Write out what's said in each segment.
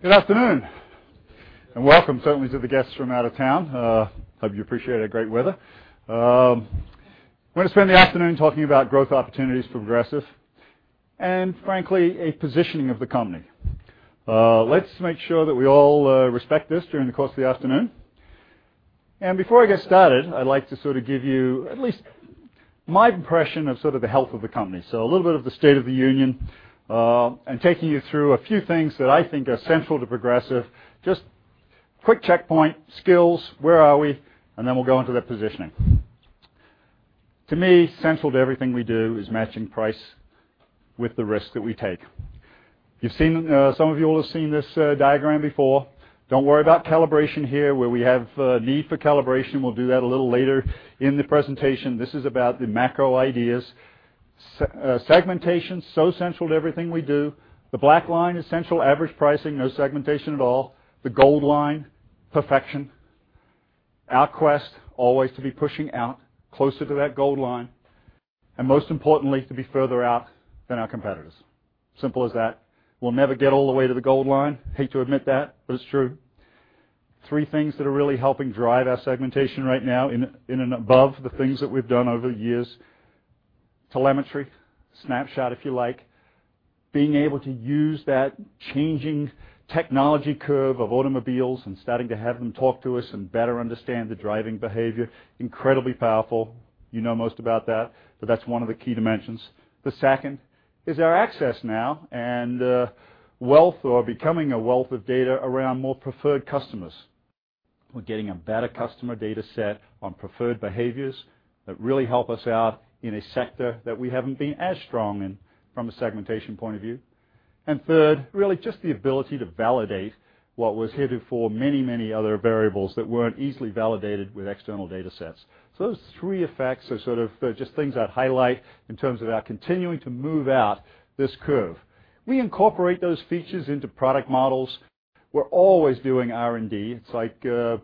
Good afternoon, welcome certainly to the guests from out of town. Hope you appreciate our great weather. I'm going to spend the afternoon talking about growth opportunities for Progressive and frankly, a positioning of the company. Let's make sure that we all respect this during the course of the afternoon. Before I get started, I'd like to give you at least my impression of the health of the company. A little bit of the state of the union, taking you through a few things that I think are central to Progressive. Just quick checkpoint, skills, where are we, then we'll go into the positioning. To me, central to everything we do is matching price with the risk that we take. Some of you all have seen this diagram before. Don't worry about calibration here. Where we have need for calibration, we'll do that a little later in the presentation. This is about the macro ideas. Segmentation, so central to everything we do. The black line is central average pricing, no segmentation at all. The gold line, perfection. Our quest, always to be pushing out closer to that gold line, most importantly, to be further out than our competitors. Simple as that. We'll never get all the way to the gold line. Hate to admit that, it's true. 3 things that are really helping drive our segmentation right now in and above the things that we've done over the years. Telemetry, Snapshot if you like, being able to use that changing technology curve of automobiles and starting to have them talk to us and better understand the driving behavior, incredibly powerful. You know most about that's one of the key dimensions. The second is our access now and wealth or becoming a wealth of data around more preferred customers. We're getting a better customer data set on preferred behaviors that really help us out in a sector that we haven't been as strong in from a segmentation point of view. Third, really just the ability to validate what was heretofore many other variables that weren't easily validated with external data sets. Those 3 effects are just things I'd highlight in terms of our continuing to move out this curve. We incorporate those features into product models. We're always doing R&D. It's like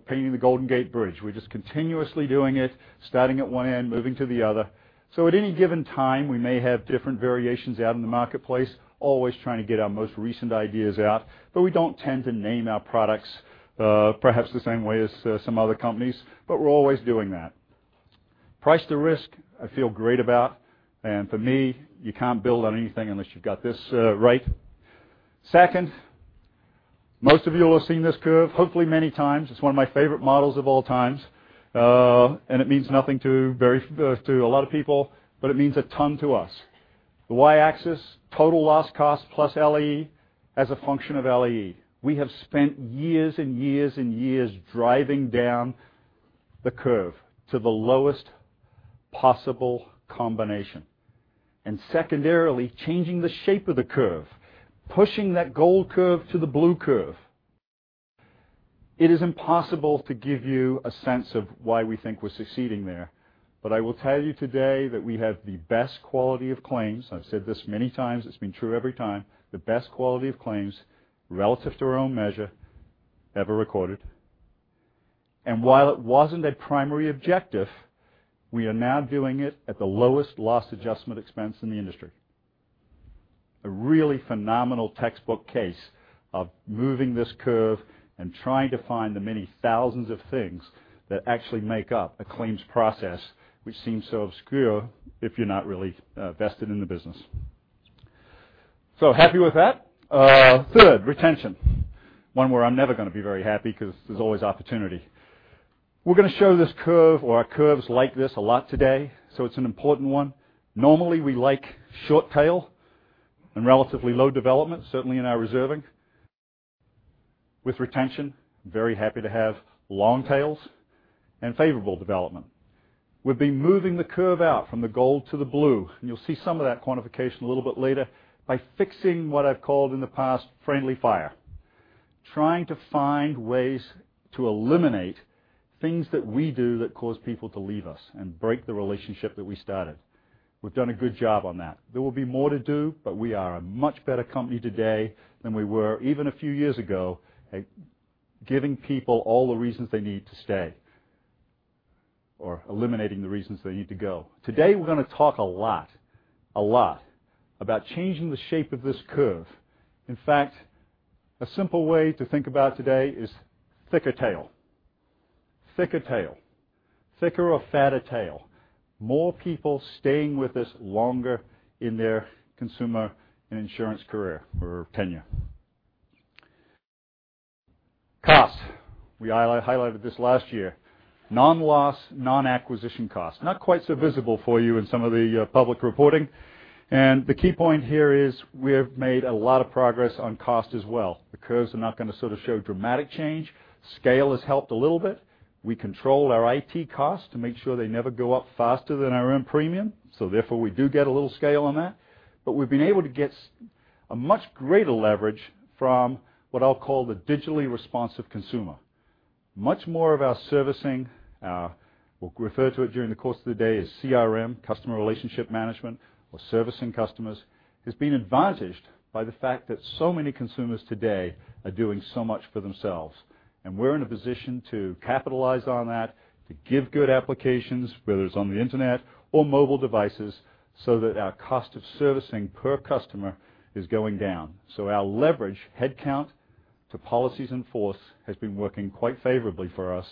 painting the Golden Gate Bridge. We're just continuously doing it, starting at one end, moving to the other. At any given time, we may have different variations out in the marketplace, always trying to get our most recent ideas out. We don't tend to name our products perhaps the same way as some other companies, we're always doing that. Price to risk, I feel great about. For me, you can't build on anything unless you've got this right. 2nd, most of you will have seen this curve, hopefully many times. It's one of my favorite models of all times. It means nothing to a lot of people, it means a ton to us. The Y-axis, total loss cost plus LAE as a function of LAE. We have spent years and years driving down the curve to the lowest possible combination. Secondarily, changing the shape of the curve, pushing that gold curve to the blue curve. It is impossible to give you a sense of why we think we're succeeding there. I will tell you today that we have the best quality of claims. I've said this many times, it's been true every time, the best quality of claims relative to our own measure ever recorded. While it wasn't a primary objective, we are now doing it at the lowest loss adjustment expense in the industry. A really phenomenal textbook case of moving this curve and trying to find the many thousands of things that actually make up a claims process which seems so obscure if you're not really vested in the business. Happy with that. Third, retention. One where I'm never going to be very happy because there's always opportunity. We're going to show this curve or curves like this a lot today, it's an important one. Normally, we like short tail and relatively low development, certainly in our reserving. With retention, very happy to have long tails and favorable development. We've been moving the curve out from the gold to the blue, you'll see some of that quantification a little bit later, by fixing what I've called in the past friendly fire. Trying to find ways to eliminate things that we do that cause people to leave us and break the relationship that we started. We've done a good job on that. There will be more to do, we are a much better company today than we were even a few years ago at giving people all the reasons they need to stay, or eliminating the reasons they need to go. Today, we're going to talk a lot about changing the shape of this curve. In fact, a simple way to think about today is thicker tail. Thicker or fatter tail. More people staying with us longer in their consumer and insurance career or tenure. Costs. We highlighted this last year. Non-loss, non-acquisition cost. Not quite so visible for you in some of the public reporting. The key point here is we have made a lot of progress on cost as well. The curves are not going to show dramatic change. Scale has helped a little bit. We control our IT cost to make sure they never go up faster than our own premium, therefore, we do get a little scale on that. We've been able to get a much greater leverage from what I'll call the digitally responsive consumer. Much more of our servicing, we'll refer to it during the course of the day as CRM, customer relationship management, or servicing customers, has been advantaged by the fact that so many consumers today are doing so much for themselves. We're in a position to capitalize on that, to give good applications, whether it's on the internet or mobile devices, that our cost of servicing per customer is going down. Our leverage headcount to policies in force has been working quite favorably for us.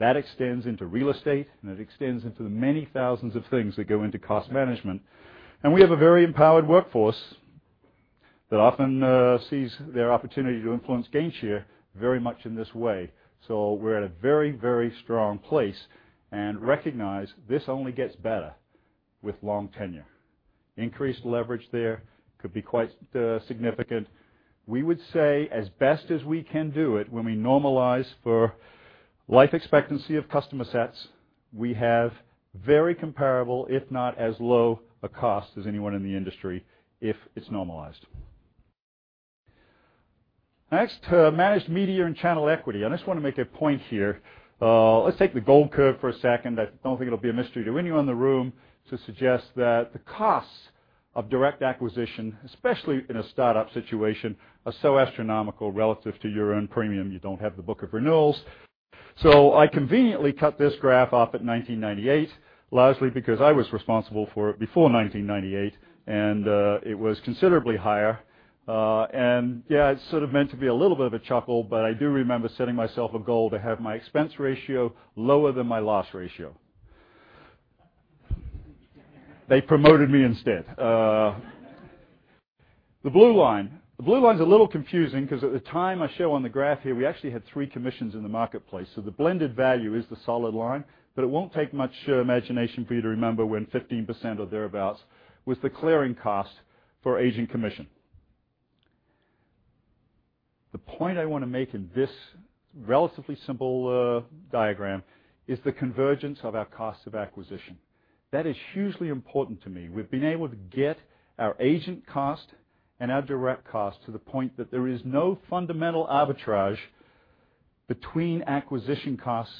That extends into real estate, it extends into the many thousands of things that go into cost management. We have a very empowered workforce that often sees their opportunity to influence gain share very much in this way. We're at a very very strong place, recognize this only gets better with long tenure. Increased leverage there could be quite significant. We would say, as best as we can do it, when we normalize for life expectancy of customer sets, we have very comparable, if not as low a cost as anyone in the industry if it's normalized. Managed media and channel equity. I just want to make a point here. Let's take the gold curve for a second. I don't think it'll be a mystery to anyone in the room to suggest that the costs of direct acquisition, especially in a startup situation, are so astronomical relative to your own premium. You don't have the book of renewals. I conveniently cut this graph off at 1998, largely because I was responsible for it before 1998, and it was considerably higher. Yeah, it's sort of meant to be a little bit of a chuckle, but I do remember setting myself a goal to have my expense ratio lower than my loss ratio. They promoted me instead. The blue line. The blue line's a little confusing because at the time I show on the graph here, we actually had three commissions in the marketplace, the blended value is the solid line, it won't take much imagination for you to remember when 15% or thereabouts was the clearing cost for agent commission. The point I want to make in this relatively simple diagram is the convergence of our cost of acquisition. That is hugely important to me. We've been able to get our agent cost and our direct cost to the point that there is no fundamental arbitrage between acquisition costs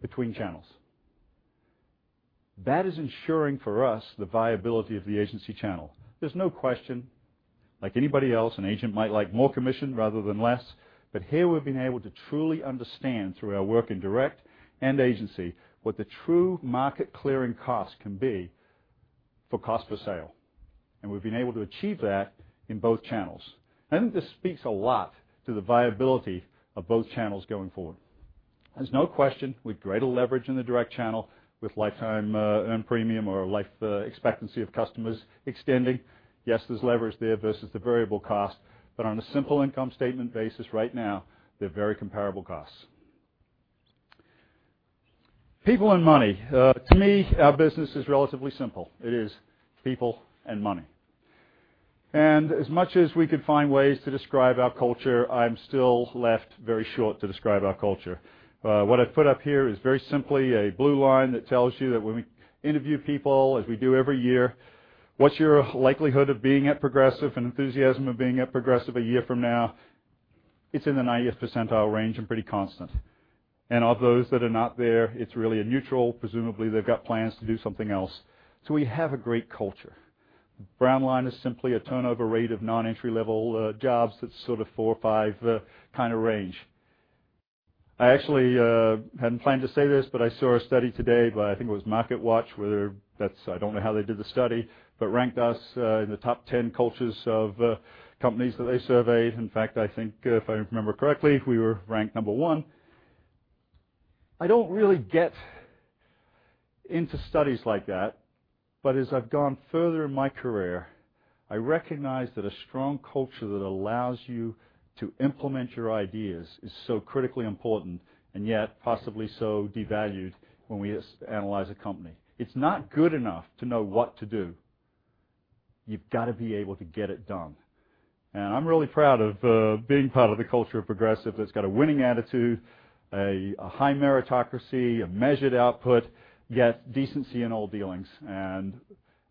between channels. That is ensuring, for us, the viability of the agency channel. There's no question, like anybody else, an agent might like more commission rather than less, here we've been able to truly understand, through our work in direct and agency, what the true market clearing cost can be for cost per sale. We've been able to achieve that in both channels. I think this speaks a lot to the viability of both channels going forward. There's no question, with greater leverage in the direct channel, with lifetime earned premium or life expectancy of customers extending, yes, there's leverage there versus the variable cost. On a simple income statement basis right now, they're very comparable costs. People and money. To me, our business is relatively simple. It is people and money. As much as we could find ways to describe our culture, I'm still left very short to describe our culture. What I've put up here is very simply a blue line that tells you that when we interview people as we do every year, what's your likelihood of being at Progressive and enthusiasm of being at Progressive a year from now? It's in the 90th percentile range and pretty constant. Of those that are not there, it's really a neutral. Presumably, they've got plans to do something else. We have a great culture. Brown line is simply a turnover rate of non-entry-level jobs that's sort of four or five kind of range. I actually hadn't planned to say this, but I saw a study today by, I think it was MarketWatch, where that's I don't know how they did the study. Ranked us in the top 10 cultures of companies that they surveyed. In fact, I think if I remember correctly, we were ranked number one. I don't really get into studies like that, but as I've gone further in my career, I recognize that a strong culture that allows you to implement your ideas is so critically important and yet possibly so devalued when we analyze a company. It's not good enough to know what to do. You've got to be able to get it done. I'm really proud of being part of the culture of Progressive that's got a winning attitude, a high meritocracy, a measured output, yet decency in all dealings.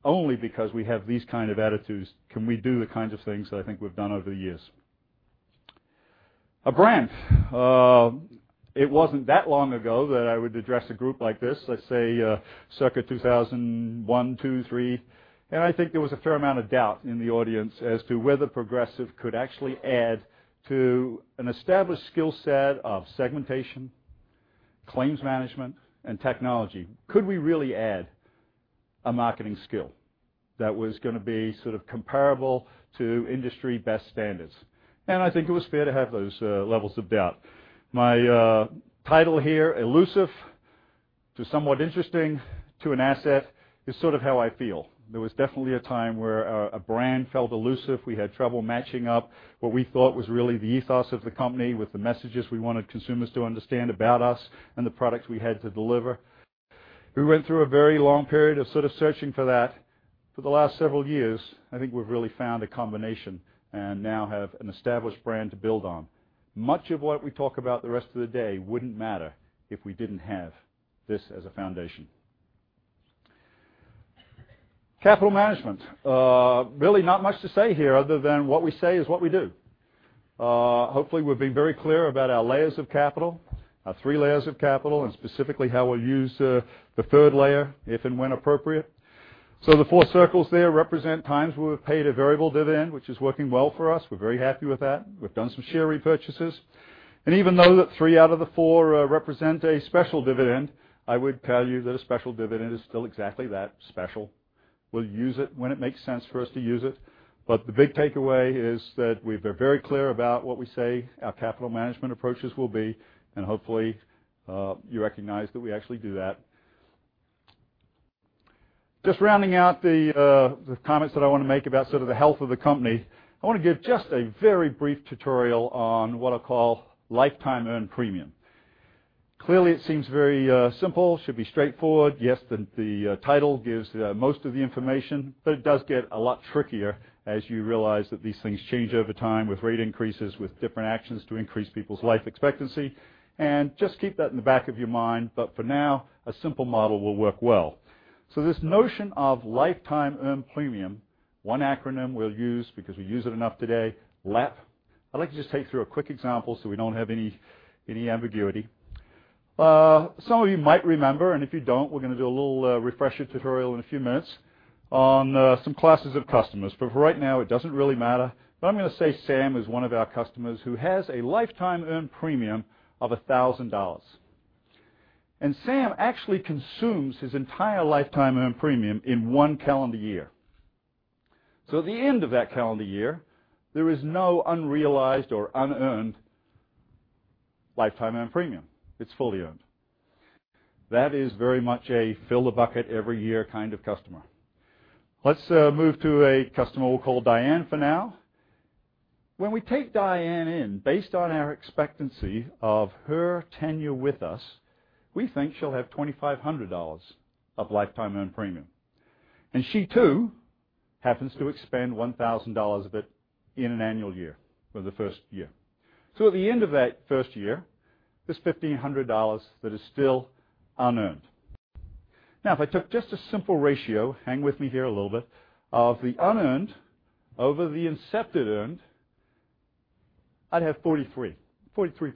Only because we have these kind of attitudes can we do the kinds of things that I think we've done over the years. Our brand. It wasn't that long ago that I would address a group like this, let's say circa 2001, 2002, 2003, I think there was a fair amount of doubt in the audience as to whether Progressive could actually add to an established skill set of segmentation, claims management, and technology. Could we really add a marketing skill that was going to be sort of comparable to industry best standards? I think it was fair to have those levels of doubt. My title here, elusive to somewhat interesting to an asset, is sort of how I feel. There was definitely a time where our brand felt elusive. We had trouble matching up what we thought was really the ethos of the company with the messages we wanted consumers to understand about us and the products we had to deliver. We went through a very long period of sort of searching for that. For the last several years, I think we've really found a combination and now have an established brand to build on. Much of what we talk about the rest of the day wouldn't matter if we didn't have this as a foundation. Capital management. Really not much to say here other than what we say is what we do. Hopefully, we've been very clear about our layers of capital. Our three layers of capital, and specifically how we'll use the third layer if and when appropriate. The four circles there represent times where we've paid a variable dividend, which is working well for us. We're very happy with that. We've done some share repurchases, even though that three out of the four represent a special dividend, I would tell you that a special dividend is still exactly that, special. We'll use it when it makes sense for us to use it. The big takeaway is that we've been very clear about what we say our capital management approaches will be, and hopefully you recognize that we actually do that. Just rounding out the comments that I want to make about sort of the health of the company. I want to give just a very brief tutorial on what I call lifetime earned premium. Clearly, it seems very simple, should be straightforward. Yes, the title gives most of the information, but it does get a lot trickier as you realize that these things change over time with rate increases, with different actions to increase people's life expectancy, and just keep that in the back of your mind. For now, a simple model will work well. This notion of lifetime earned premium, one acronym we'll use because we use it enough today, LEP. I'd like to just take you through a quick example so we don't have any ambiguity. Some of you might remember, and if you don't, we're going to do a little refresher tutorial in a few minutes on some classes of customers. For right now, it doesn't really matter, but I'm going to say Sam is one of our customers who has a lifetime earned premium of $1,000. Sam actually consumes his entire lifetime earned premium in one calendar year. At the end of that calendar year, there is no unrealized or unearned lifetime earned premium. It's fully earned. That is very much a fill the bucket every year kind of customer. Let's move to a customer we'll call Diane for now. When we take Diane in, based on our expectancy of her tenure with us, we think she'll have $2,500 of lifetime earned premium. She too happens to expend $1,000 of it in an annual year, or the first year. At the end of that first year, there's $1,500 that is still unearned. Now, if I took just a simple ratio, hang with me here a little bit, of the unearned over the incepted earned, I'd have 43. 43%.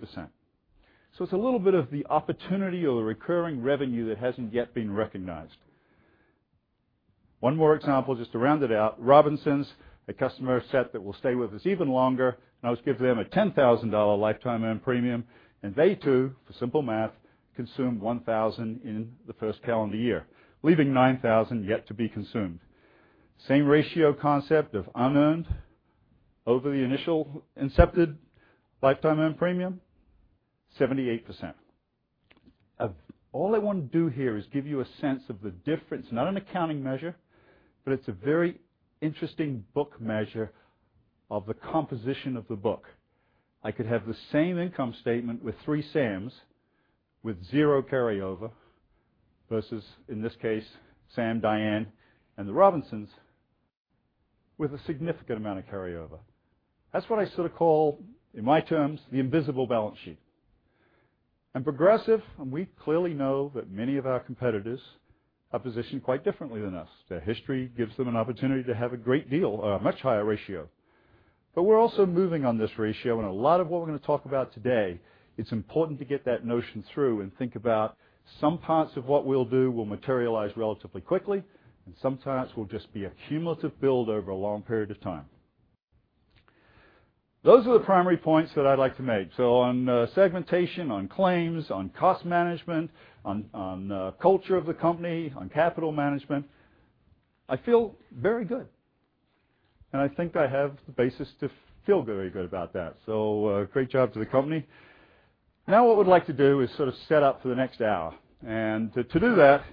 It's a little bit of the opportunity or the recurring revenue that hasn't yet been recognized. One more example, just to round it out. Robinsons, a customer set that will stay with us even longer, and I'll give them a $10,000 lifetime earned premium. They too, for simple math, consumed $1,000 in the first calendar year, leaving $9,000 yet to be consumed. Same ratio concept of unearned over the initial incepted lifetime earned premium, 78%. All I want to do here is give you a sense of the difference, not an accounting measure, but it's a very interesting book measure of the composition of the book. I could have the same income statement with three Sams with zero carryover versus, in this case, Sam, Diane, and the Robinsons with a significant amount of carryover. That's what I sort of call, in my terms, the invisible balance sheet. At Progressive, we clearly know that many of our competitors are positioned quite differently than us. Their history gives them an opportunity to have a great deal, a much higher ratio. We're also moving on this ratio, and a lot of what we're going to talk about today, it's important to get that notion through and think about some parts of what we'll do will materialize relatively quickly, and some parts will just be a cumulative build over a long period of time. Those are the primary points that I'd like to make. On segmentation, on claims, on cost management, on culture of the company, on capital management, I feel very good. I think I have the basis to feel very good about that. Great job to the company. Now what we'd like to do is sort of set up for the next hour. To do that,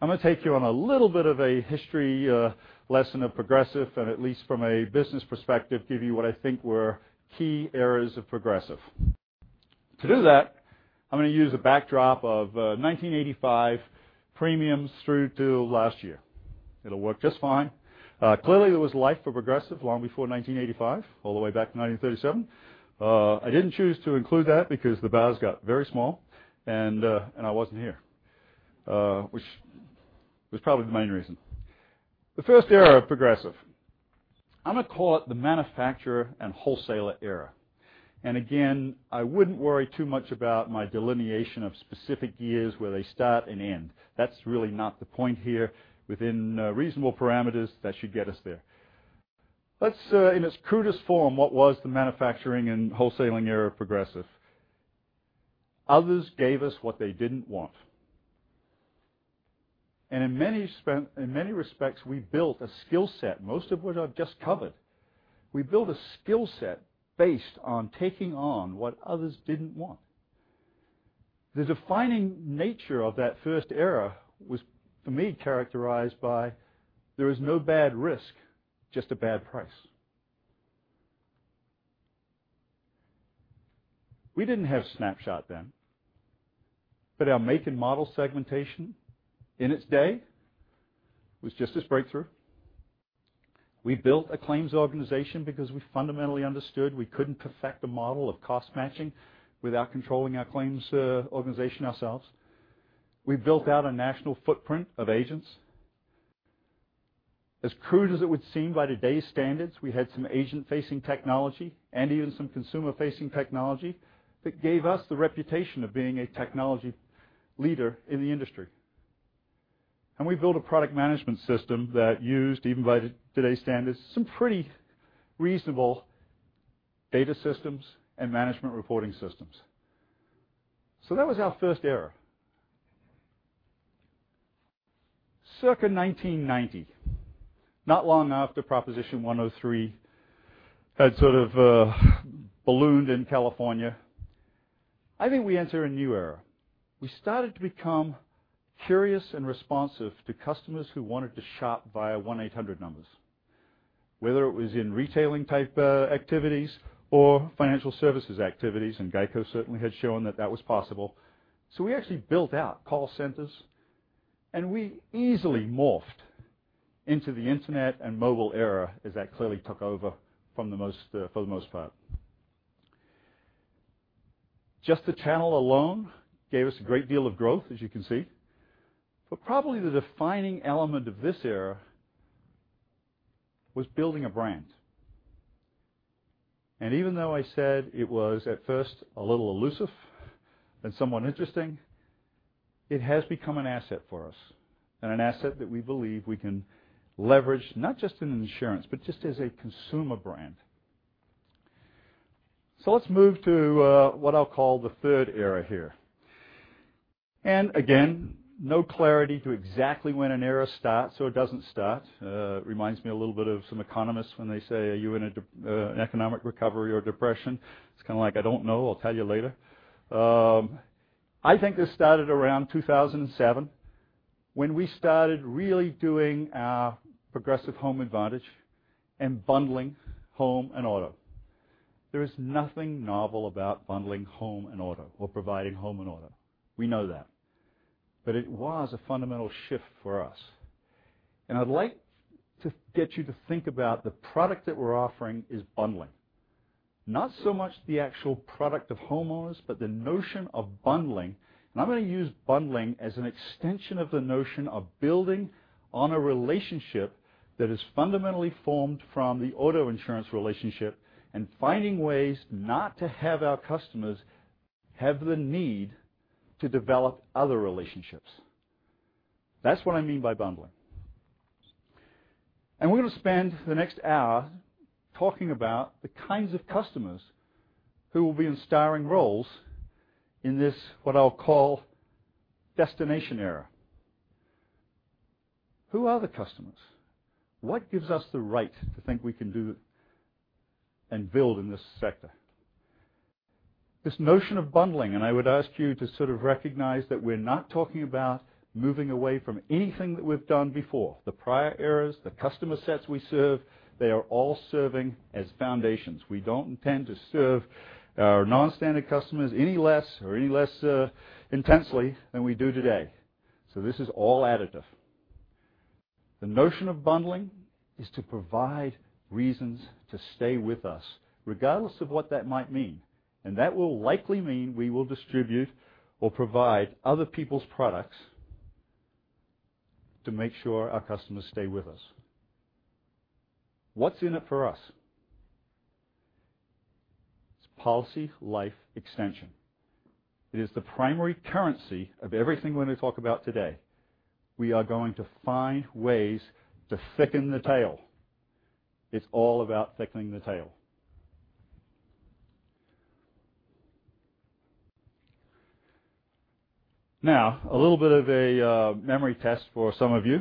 I'm going to take you on a little bit of a history lesson of Progressive, and at least from a business perspective, give you what I think were key eras of Progressive. To do that, I'm going to use a backdrop of 1985 premiums through to last year. It'll work just fine. Clearly, there was life of Progressive long before 1985, all the way back to 1937. I didn't choose to include that because the bows got very small, and I wasn't here, which was probably the main reason. The first era of Progressive, I'm going to call it the manufacturer and wholesaler era. Again, I wouldn't worry too much about my delineation of specific years where they start and end. That's really not the point here. Within reasonable parameters, that should get us there. Let's, in its crudest form, what was the manufacturing and wholesaling era of Progressive? Others gave us what they didn't want. In many respects, we built a skill set, most of what I've just covered. We built a skill set based on taking on what others didn't want. The defining nature of that first era was, for me, characterized by there is no bad risk, just a bad price. We didn't have Snapshot then. Our make and model segmentation in its day was just as breakthrough. We built a claims organization because we fundamentally understood we couldn't perfect a model of cost matching without controlling our claims organization ourselves. We built out a national footprint of agents. As crude as it would seem by today's standards, we had some agent-facing technology and even some consumer-facing technology that gave us the reputation of being a technology leader in the industry. We built a product management system that used, even by today's standards, some pretty reasonable data systems and management reporting systems. That was our first era. Circa 1990, not long after Proposition 103 had sort of ballooned in California. I think we enter a new era. We started to become curious and responsive to customers who wanted to shop via 1-800 numbers, whether it was in retailing type activities or financial services activities, and GEICO certainly had shown that that was possible. We actually built out call centers, and we easily morphed into the internet and mobile era as that clearly took over for the most part. Just the channel alone gave us a great deal of growth, as you can see. Probably the defining element of this era was building a brand. Even though I said it was at first a little elusive and somewhat interesting, it has become an asset for us and an asset that we believe we can leverage, not just in insurance, but just as a consumer brand. Let's move to what I'll call the third era here. Again, no clarity to exactly when an era starts or doesn't start. Reminds me a little bit of some economists when they say, "Are you in an economic recovery or depression?" It's kind of like, I don't know. I'll tell you later. I think this started around 2007 when we started really doing our Progressive Home Advantage and bundling home and auto. There is nothing novel about bundling home and auto or providing home and auto. We know that. It was a fundamental shift for us. I'd like to get you to think about the product that we're offering is bundling. Not so much the actual product of homeowners, but the notion of bundling. I'm going to use bundling as an extension of the notion of building on a relationship that is fundamentally formed from the auto insurance relationship and finding ways not to have our customers have the need to develop other relationships. That's what I mean by bundling. We're going to spend the next hour talking about the kinds of customers who will be in starring roles in this, what I'll call destination era. Who are the customers? What gives us the right to think we can do and build in this sector? This notion of bundling, I would ask you to sort of recognize that we're not talking about moving away from anything that we've done before. The prior eras, the customer sets we serve, they are all serving as foundations. We don't intend to serve our non-standard customers any less or any less intensely than we do today. This is all additive. The notion of bundling is to provide reasons to stay with us, regardless of what that might mean, and that will likely mean we will distribute or provide other people's products to make sure our customers stay with us. What's in it for us? It's policy life extension. It is the primary currency of everything we're going to talk about today. We are going to find ways to thicken the tail. It's all about thickening the tail. Now, a little bit of a memory test for some of you,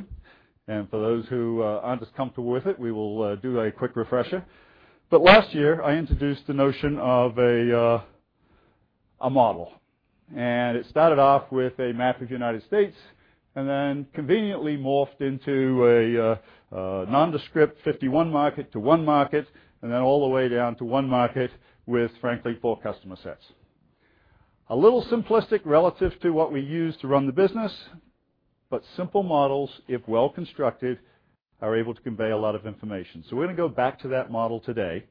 and for those who aren't as comfortable with it, we will do a quick refresher. Last year, I introduced the notion of a model, and it started off with a map of the U.S. and then conveniently morphed into a nondescript 51-market to 1 market, and then all the way down to 1 market with, frankly, 4 customer sets. A little simplistic relative to what we use to run the business, but simple models, if well-constructed, are able to convey a lot of information. We're going to go back to that model today,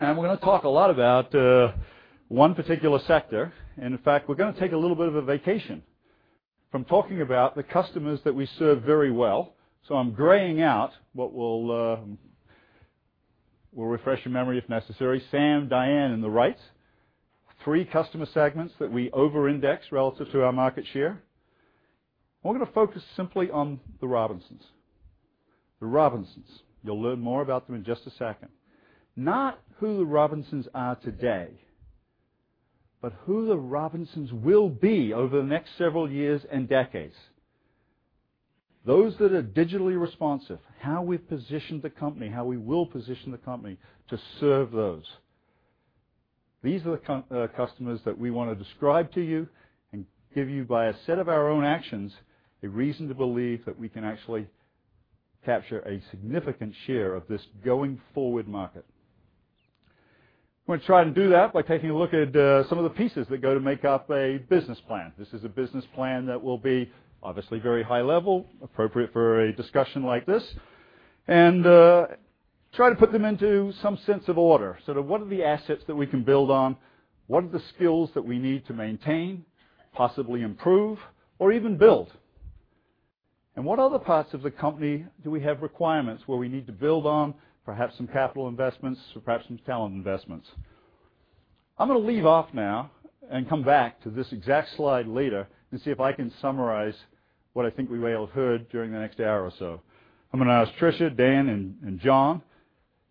and we're going to talk a lot about 1 particular sector. In fact, we're going to take a little bit of a vacation from talking about the customers that we serve very well. I'm graying out what. We'll refresh your memory if necessary. Sam, Diane, and the Wrights, three customer segments that we over-index relative to our market share. We're going to focus simply on the Robinsons. The Robinsons. You'll learn more about them in just a second. Not who the Robinsons are today, but who the Robinsons will be over the next several years and decades. Those that are digitally responsive, how we've positioned the company, how we will position the company to serve those. These are the customers that we want to describe to you and give you by a set of our own actions, a reason to believe that we can actually capture a significant share of this going forward market. I'm going to try to do that by taking a look at some of the pieces that go to make up a business plan. This is a business plan that will be obviously very high level, appropriate for a discussion like this. Try to put them into some sense of order. Sort of what are the assets that we can build on? What are the skills that we need to maintain, possibly improve, or even build? What other parts of the company do we have requirements where we need to build on, perhaps some capital investments or perhaps some talent investments? I'm going to leave off now and come back to this exact slide later and see if I can summarize what I think we may have heard during the next hour or so. I'm going to ask Tricia, Dan, and John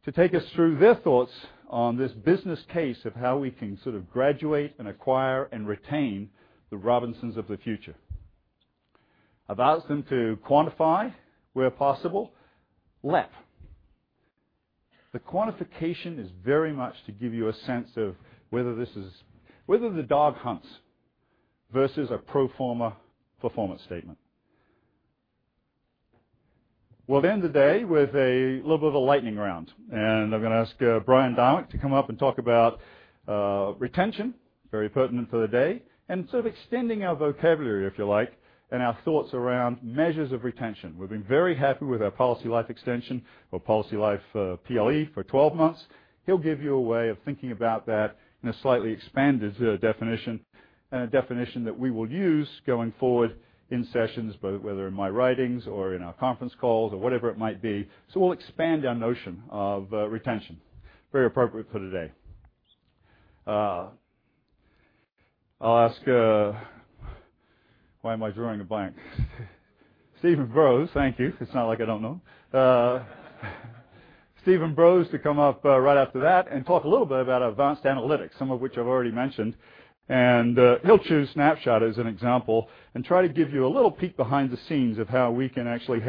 to take us through their thoughts on this business case of how we can sort of graduate and acquire and retain the Robinsons of the future. I've asked them to quantify where possible LEP. The quantification is very much to give you a sense of whether the dog hunts versus a pro forma performance statement. We'll end the day with a little bit of a lightning round. I'm going to ask Brian Domeck to come up and talk about retention, very pertinent for the day, and sort of extending our vocabulary, if you like, and our thoughts around measures of retention. We've been very happy with our policy life extension or policy life, PLE, for 12 months. He'll give you a way of thinking about that in a slightly expanded definition, and a definition that we will use going forward in sessions, whether in my writings or in our conference calls or whatever it might be. We'll expand our notion of retention. Very appropriate for today. I'll ask Why am I drawing a blank? Steve Broz, thank you. It's not like I don't know. Steve Broz to come up right after that and talk a little bit about advanced analytics, some of which I've already mentioned. He'll choose Snapshot as an example and try to give you a little peek behind the scenes of how we can actually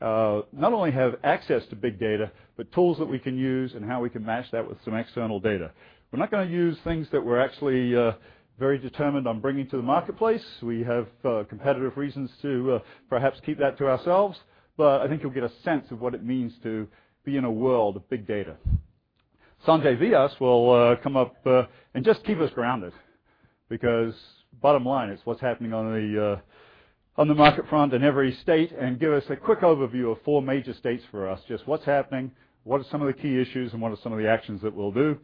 not only have access to big data, but tools that we can use and how we can match that with some external data. We're not going to use things that we're actually very determined on bringing to the marketplace. We have competitive reasons to perhaps keep that to ourselves, but I think you'll get a sense of what it means to be in a world of big data. Sanjay Vyas will come up and just keep us grounded, because bottom line, it's what's happening on the market front in every state and give us a quick overview of four major states for us. Just what's happening, what are some of the key issues, and what are some of the actions that we'll do.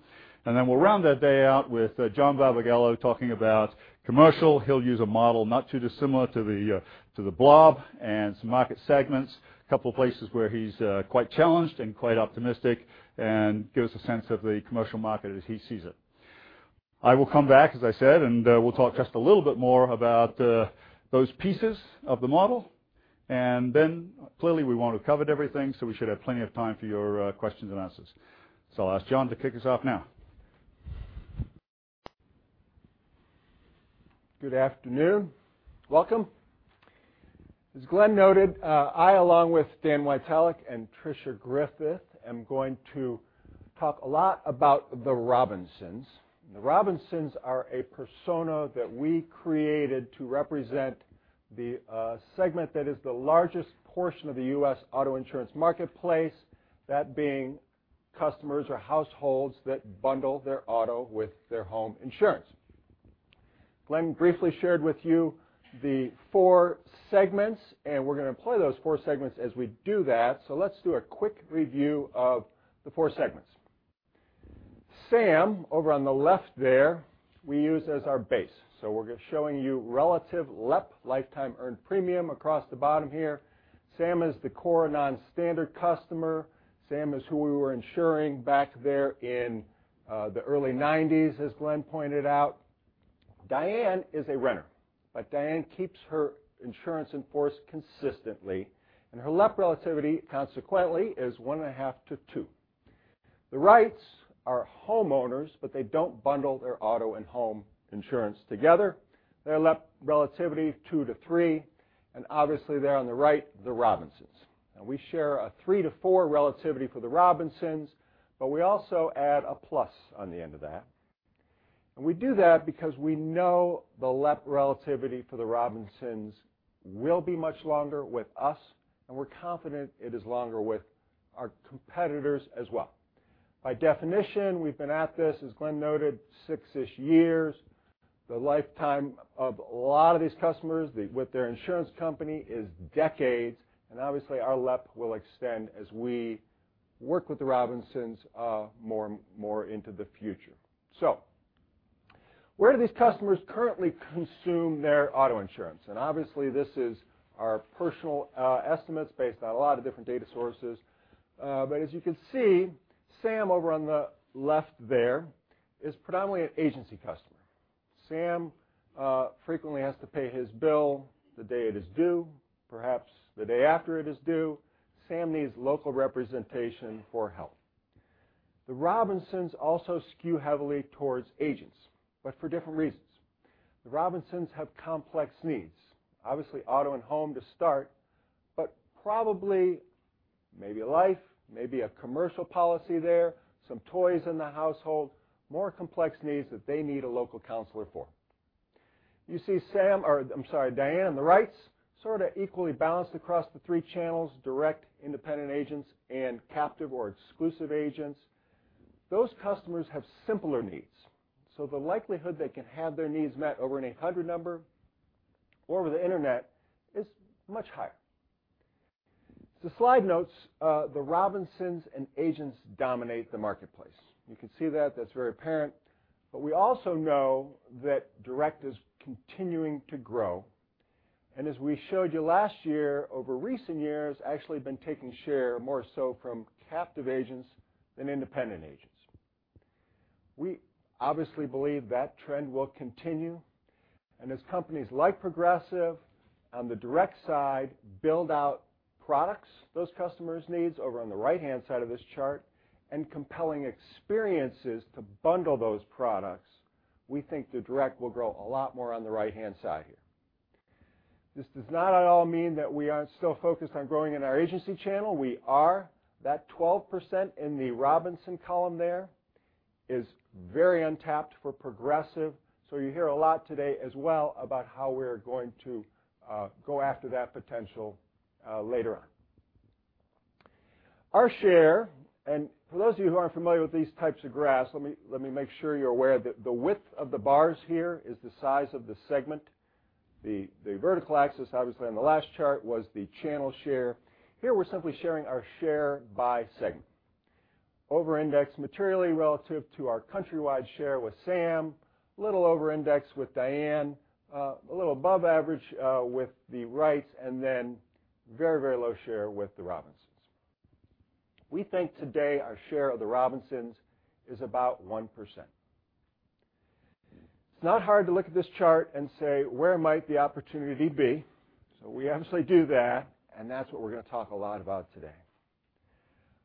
Then we'll round that day out with John Barbagallo talking about commercial. He'll use a model not too dissimilar to the blob and some market segments, a couple of places where he's quite challenged and quite optimistic, and give us a sense of the commercial market as he sees it. I will come back, as I said, and we'll talk just a little bit more about those pieces of the model. Clearly we won't have covered everything, so we should have plenty of time for your questions and answers. I'll ask John to kick us off now. Good afternoon. Welcome. As Glenn noted, I along with Dan Witalec and Tricia Griffith, am going to talk a lot about the Robinsons. The Robinsons are a persona that we created to represent the segment that is the largest portion of the U.S. auto insurance marketplace, that being customers or households that bundle their auto with their home insurance. Glenn briefly shared with you the four segments, we're going to employ those four segments as we do that. Let's do a quick review of the four segments. Sam, over on the left there, we use as our base. We're showing you relative LEP, lifetime earned premium, across the bottom here. Sam is the core non-standard customer. Sam is who we were insuring back there in the early 90s, as Glenn pointed out. Diane is a renter, Diane keeps her insurance in force consistently, her LEP relativity consequently is one and a half to two. The Wrights are homeowners, they don't bundle their auto and home insurance together. Their LEP relativity, two to three, obviously there on the right, the Robinsons. We share a three to four relativity for the Robinsons, we also add a plus on the end of that. We do that because we know the LEP relativity for the Robinsons will be much longer with us, we're confident it is longer with our competitors as well. By definition, we've been at this, as Glenn noted, six-ish years. The lifetime of a lot of these customers with their insurance company is decades, obviously our LEP will extend as we work with the Robinsons more into the future. Where do these customers currently consume their auto insurance? Obviously, this is our personal estimates based on a lot of different data sources. As you can see, Sam over on the left there is predominantly an agency customer. Sam frequently has to pay his bill the day it is due, perhaps the day after it is due. Sam needs local representation for help. The Robinsons also skew heavily towards agents, for different reasons. The Robinsons have complex needs. Obviously, auto and home to start, probably maybe life, maybe a commercial policy there, some toys in the household, more complex needs that they need a local counselor for. You see Diane and the Wrights sort of equally balanced across the three channels, direct independent agents and captive or exclusive agents. Those customers have simpler needs. The likelihood they can have their needs met over an 800 number. Over the internet is much higher. Slide notes, the Robinsons and agents dominate the marketplace. You can see that's very apparent. We also know that direct is continuing to grow. As we showed you last year, over recent years, actually been taking share more so from captive agents than independent agents. We obviously believe that trend will continue. As companies like Progressive on the direct side build out products those customers needs over on the right-hand side of this chart, and compelling experiences to bundle those products, we think the direct will grow a lot more on the right-hand side here. This does not at all mean that we aren't still focused on growing in our agency channel. We are. That 12% in the Robinson column there is very untapped for Progressive. You'll hear a lot today as well about how we're going to go after that potential later on. Our share, and for those of you who aren't familiar with these types of graphs, let me make sure you're aware, the width of the bars here is the size of the segment. The vertical axis, obviously, on the last chart was the channel share. Here we're simply sharing our share by segment. Over indexed materially relative to our countrywide share with Sam, little over indexed with Diane, a little above average, with the Wrights, and then very low share with the Robinsons. We think today our share of the Robinsons is about 1%. It's not hard to look at this chart and say, "Where might the opportunity be?" We obviously do that, and that's what we're going to talk a lot about today.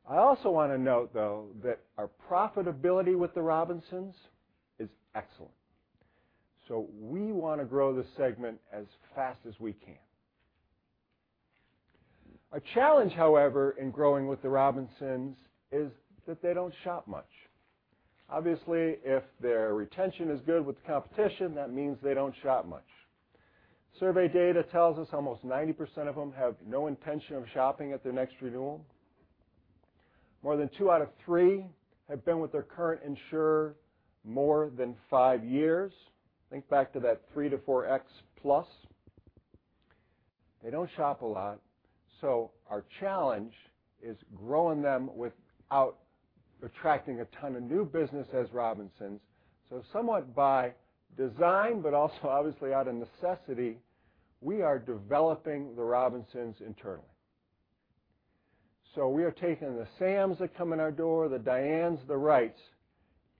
I also want to note, though, that our profitability with the Robinsons is excellent. We want to grow this segment as fast as we can. A challenge, however, in growing with the Robinsons is that they don't shop much. Obviously, if their retention is good with the competition, that means they don't shop much. Survey data tells us almost 90% of them have no intention of shopping at their next renewal. More than two out of three have been with their current insurer more than five years. Think back to that 3 to 4x plus. They don't shop a lot, our challenge is growing them without attracting a ton of new business as Robinsons. Somewhat by design, but also obviously out of necessity, we are developing the Robinsons internally. We are taking the Sams that come in our door, the Dianes, the Wrights,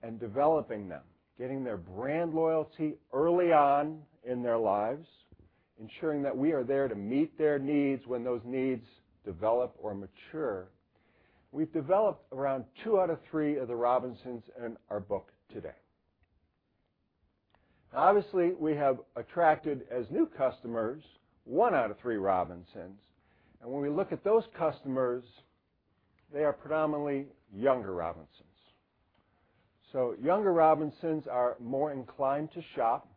and developing them. Getting their brand loyalty early on in their lives, ensuring that we are there to meet their needs when those needs develop or mature. We've developed around two out of three of the Robinsons in our book today. Obviously, we have attracted as new customers, one out of three Robinsons, and when we look at those customers, they are predominantly younger Robinsons. Younger Robinsons are more inclined to shop.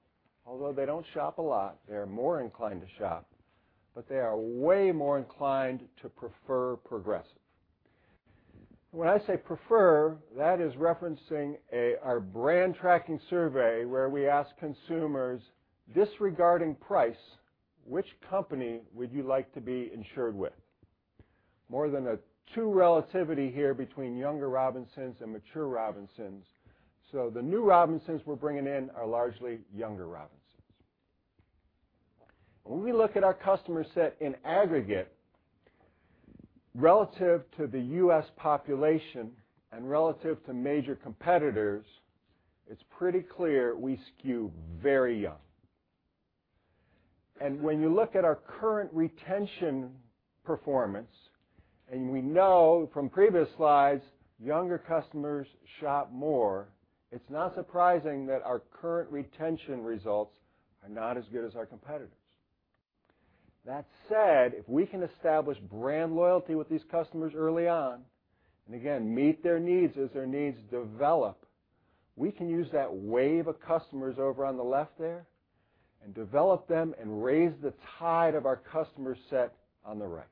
Although they don't shop a lot, they are more inclined to shop, but they are way more inclined to prefer Progressive. When I say prefer, that is referencing our brand tracking survey where we ask consumers, "Disregarding price, which company would you like to be insured with?" More than a two relativity here between younger Robinsons and mature Robinsons. The new Robinsons we're bringing in are largely younger Robinsons. When we look at our customer set in aggregate relative to the U.S. population and relative to major competitors, it's pretty clear we skew very young. When you look at our current retention performance, and we know from previous slides, younger customers shop more, it's not surprising that our current retention results are not as good as our competitors. That said, if we can establish brand loyalty with these customers early on, and again, meet their needs as their needs develop, we can use that wave of customers over on the left there and develop them and raise the tide of our customer set on the right.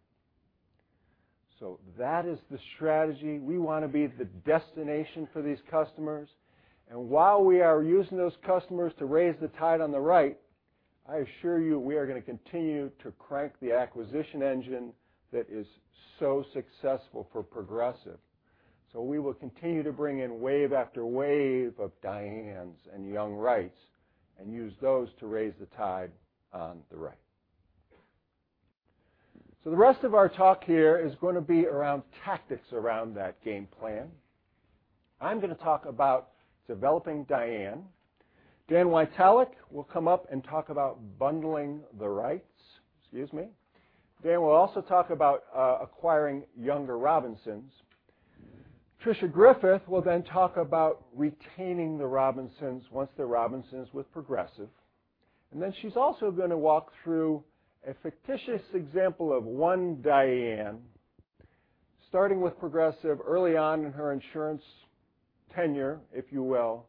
That is the strategy. We want to be the destination for these customers. While we are using those customers to raise the tide on the right, I assure you we are going to continue to crank the acquisition engine that is so successful for Progressive. We will continue to bring in wave after wave of Dianes and young Wrights, and use those to raise the tide on the right. The rest of our talk here is going to be around tactics around that game plan. I'm going to talk about developing Diane. Dan Witalec will come up and talk about bundling the Wrights. Excuse me. Dan will also talk about acquiring younger Robinsons. Tricia Griffith will then talk about retaining the Robinsons once they're Robinsons with Progressive. She's also going to walk through a fictitious example of one Diane starting with Progressive early on in her insurance tenure, if you will.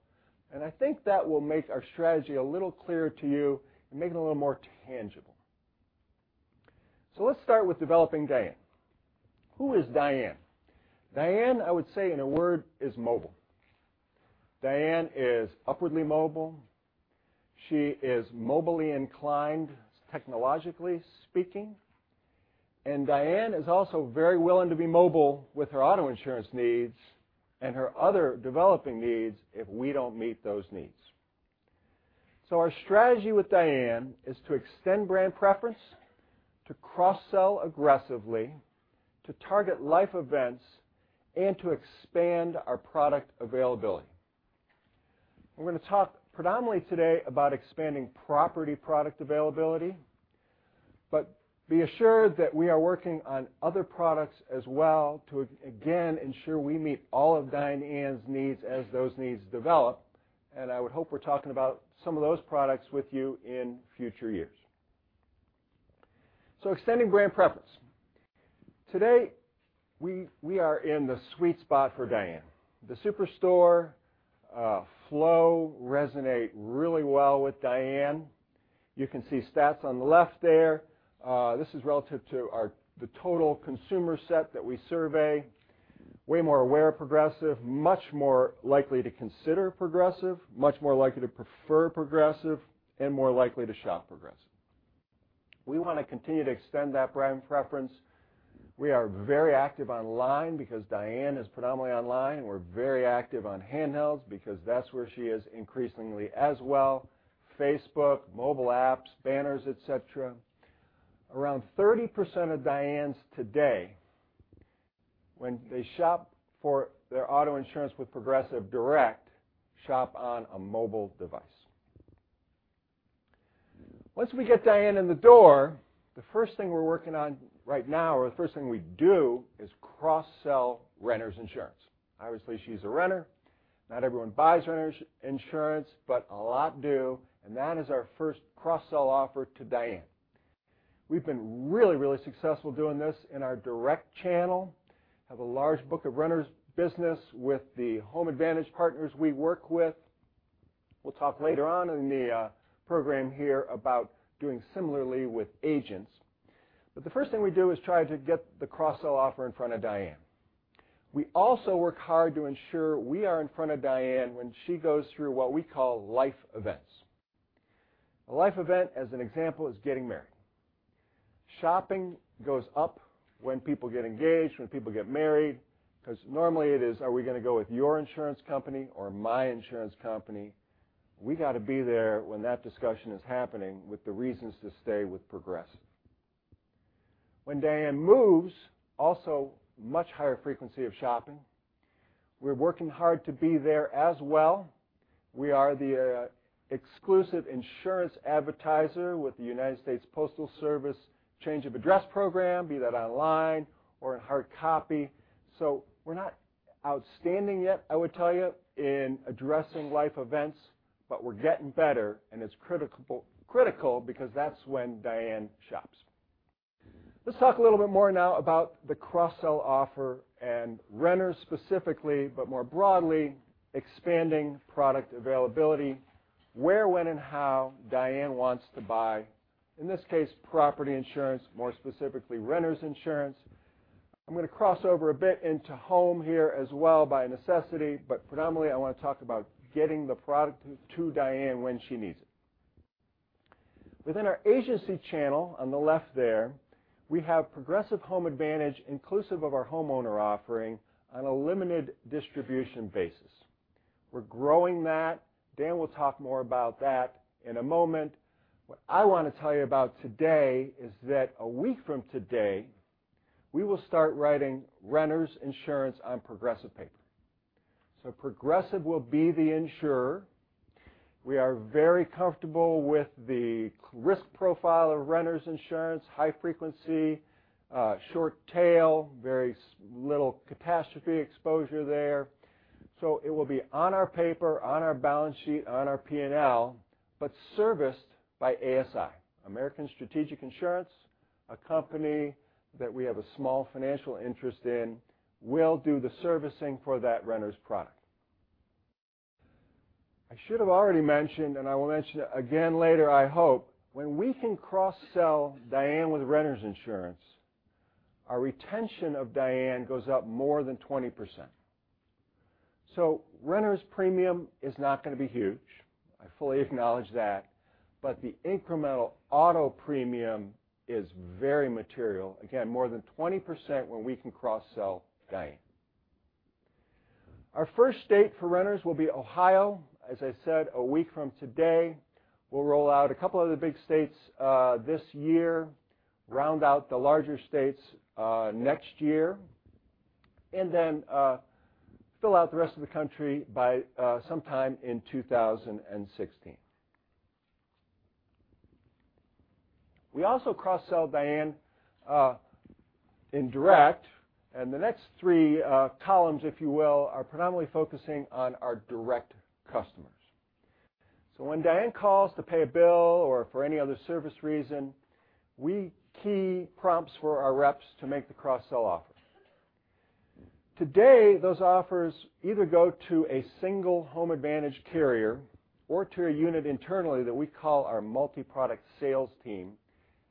I think that will make our strategy a little clearer to you and make it a little more tangible. Let's start with developing Diane. Who is Diane? Diane, I would say in a word, is mobile. Diane is upwardly mobile. She is mobily inclined, technologically speaking. Diane is also very willing to be mobile with her auto insurance needs and her other developing needs if we don't meet those needs. Our strategy with Diane is to extend brand preference, to cross-sell aggressively, to target life events, and to expand our product availability. We're going to talk predominantly today about expanding property product availability, but be assured that we are working on other products as well to, again, ensure we meet all of Diane's needs as those needs develop. I would hope we're talking about some of those products with you in future years. Extending brand preference. Today, we are in the sweet spot for Diane. The Superstore flow resonate really well with Diane. You can see stats on the left there. This is relative to the total consumer set that we survey. Way more aware of Progressive, much more likely to consider Progressive, much more likely to prefer Progressive, and more likely to shop Progressive. We want to continue to extend that brand preference. We are very active online because Diane is predominantly online. We're very active on handhelds because that's where she is increasingly as well, Facebook, mobile apps, banners, et cetera. Around 30% of Dianes today, when they shop for their auto insurance with Progressive Direct, shop on a mobile device. Once we get Diane in the door, the first thing we're working on right now, or the first thing we do is cross-sell renters insurance. Obviously, she's a renter. Not everyone buys renters insurance. A lot do, and that is our first cross-sell offer to Diane. We've been really, really successful doing this in our direct channel, have a large book of renters business with the Home Advantage partners we work with. We'll talk later on in the program here about doing similarly with agents. The first thing we do is try to get the cross-sell offer in front of Diane. We also work hard to ensure we are in front of Diane when she goes through what we call life events. A life event, as an example, is getting married. Shopping goes up when people get engaged, when people get married, because normally it is, "Are we going to go with your insurance company or my insurance company?" We got to be there when that discussion is happening with the reasons to stay with Progressive. When Diane moves, also much higher frequency of shopping. We're working hard to be there as well. We are the exclusive insurance advertiser with the United States Postal Service Change of Address program, be that online or in hard copy. We're not outstanding yet, I would tell you, in addressing life events, but we're getting better, and it's critical because that's when Diane shops. Let's talk a little bit more now about the cross-sell offer and renters specifically, but more broadly, expanding product availability, where, when, and how Diane wants to buy, in this case, property insurance, more specifically, renters insurance. I'm going to cross over a bit into home here as well by necessity, but predominantly, I want to talk about getting the product to Diane when she needs it. Within our agency channel on the left there, we have Progressive Home Advantage inclusive of our homeowner offering on a limited distribution basis. We're growing that. Dan will talk more about that in a moment. What I want to tell you about today is that a week from today, we will start writing renters insurance on Progressive paper. Progressive will be the insurer. We are very comfortable with the risk profile of renters insurance, high frequency, short tail, very little catastrophe exposure there. It will be on our paper, on our balance sheet, on our P&L, but serviced by ASI. American Strategic Insurance, a company that we have a small financial interest in, will do the servicing for that renters product. I should have already mentioned, and I will mention it again later, I hope, when we can cross-sell Diane with renters insurance, our retention of Diane goes up more than 20%. Renters premium is not going to be huge. I fully acknowledge that. The incremental auto premium is very material. Again, more than 20% when we can cross-sell Diane. Our first state for renters will be Ohio, as I said, a week from today. We'll roll out a couple of other big states this year, round out the larger states next year, and then fill out the rest of the country by sometime in 2016. We also cross-sell Diane in direct. The next three columns, if you will, are predominantly focusing on our direct customers. When Diane calls to pay a bill or for any other service reason, we key prompts for our reps to make the cross-sell offer. Today, those offers either go to a single Home Advantage carrier or to a unit internally that we call our multi-product sales team.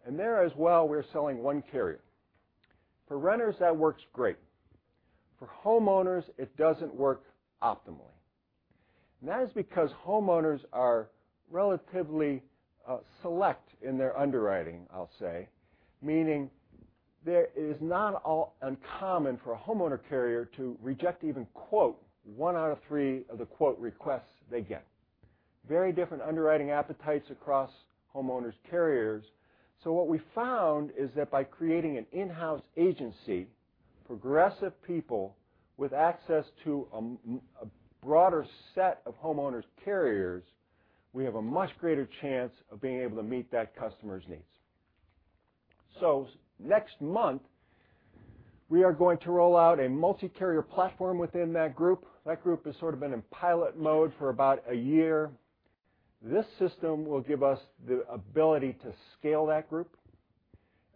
There as well, we're selling one carrier. For renters, that works great. For homeowners, it doesn't work optimally, and that is because homeowners are relatively select in their underwriting, I'll say, meaning that it is not uncommon for a homeowner carrier to reject even quote one out of three of the quote requests they get. Very different underwriting appetites across homeowners carriers. What we found is that by creating an in-house agency, Progressive people with access to a broader set of homeowners carriers, we have a much greater chance of being able to meet that customer's needs. Next month, we are going to roll out a multi-carrier platform within that group. That group has sort of been in pilot mode for about a year. This system will give us the ability to scale that group,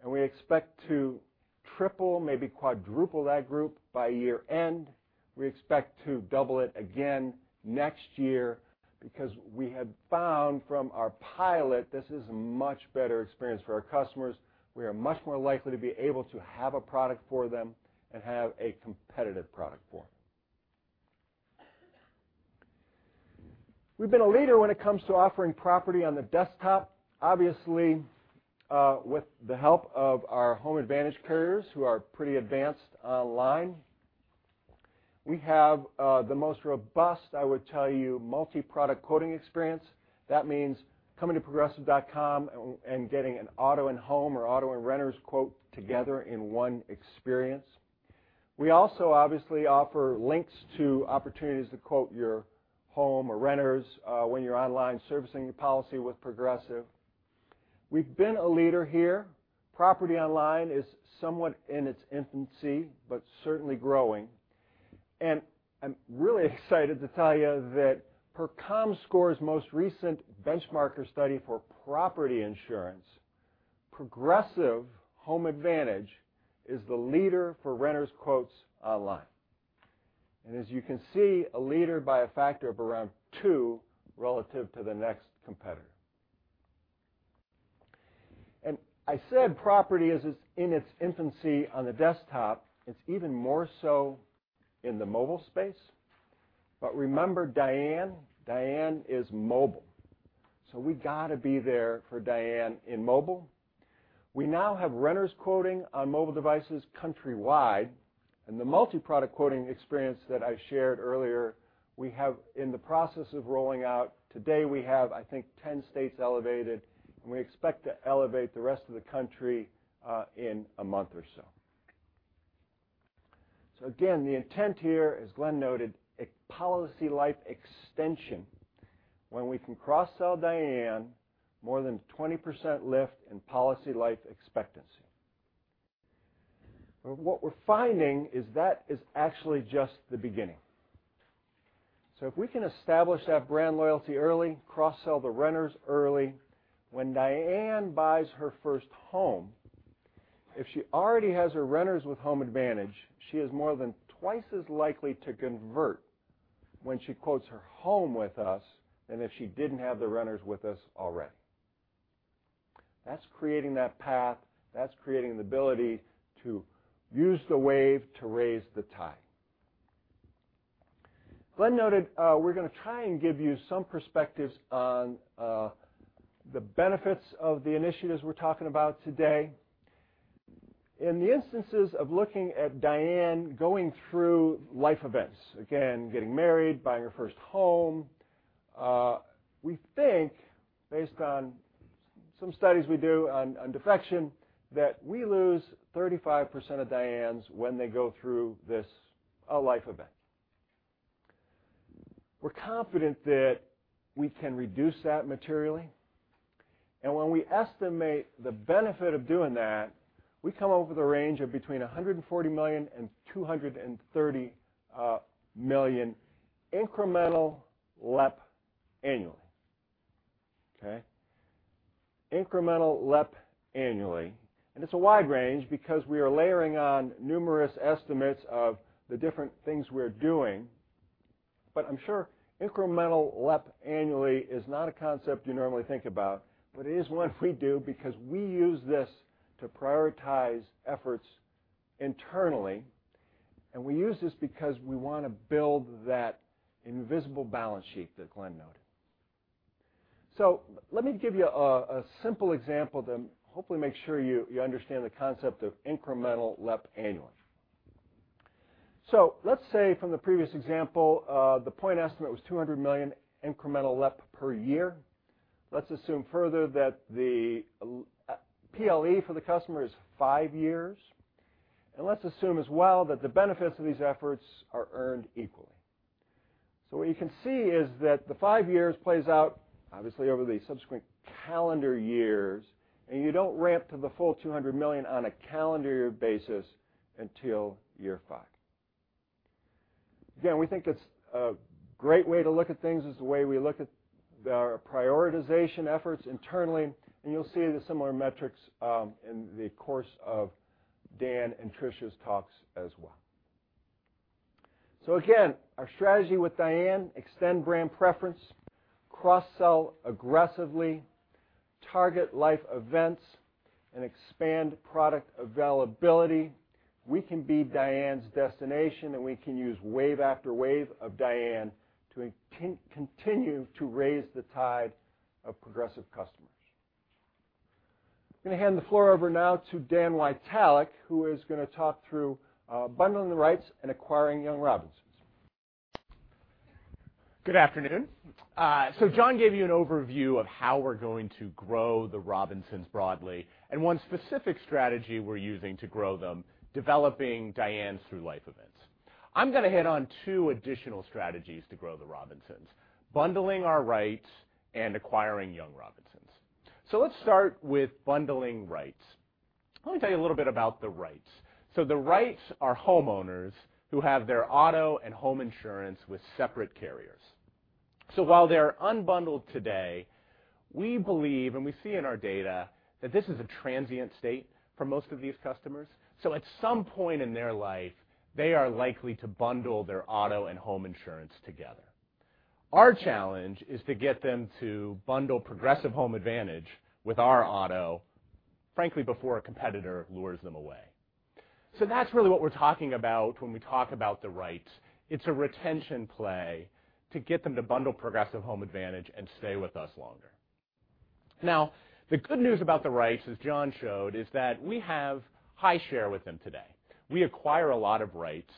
and we expect to triple, maybe quadruple that group by year-end. We expect to double it again next year because we have found from our pilot this is a much better experience for our customers. We are much more likely to be able to have a product for them and have a competitive product for them. We've been a leader when it comes to offering property on the desktop, obviously, with the help of our Home Advantage carriers, who are pretty advanced online. We have the most robust, I would tell you, multi-product quoting experience. That means coming to progressive.com and getting an auto and home or auto and renters quote together in one experience. We also obviously offer links to opportunities to quote your home or renters when you're online servicing your policy with Progressive. We've been a leader here. Property online is somewhat in its infancy, but certainly growing, and I'm really excited to tell you that per Comscore's most recent benchmarker study for property insurance, Progressive Home Advantage is the leader for renters quotes online. As you can see, a leader by a factor of around two relative to the next competitor. I said property is in its infancy on the desktop. It's even more so in the mobile space. Remember Diane. Diane is mobile. We got to be there for Diane in mobile. We now have renters quoting on mobile devices countrywide. The multi-product quoting experience that I shared earlier, we have in the process of rolling out. Today, we have, I think, 10 states elevated, and we expect to elevate the rest of the country in a month or so. Again, the intent here, as Glenn noted, a policy life extension. When we can cross-sell Diane more than a 20% lift in policy life expectancy. What we're finding is that is actually just the beginning. If we can establish that brand loyalty early, cross-sell the renters early, when Diane buys her first home, if she already has her renters with Home Advantage, she is more than twice as likely to convert when she quotes her home with us than if she didn't have the renters with us already. That's creating that path. That's creating the ability to use the wave to raise the tide. Glenn noted we're going to try and give you some perspectives on the benefits of the initiatives we're talking about today. In the instances of looking at Diane going through life events, again, getting married, buying her first home, we think, based on some studies we do on defection, that we lose 35% of Dianes when they go through this life event. We're confident that we can reduce that materially, and when we estimate the benefit of doing that, we come up with a range of between $140 million and $230 million incremental LEP annually. Okay? Incremental LEP annually, it's a wide range because we are layering on numerous estimates of the different things we're doing. I'm sure incremental LEP annually is not a concept you normally think about. It is one we do because we use this to prioritize efforts internally, and we use this because we want to build that invisible balance sheet that Glenn noted. Let me give you a simple example to hopefully make sure you understand the concept of incremental LEP annually. Let's say from the previous example, the point estimate was $200 million incremental LEP per year. Let's assume further that the PLE for the customer is five years, and let's assume as well that the benefits of these efforts are earned equally. What you can see is that the five years plays out obviously over the subsequent calendar years, and you don't ramp to the full $200 million on a calendar year basis until year five. Again, we think it's a great way to look at things, is the way we look at our prioritization efforts internally, and you'll see the similar metrics in the course of Dan and Tricia's talks as well. Again, our strategy with Diane, extend brand preference, cross-sell aggressively, target life events, and expand product availability. We can be Diane's destination, and we can use wave after wave of Diane to continue to raise the tide of Progressive customers. I'm going to hand the floor over now to Dan Witalec, who is going to talk through bundling the Wrights and acquiring young Robinsons. Good afternoon. John gave you an overview of how we're going to grow the Robinsons broadly, and one specific strategy we're using to grow them, developing Dianes through life events. I'm going to hit on two additional strategies to grow the Robinsons, bundling our Wrights and acquiring young Robinsons. Let's start with bundling Wrights. Let me tell you a little bit about the Wrights. The Wrights are homeowners who have their auto and home insurance with separate carriers. While they're unbundled today, we believe, and we see in our data, that this is a transient state for most of these customers. At some point in their life, they are likely to bundle their auto and home insurance together. Our challenge is to get them to bundle Progressive Home Advantage with our auto, frankly, before a competitor lures them away. That's really what we're talking about when we talk about the Wrights. It's a retention play to get them to bundle Progressive Home Advantage and stay with us longer. The good news about the Wrights, as John showed, is that we have high share with them today. We acquire a lot of Wrights,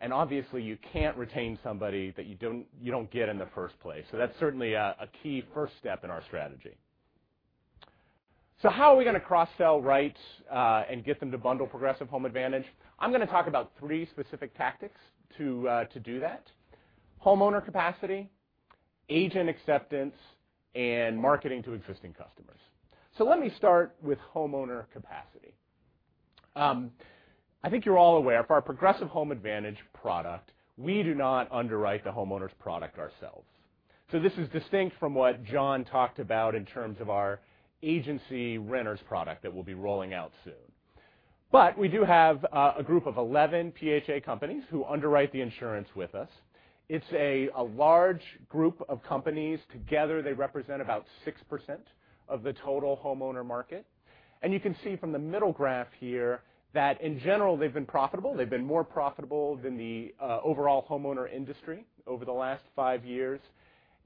and obviously, you can't retain somebody that you don't get in the first place. That's certainly a key first step in our strategy. How are we going to cross-sell Wrights, and get them to bundle Progressive Home Advantage? I'm going to talk about three specific tactics to do that. Homeowner capacity, agent acceptance, and marketing to existing customers. Let me start with homeowner capacity. I think you're all aware, for our Progressive Home Advantage product, we do not underwrite the homeowners product ourselves. This is distinct from what John talked about in terms of our agency renters product that we'll be rolling out soon. We do have a group of 11 PHA companies who underwrite the insurance with us. It's a large group of companies. Together, they represent about 6% of the total homeowner market. You can see from the middle graph here that in general, they've been profitable. They've been more profitable than the overall homeowner industry over the last five years.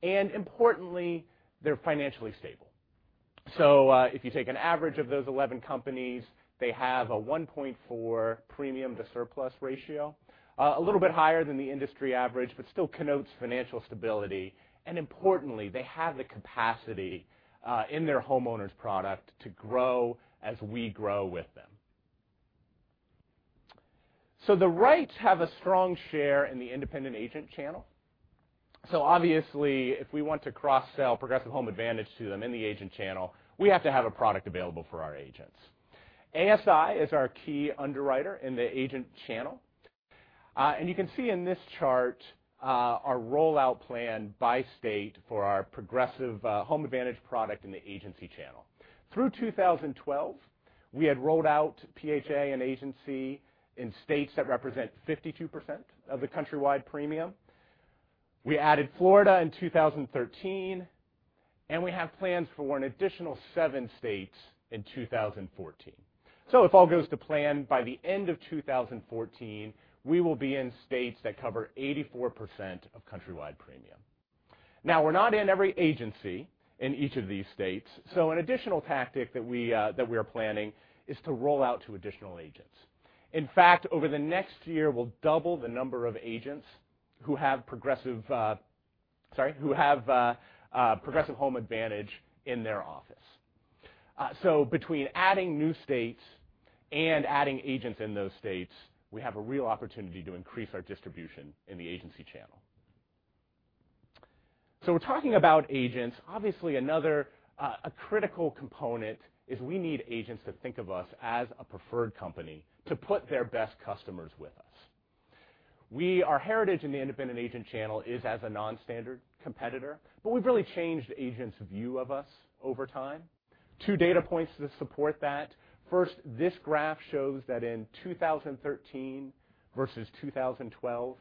Importantly, they're financially stable. If you take an average of those 11 companies, they have a 1.4 premium to surplus ratio. A little bit higher than the industry average, but still connotes financial stability. Importantly, they have the capacity in their homeowners product to grow as we grow with them. The Wrights have a strong share in the independent agent channel. Obviously, if we want to cross-sell Progressive Home Advantage to them in the agent channel, we have to have a product available for our agents. ASI is our key underwriter in the agent channel. You can see in this chart our rollout plan by state for our Progressive Home Advantage product in the agency channel. Through 2012, we had rolled out PHA and agency in states that represent 52% of the countrywide premium. We added Florida in 2013, and we have plans for an additional seven states in 2014. If all goes to plan, by the end of 2014, we will be in states that cover 84% of countrywide premium. We're not in every agency in each of these states, an additional tactic that we're planning is to roll out to additional agents. In fact, over the next year, we'll double the number of agents who have Progressive Home Advantage in their office. Between adding new states and adding agents in those states, we have a real opportunity to increase our distribution in the agency channel. We're talking about agents. Obviously, another critical component is we need agents to think of us as a preferred company to put their best customers with us. Our heritage in the independent agent channel is as a non-standard competitor, but we've really changed agents' view of us over time. Two data points to support that. First, this graph shows that in 2013 versus 2012,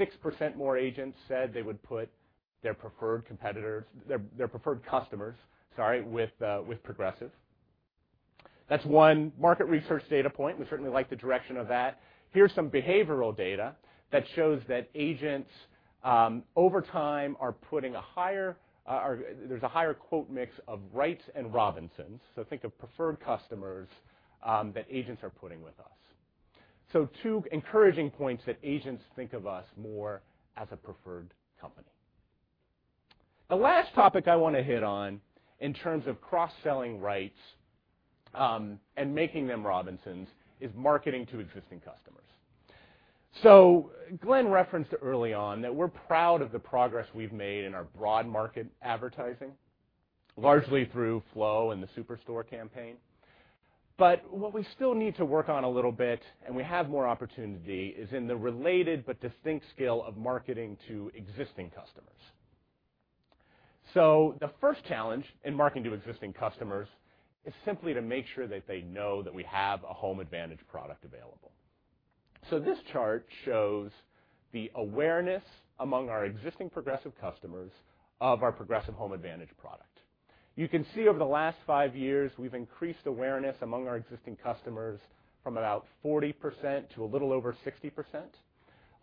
6% more agents said they would put their preferred customers with Progressive. That's one market research data point. We certainly like the direction of that. Here's some behavioral data that shows that agents, over time, there's a higher quote mix of Wrights and Robinsons. Think of preferred customers that agents are putting with us. Two encouraging points that agents think of us more as a preferred company. The last topic I want to hit on in terms of cross-selling Wrights, and making them Robinsons, is marketing to existing customers. Glenn referenced early on that we're proud of the progress we've made in our broad market advertising, largely through Flo and the Superstore campaign. What we still need to work on a little bit, and we have more opportunity, is in the related but distinct skill of marketing to existing customers. The first challenge in marketing to existing customers is simply to make sure that they know that we have a Progressive Home Advantage product available. This chart shows the awareness among our existing Progressive customers of our Progressive Home Advantage product. You can see over the last five years, we've increased awareness among our existing customers from about 40% to a little over 60%,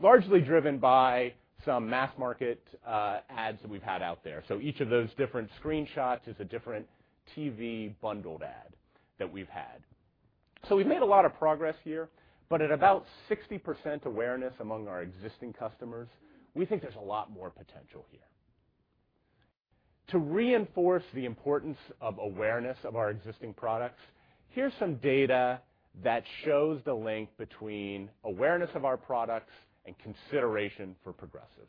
largely driven by some mass market ads that we've had out there. Each of those different screenshots is a different TV bundled ad that we've had. We've made a lot of progress here, but at about 60% awareness among our existing customers, we think there's a lot more potential here. To reinforce the importance of awareness of our existing products, here's some data that shows the link between awareness of our products and consideration for Progressive.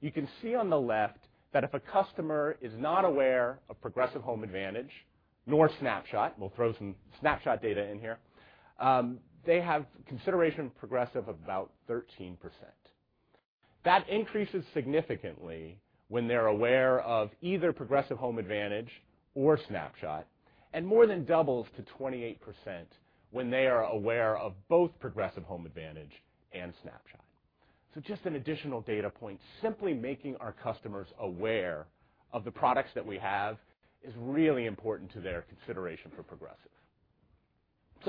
You can see on the left that if a customer is not aware of Progressive Home Advantage, nor Snapshot, we'll throw some Snapshot data in here, they have consideration Progressive about 13%. That increases significantly when they're aware of either Progressive Home Advantage or Snapshot, and more than doubles to 28% when they are aware of both Progressive Home Advantage and Snapshot. Just an additional data point, simply making our customers aware of the products that we have is really important to their consideration for Progressive.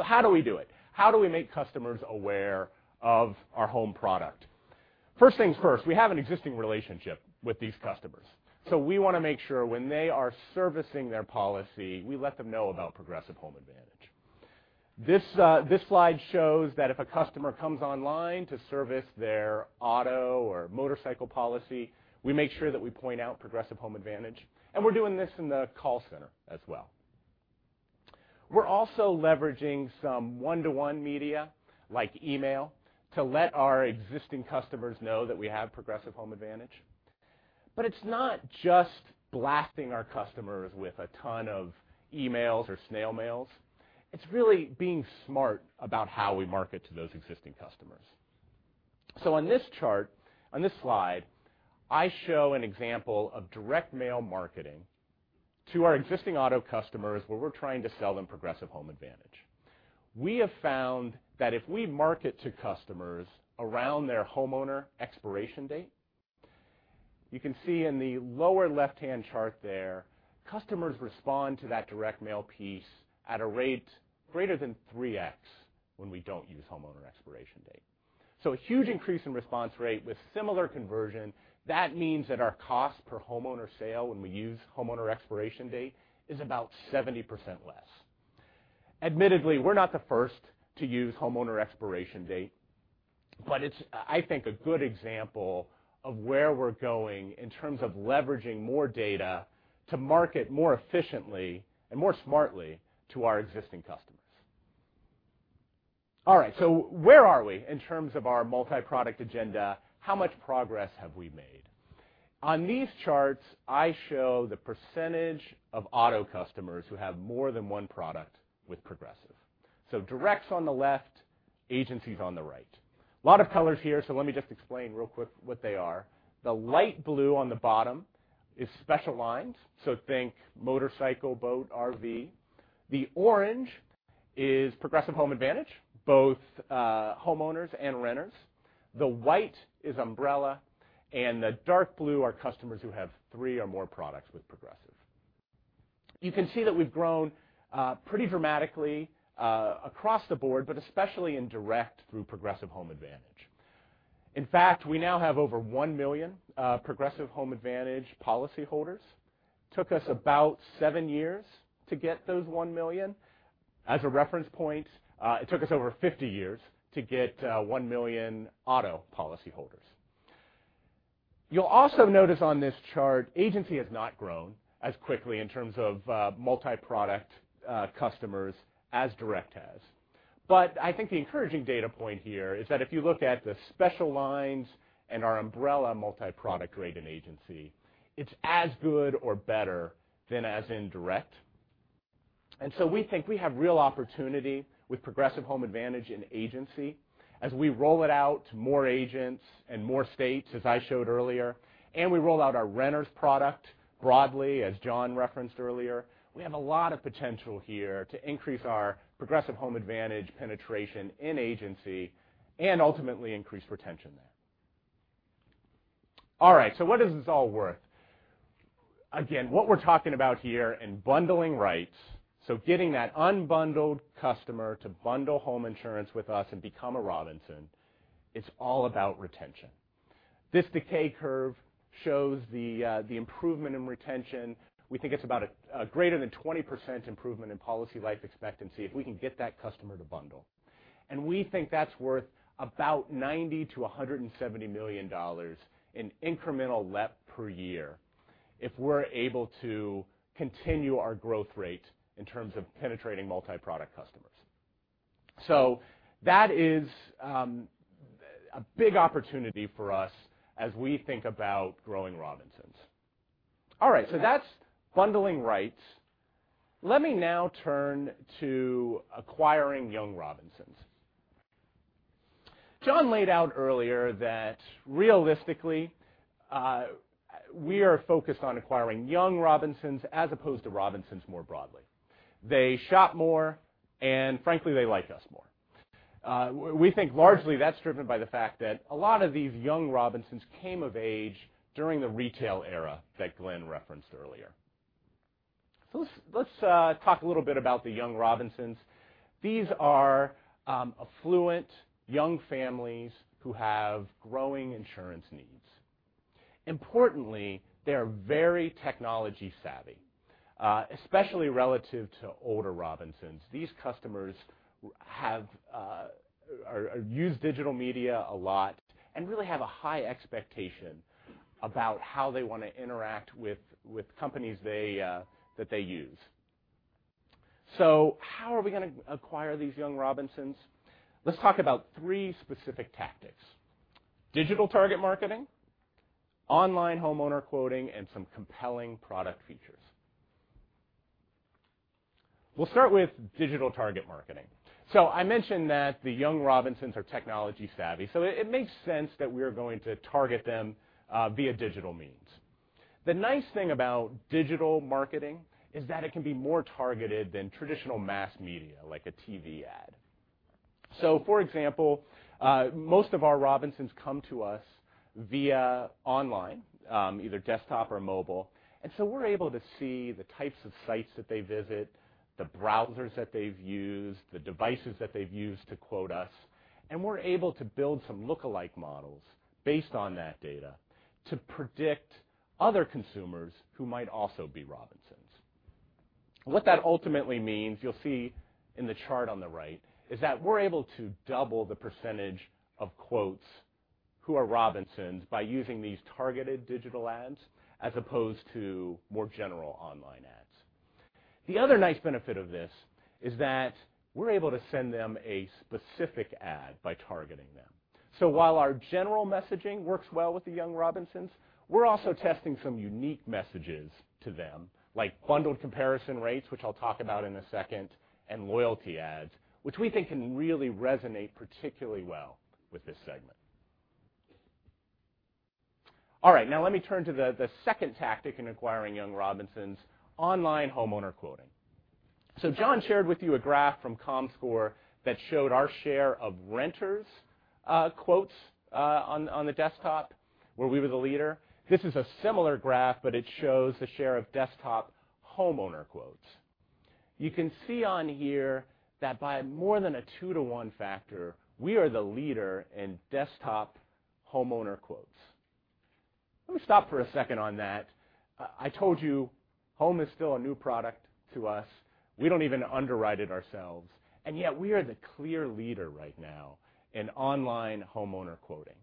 How do we do it? How do we make customers aware of our home product? First things first, we have an existing relationship with these customers. We want to make sure when they are servicing their policy, we let them know about Progressive Home Advantage. This slide shows that if a customer comes online to service their auto or motorcycle policy, we make sure that we point out Progressive Home Advantage, and we're doing this in the call center as well. We're also leveraging some one-to-one media, like email, to let our existing customers know that we have Progressive Home Advantage. It's not just blasting our customers with a ton of emails or snail mails. It's really being smart about how we market to those existing customers. On this chart, on this slide, I show an example of direct mail marketing to our existing auto customers where we're trying to sell them Progressive Home Advantage. We have found that if we market to customers around their homeowner expiration date, you can see in the lower left-hand chart there, customers respond to that direct mail piece at a rate greater than 3x when we don't use homeowner expiration date. A huge increase in response rate with similar conversion. That means that our cost per homeowner sale when we use homeowner expiration date is about 70% less. Admittedly, we're not the first to use homeowner expiration date, but it's, I think, a good example of where we're going in terms of leveraging more data to market more efficiently and more smartly to our existing customers. Where are we in terms of our multi-product agenda? How much progress have we made? On these charts, I show the percentage of auto customers who have more than one product with Progressive. Direct's on the left, agency's on the right. Lot of colors here, let me just explain real quick what they are. The light blue on the bottom is special lines, think motorcycle, boat, RV. The orange is Progressive Home Advantage, both homeowners and renters. The white is Umbrella, the dark blue are customers who have three or more products with Progressive. You can see that we've grown pretty dramatically across the board, but especially in direct through Progressive Home Advantage. In fact, we now have over 1 million Progressive Home Advantage policyholders. Took us about 7 years to get those 1 million. As a reference point, it took us over 50 years to get 1 million auto policyholders. You'll also notice on this chart, agency has not grown as quickly in terms of multi-product customers as direct has. I think the encouraging data point here is that if you look at the special lines and our Umbrella multi-product rate in agency, it's as good or better than as in direct. We think we have real opportunity with Progressive Home Advantage in agency as we roll it out to more agents and more states, as I showed earlier, and we roll out our renters product broadly, as John referenced earlier. We have a lot of potential here to increase our Progressive Home Advantage penetration in agency and ultimately increase retention there. What is this all worth? Again, what we're talking about here in bundling Wrights, getting that unbundled customer to bundle home insurance with us and become a Robinson, it's all about retention. This decay curve shows the improvement in retention. We think it's about a greater than 20% improvement in policy life expectancy if we can get that customer to bundle. We think that's worth about $90 to $170 million in incremental LEP per year if we're able to continue our growth rate in terms of penetrating multi-product customers. That is a big opportunity for us as we think about growing Robinsons. That's bundling Wrights. Let me now turn to acquiring young Robinsons. John laid out earlier that realistically, we are focused on acquiring young Robinsons as opposed to Robinsons more broadly. They shop more and frankly, they like us more. We think largely that's driven by the fact that a lot of these young Robinsons came of age during the retail era that Glenn referenced earlier. Let's talk a little bit about the young Robinsons. These are affluent young families who have growing insurance needs. Importantly, they are very technology savvy, especially relative to older Robinsons. These customers use digital media a lot and really have a high expectation about how they want to interact with companies that they use. How are we going to acquire these young Robinsons? Let's talk about three specific tactics. Digital target marketing, online homeowner quoting, and some compelling product features. We'll start with digital target marketing. I mentioned that the young Robinsons are technology savvy, so it makes sense that we're going to target them via digital means. The nice thing about digital marketing is that it can be more targeted than traditional mass media, like a TV ad. For example, most of our Robinsons come to us via online, either desktop or mobile, we're able to see the types of sites that they visit, the browsers that they've used, the devices that they've used to quote us, and we're able to build some lookalike models based on that data to predict other consumers who might also be Robinsons. What that ultimately means, you'll see in the chart on the right, is that we're able to double the percentage of quotes who are Robinsons by using these targeted digital ads as opposed to more general online ads. The other nice benefit of this is that we're able to send them a specific ad by targeting them. While our general messaging works well with the young Robinsons, we're also testing some unique messages to them, like bundled comparison rates, which I'll talk about in a second, and loyalty ads, which we think can really resonate particularly well with this segment. All right. Now let me turn to the second tactic in acquiring young Robinsons, online homeowner quoting. John shared with you a graph from Comscore that showed our share of renters quotes on the desktop where we were the leader. This is a similar graph, but it shows the share of desktop homeowner quotes. You can see on here that by more than a two to one factor, we are the leader in desktop homeowner quotes. Let me stop for a second on that. I told you home is still a new product to us. We don't even underwrite it ourselves, and yet we are the clear leader right now in online homeowner quoting.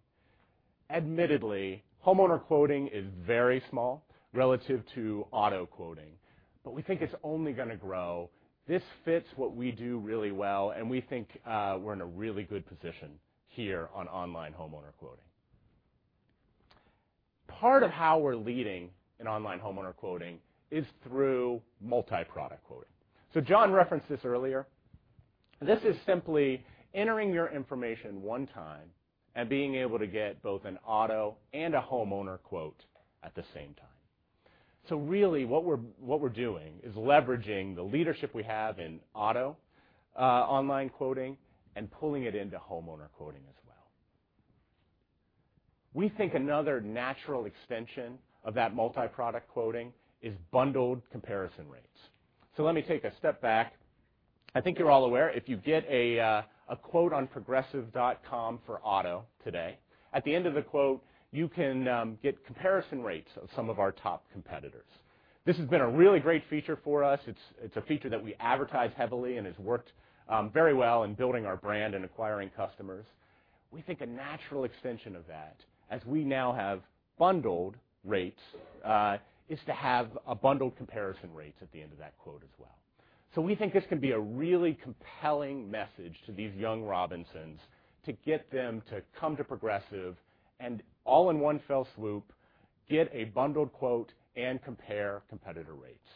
Admittedly, homeowner quoting is very small relative to auto quoting, but we think it's only going to grow. This fits what we do really well, and we think we're in a really good position here on online homeowner quoting. Part of how we're leading in online homeowner quoting is through multi-product quoting. John referenced this earlier. This is simply entering your information one time and being able to get both an auto and a homeowner quote at the same time. Really what we're doing is leveraging the leadership we have in auto online quoting and pulling it into homeowner quoting as well. We think another natural extension of that multi-product quoting is bundled comparison rates. Let me take a step back. I think you're all aware if you get a quote on progressive.com for auto today, at the end of the quote, you can get comparison rates of some of our top competitors. This has been a really great feature for us. It's a feature that we advertise heavily and has worked very well in building our brand and acquiring customers. We think a natural extension of that, as we now have bundled rates, is to have bundled comparison rates at the end of that quote as well. We think this can be a really compelling message to these young Robinsons to get them to come to Progressive and all in one fell swoop, get a bundled quote and compare competitor rates.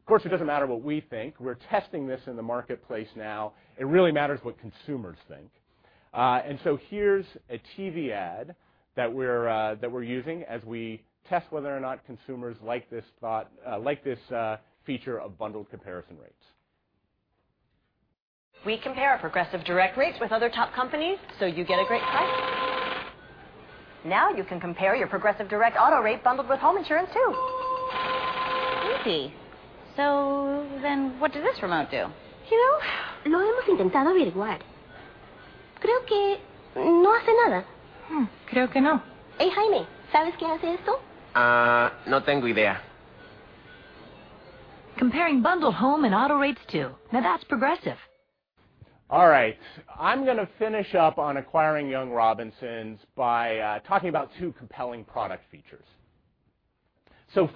Of course, it doesn't matter what we think. We're testing this in the marketplace now. It really matters what consumers think. Here's a TV ad that we're using as we test whether or not consumers like this feature of bundled comparison rates. We compare Progressive direct rates with other top companies so you get a great price. Now you can compare your Progressive direct auto rate bundled with home insurance too. Okay. What does this remote do? You know, comparing bundled home and auto rates too. That's Progressive. All right. I'm going to finish up on acquiring young Robinsons by talking about two compelling product features.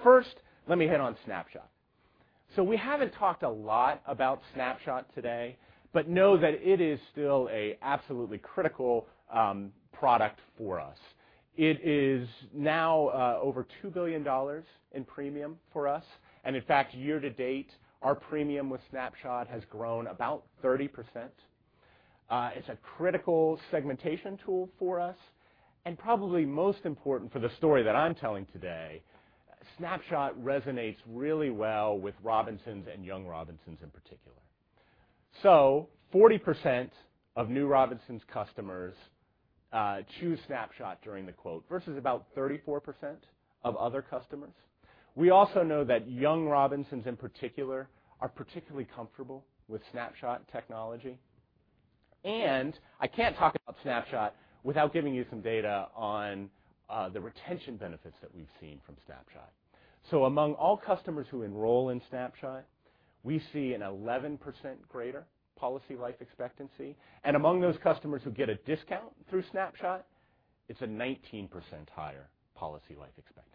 First, let me hit on Snapshot. We haven't talked a lot about Snapshot today, but know that it is still an absolutely critical product for us. It is now over $2 billion in premium for us. In fact, year to date, our premium with Snapshot has grown about 30%. It's a critical segmentation tool for us, probably most important for the story that I'm telling today, Snapshot resonates really well with Robinsons and young Robinsons in particular. 40% of new Robinsons customers choose Snapshot during the quote, versus about 34% of other customers. We also know that young Robinsons in particular are particularly comfortable with Snapshot technology. I can't talk about Snapshot without giving you some data on the retention benefits that we've seen from Snapshot. Among all customers who enroll in Snapshot, we see an 11% greater policy life expectancy. Among those customers who get a discount through Snapshot, it's a 19% higher policy life expectancy.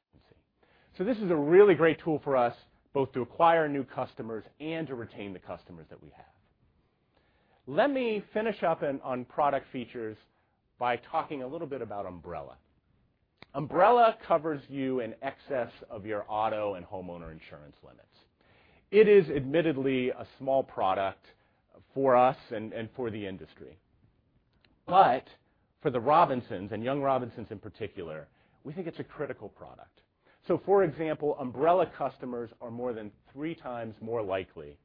This is a really great tool for us, both to acquire new customers and to retain the customers that we have. Let me finish up on product features by talking a little bit about Umbrella. Umbrella covers you in excess of your auto and homeowner insurance limits. It is admittedly a small product for us and for the industry. For the Robinsons and young Robinsons in particular, we think it's a critical product. For example, Umbrella customers are more than three times more likely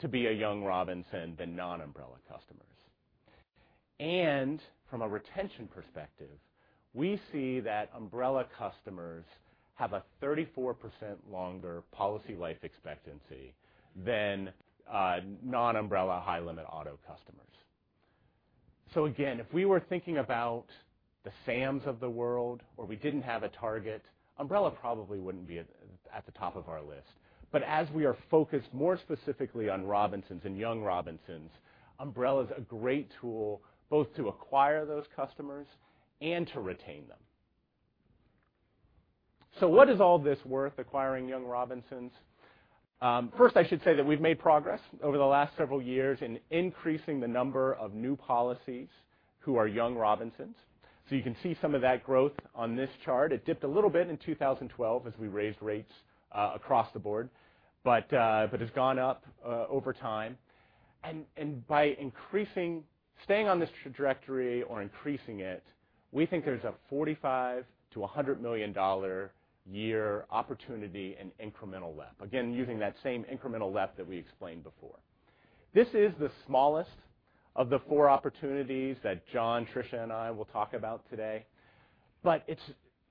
to be a young Robinson than non-Umbrella customers. From a retention perspective, we see that Umbrella customers have a 34% longer policy life expectancy than non-Umbrella high-limit auto customers. Again, if we were thinking about the Sams of the world or we didn't have a target, Umbrella probably wouldn't be at the top of our list. As we are focused more specifically on Robinsons and young Robinsons, Umbrella's a great tool both to acquire those customers and to retain them. What is all this worth acquiring young Robinsons? First, I should say that we've made progress over the last several years in increasing the number of new policies who are young Robinsons. You can see some of that growth on this chart. It dipped a little bit in 2012 as we raised rates across the board, but has gone up over time. By staying on this trajectory or increasing it, we think there's a $45 million-$100 million year opportunity in incremental LEP. Again, using that same incremental LEP that we explained before. This is the smallest of the four opportunities that John, Tricia, and I will talk about today, but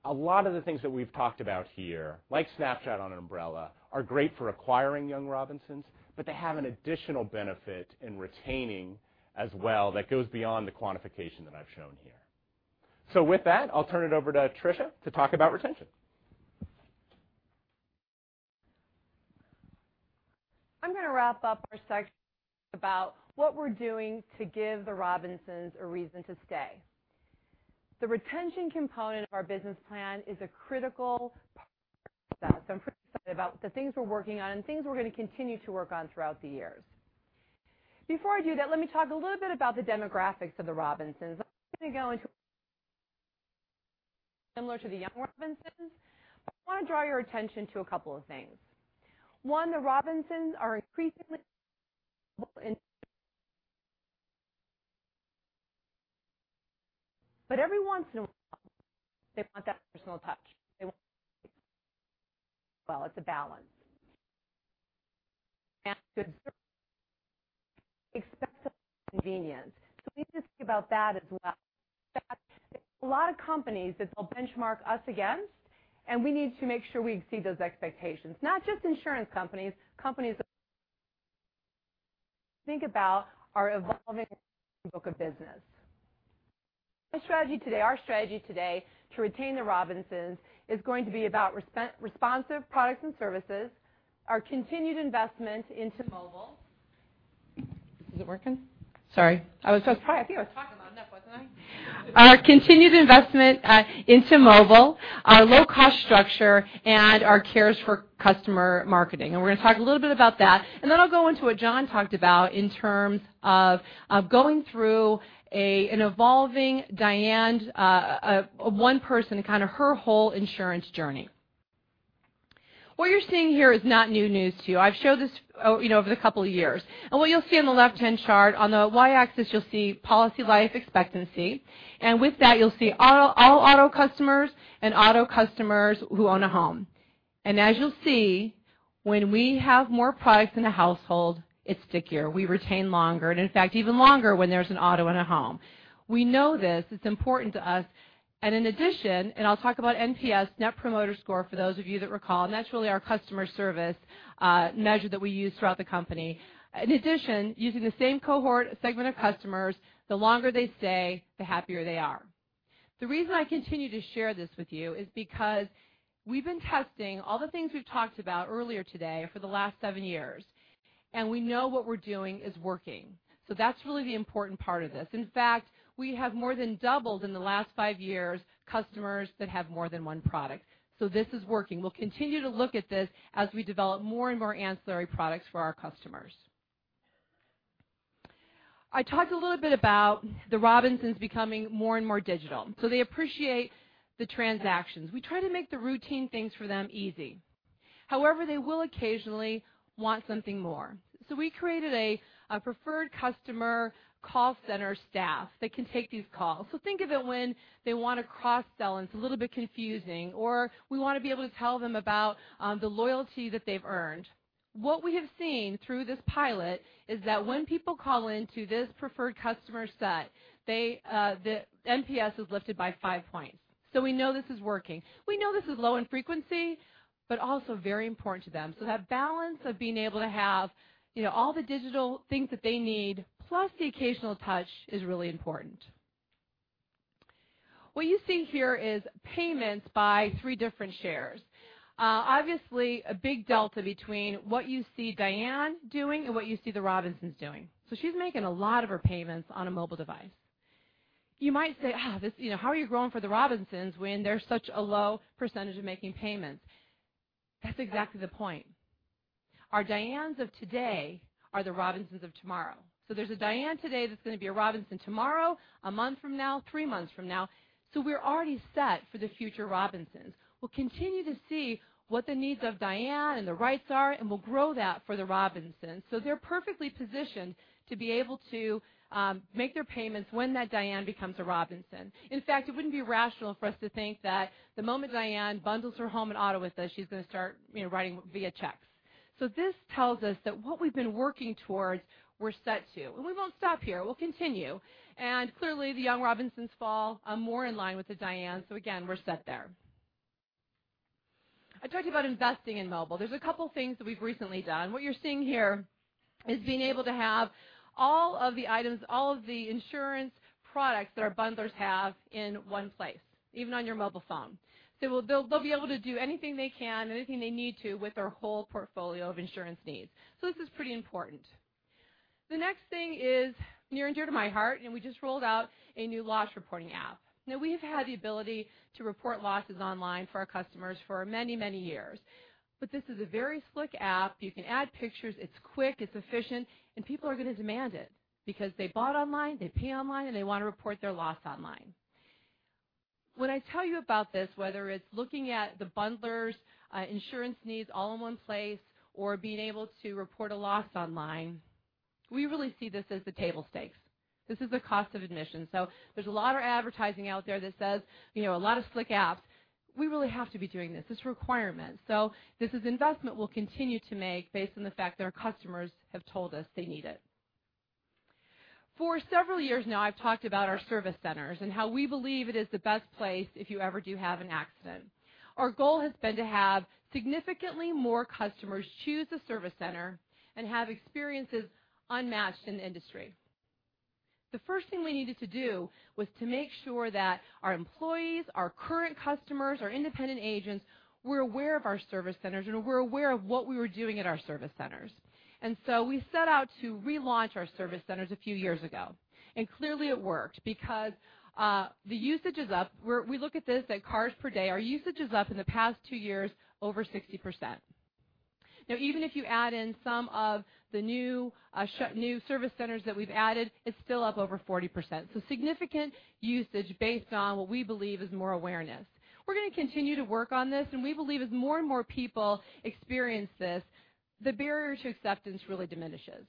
a lot of the things that we've talked about here, like Snapshot on Umbrella, are great for acquiring young Robinsons, but they have an additional benefit in retaining as well that goes beyond the quantification that I've shown here. With that, I'll turn it over to Tricia to talk about retention. I'm going to wrap up our section about what we're doing to give the Robinsons a reason to stay. The retention component of our business plan is a critical part of our success, and I'm pretty excited about the things we're working on and things we're going to continue to work on throughout the years. Before I do that, let me talk a little bit about the demographics of the Robinsons. I'm not going to go into similar to the young Robinsons, but I want to draw your attention to a couple of things. One, the Robinsons are increasingly. Every once in a while, they want that personal touch. Well, it's a balance. Good service, expect convenience. We need to think about that as well. In fact, there's a lot of companies that they'll benchmark us against, and we need to make sure we exceed those expectations. Not just insurance companies think about our evolving book of business. Our strategy today, to retain the Robinsons is going to be about responsive products and services, our continued investment into mobile. Is it working? Sorry. I think I was talking loud enough, wasn't I? Our continued investment into mobile, our low cost structure, and our cares for customer marketing. We're going to talk a little bit about that. Then I'll go into what John talked about in terms of going through an evolving Diane, one person, kind of her whole insurance journey. What you're seeing here is not new news to you. I've showed this over the couple of years. What you'll see on the left-hand chart, on the y-axis, you'll see policy life expectancy. With that, you'll see all auto customers and auto customers who own a home. As you'll see, when we have more products in a household, it's stickier. We retain longer, and in fact, even longer when there's an auto and a home. We know this, it's important to us. In addition, I'll talk about NPS, Net Promoter Score, for those of you that recall. That's really our customer service measure that we use throughout the company. In addition, using the same cohort segment of customers, the longer they stay, the happier they are. The reason I continue to share this with you is because we've been testing all the things we've talked about earlier today for the last seven years. We know what we're doing is working. That's really the important part of this. In fact, we have more than doubled in the last five years, customers that have more than one product. This is working. We'll continue to look at this as we develop more and more ancillary products for our customers. I talked a little bit about the Robinsons becoming more and more digital. They appreciate the transactions. We try to make the routine things for them easy. However, they will occasionally want something more. We created a preferred customer call center staff that can take these calls. Think of it when they want to cross-sell, and it's a little bit confusing, or we want to be able to tell them about the loyalty that they've earned. What we have seen through this pilot is that when people call in to this preferred customer set, the NPS is lifted by five points. We know this is working. We know this is low in frequency, but also very important to them. That balance of being able to have all the digital things that they need, plus the occasional touch is really important. What you see here is payments by three different shares. Obviously, a big delta between what you see Diane doing and what you see the Robinsons doing. She's making a lot of her payments on a mobile device. You might say, "How are you growing for the Robinsons when they're such a low percentage of making payments?" That's exactly the point. Our Dianes of today are the Robinsons of tomorrow. There's a Diane today that's going to be a Robinson tomorrow, a month from now, three months from now. We're already set for the future Robinsons. We'll continue to see what the needs of Diane and the Wrights are, and we'll grow that for the Robinsons. They're perfectly positioned to be able to make their payments when that Diane becomes a Robinson. In fact, it wouldn't be rational for us to think that the moment Diane bundles her home and auto with us, she's going to start writing via checks. This tells us that what we've been working towards, we're set to, and we won't stop here. We'll continue. Clearly, the young Robinsons fall more in line with the Dianes. Again, we're set there. I talked about investing in mobile. There's a couple things that we've recently done. What you're seeing here is being able to have all of the items, all of the insurance products that our bundlers have in one place, even on your mobile phone. They'll be able to do anything they can, anything they need to with their whole portfolio of insurance needs. This is pretty important. The next thing is near and dear to my heart, and we just rolled out a new loss reporting app. Now we've had the ability to report losses online for our customers for many, many years. This is a very slick app. You can add pictures, it's quick, it's efficient, and people are going to demand it because they bought online, they pay online, and they want to report their loss online. When I tell you about this, whether it's looking at the bundlers' insurance needs all in one place, or being able to report a loss online, we really see this as the table stakes. This is the cost of admission. There's a lot of advertising out there that says a lot of slick apps, we really have to be doing this. It's a requirement. This is investment we'll continue to make based on the fact that our customers have told us they need it. For several years now, I've talked about our service centers and how we believe it is the best place if you ever do have an accident. Our goal has been to have significantly more customers choose the service center and have experiences unmatched in the industry. The first thing we needed to do was to make sure that our employees, our current customers, our independent agents, were aware of our service centers and were aware of what we were doing at our service centers. We set out to relaunch our service centers a few years ago, and clearly it worked because the usage is up. We look at this at cars per day. Our usage is up in the past two years, over 60%. Now, even if you add in some of the new service centers that we've added, it's still up over 40%. Significant usage based on what we believe is more awareness. We're going to continue to work on this, and we believe as more and more people experience this, the barrier to acceptance really diminishes.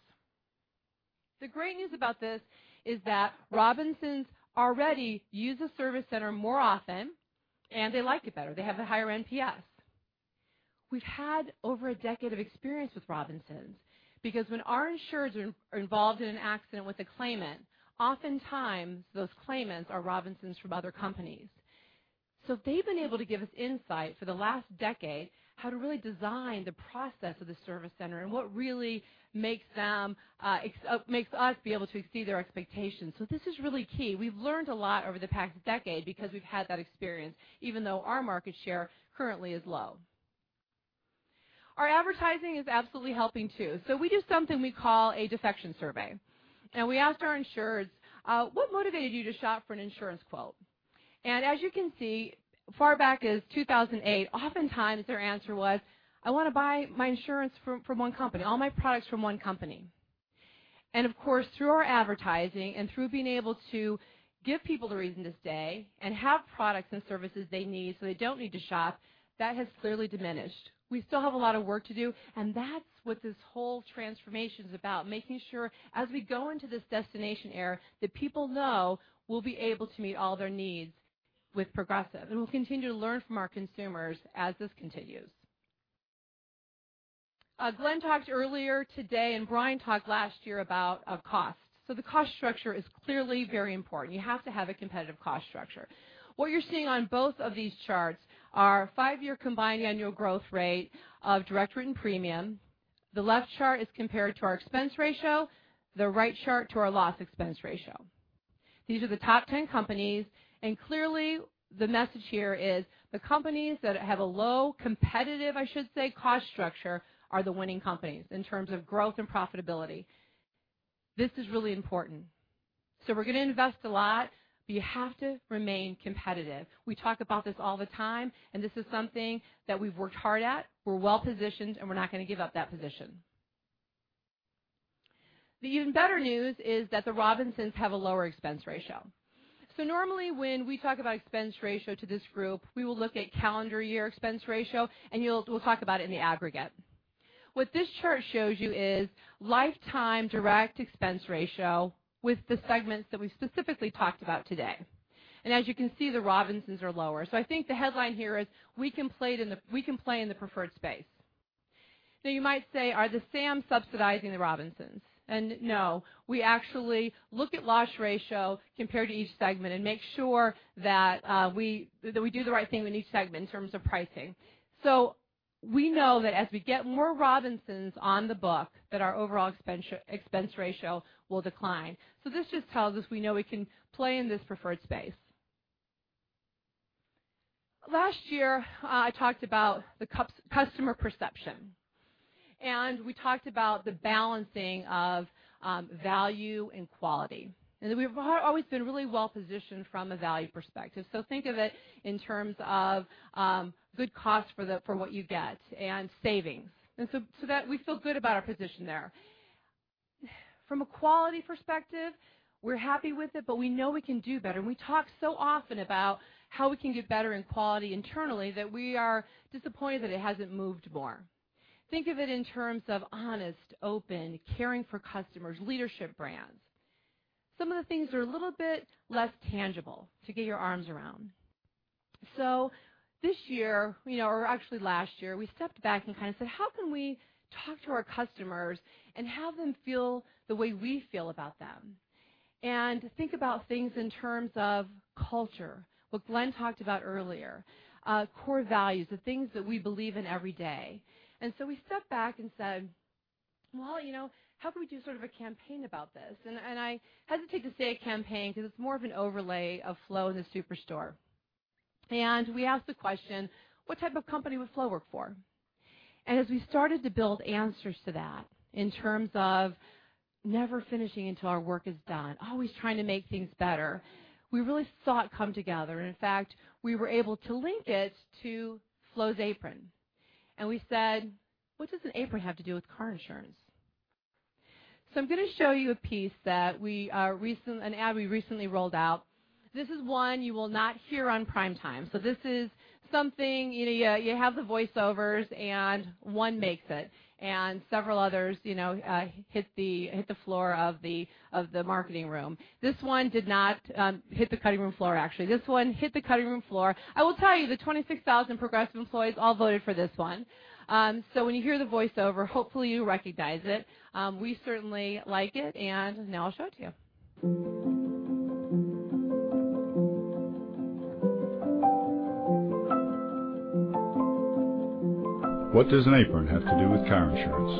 The great news about this is that Robinsons already use the service center more often, and they like it better. They have the higher NPS. We've had over a decade of experience with Robinsons because when our insurers are involved in an accident with a claimant, oftentimes those claimants are Robinsons from other companies. They've been able to give us insight for the last decade, how to really design the process of the service center and what really makes us be able to exceed their expectations. This is really key. We've learned a lot over the past decade because we've had that experience, even though our market share currently is low. Our advertising is absolutely helping too. We do something we call a defection survey, and we asked our insurers, "What motivated you to shop for an insurance quote?" As you can see, far back as 2008, oftentimes their answer was, "I want to buy my insurance from one company, all my products from one company." Of course, through our advertising and through being able to give people the reason to stay and have products and services they need so they don't need to shop, that has clearly diminished. We still have a lot of work to do, and that's what this whole transformation is about, making sure as we go into this destination era, that people know we'll be able to meet all their needs with Progressive, and we'll continue to learn from our consumers as this continues. Glenn talked earlier today, and Brian talked last year about cost. The cost structure is clearly very important. You have to have a competitive cost structure. What you are seeing on both of these charts are five-year combined annual growth rate of direct written premium. The left chart is compared to our expense ratio, the right chart to our loss expense ratio. These are the top 10 companies, clearly the message here is the companies that have a low competitive, I should say, cost structure are the winning companies in terms of growth and profitability. This is really important. We are going to invest a lot, but you have to remain competitive. We talk about this all the time, this is something that we have worked hard at. We are well-positioned, we are not going to give up that position. The even better news is that the Robinsons have a lower expense ratio. Normally, when we talk about expense ratio to this group, we will look at calendar year expense ratio, we will talk about it in the aggregate. What this chart shows you is lifetime direct expense ratio with the segments that we specifically talked about today. As you can see, the Robinsons are lower. I think the headline here is we can play in the preferred space. Now, you might say, are the Sams subsidizing the Robinsons? No, we actually look at loss ratio compared to each segment and make sure that we do the right thing with each segment in terms of pricing. We know that as we get more Robinsons on the book, that our overall expense ratio will decline. This just tells us we know we can play in this preferred space. Last year, I talked about the customer perception, we talked about the balancing of value and quality, we have always been really well-positioned from a value perspective. Think of it in terms of good cost for what you get and savings. So that we feel good about our position there. From a quality perspective, we are happy with it, we know we can do better, we talk so often about how we can get better in quality internally that we are disappointed that it has not moved more. Think of it in terms of honest, open, caring for customers, leadership brands. Some of the things are a little bit less tangible to get your arms around. This year, or actually last year, we stepped back and said, "How can we talk to our customers and have them feel the way we feel about them?" Think about things in terms of culture, what Glenn talked about earlier, core values, the things that we believe in every day. We stepped back and said, "Well, how can we do sort of a campaign about this?" I hesitate to say a campaign because it is more of an overlay of Flo in the Superstore. We asked the question, what type of company would Flo work for? As we started to build answers to that in terms of never finishing until our work is done, always trying to make things better, we really saw it come together. In fact, we were able to link it to Flo's apron, and we said, "What does an apron have to do with car insurance?" I'm going to show you an ad we recently rolled out. This is one you will not hear on prime time. This is something, you have the voiceovers, and one makes it, and several others hit the floor of the marketing room. This one did not hit the cutting room floor, actually. This one hit the cutting room floor. I will tell you, the 26,000 Progressive employees all voted for this one. When you hear the voiceover, hopefully you recognize it. We certainly like it, and now I'll show it to you. What does an apron have to do with car insurance?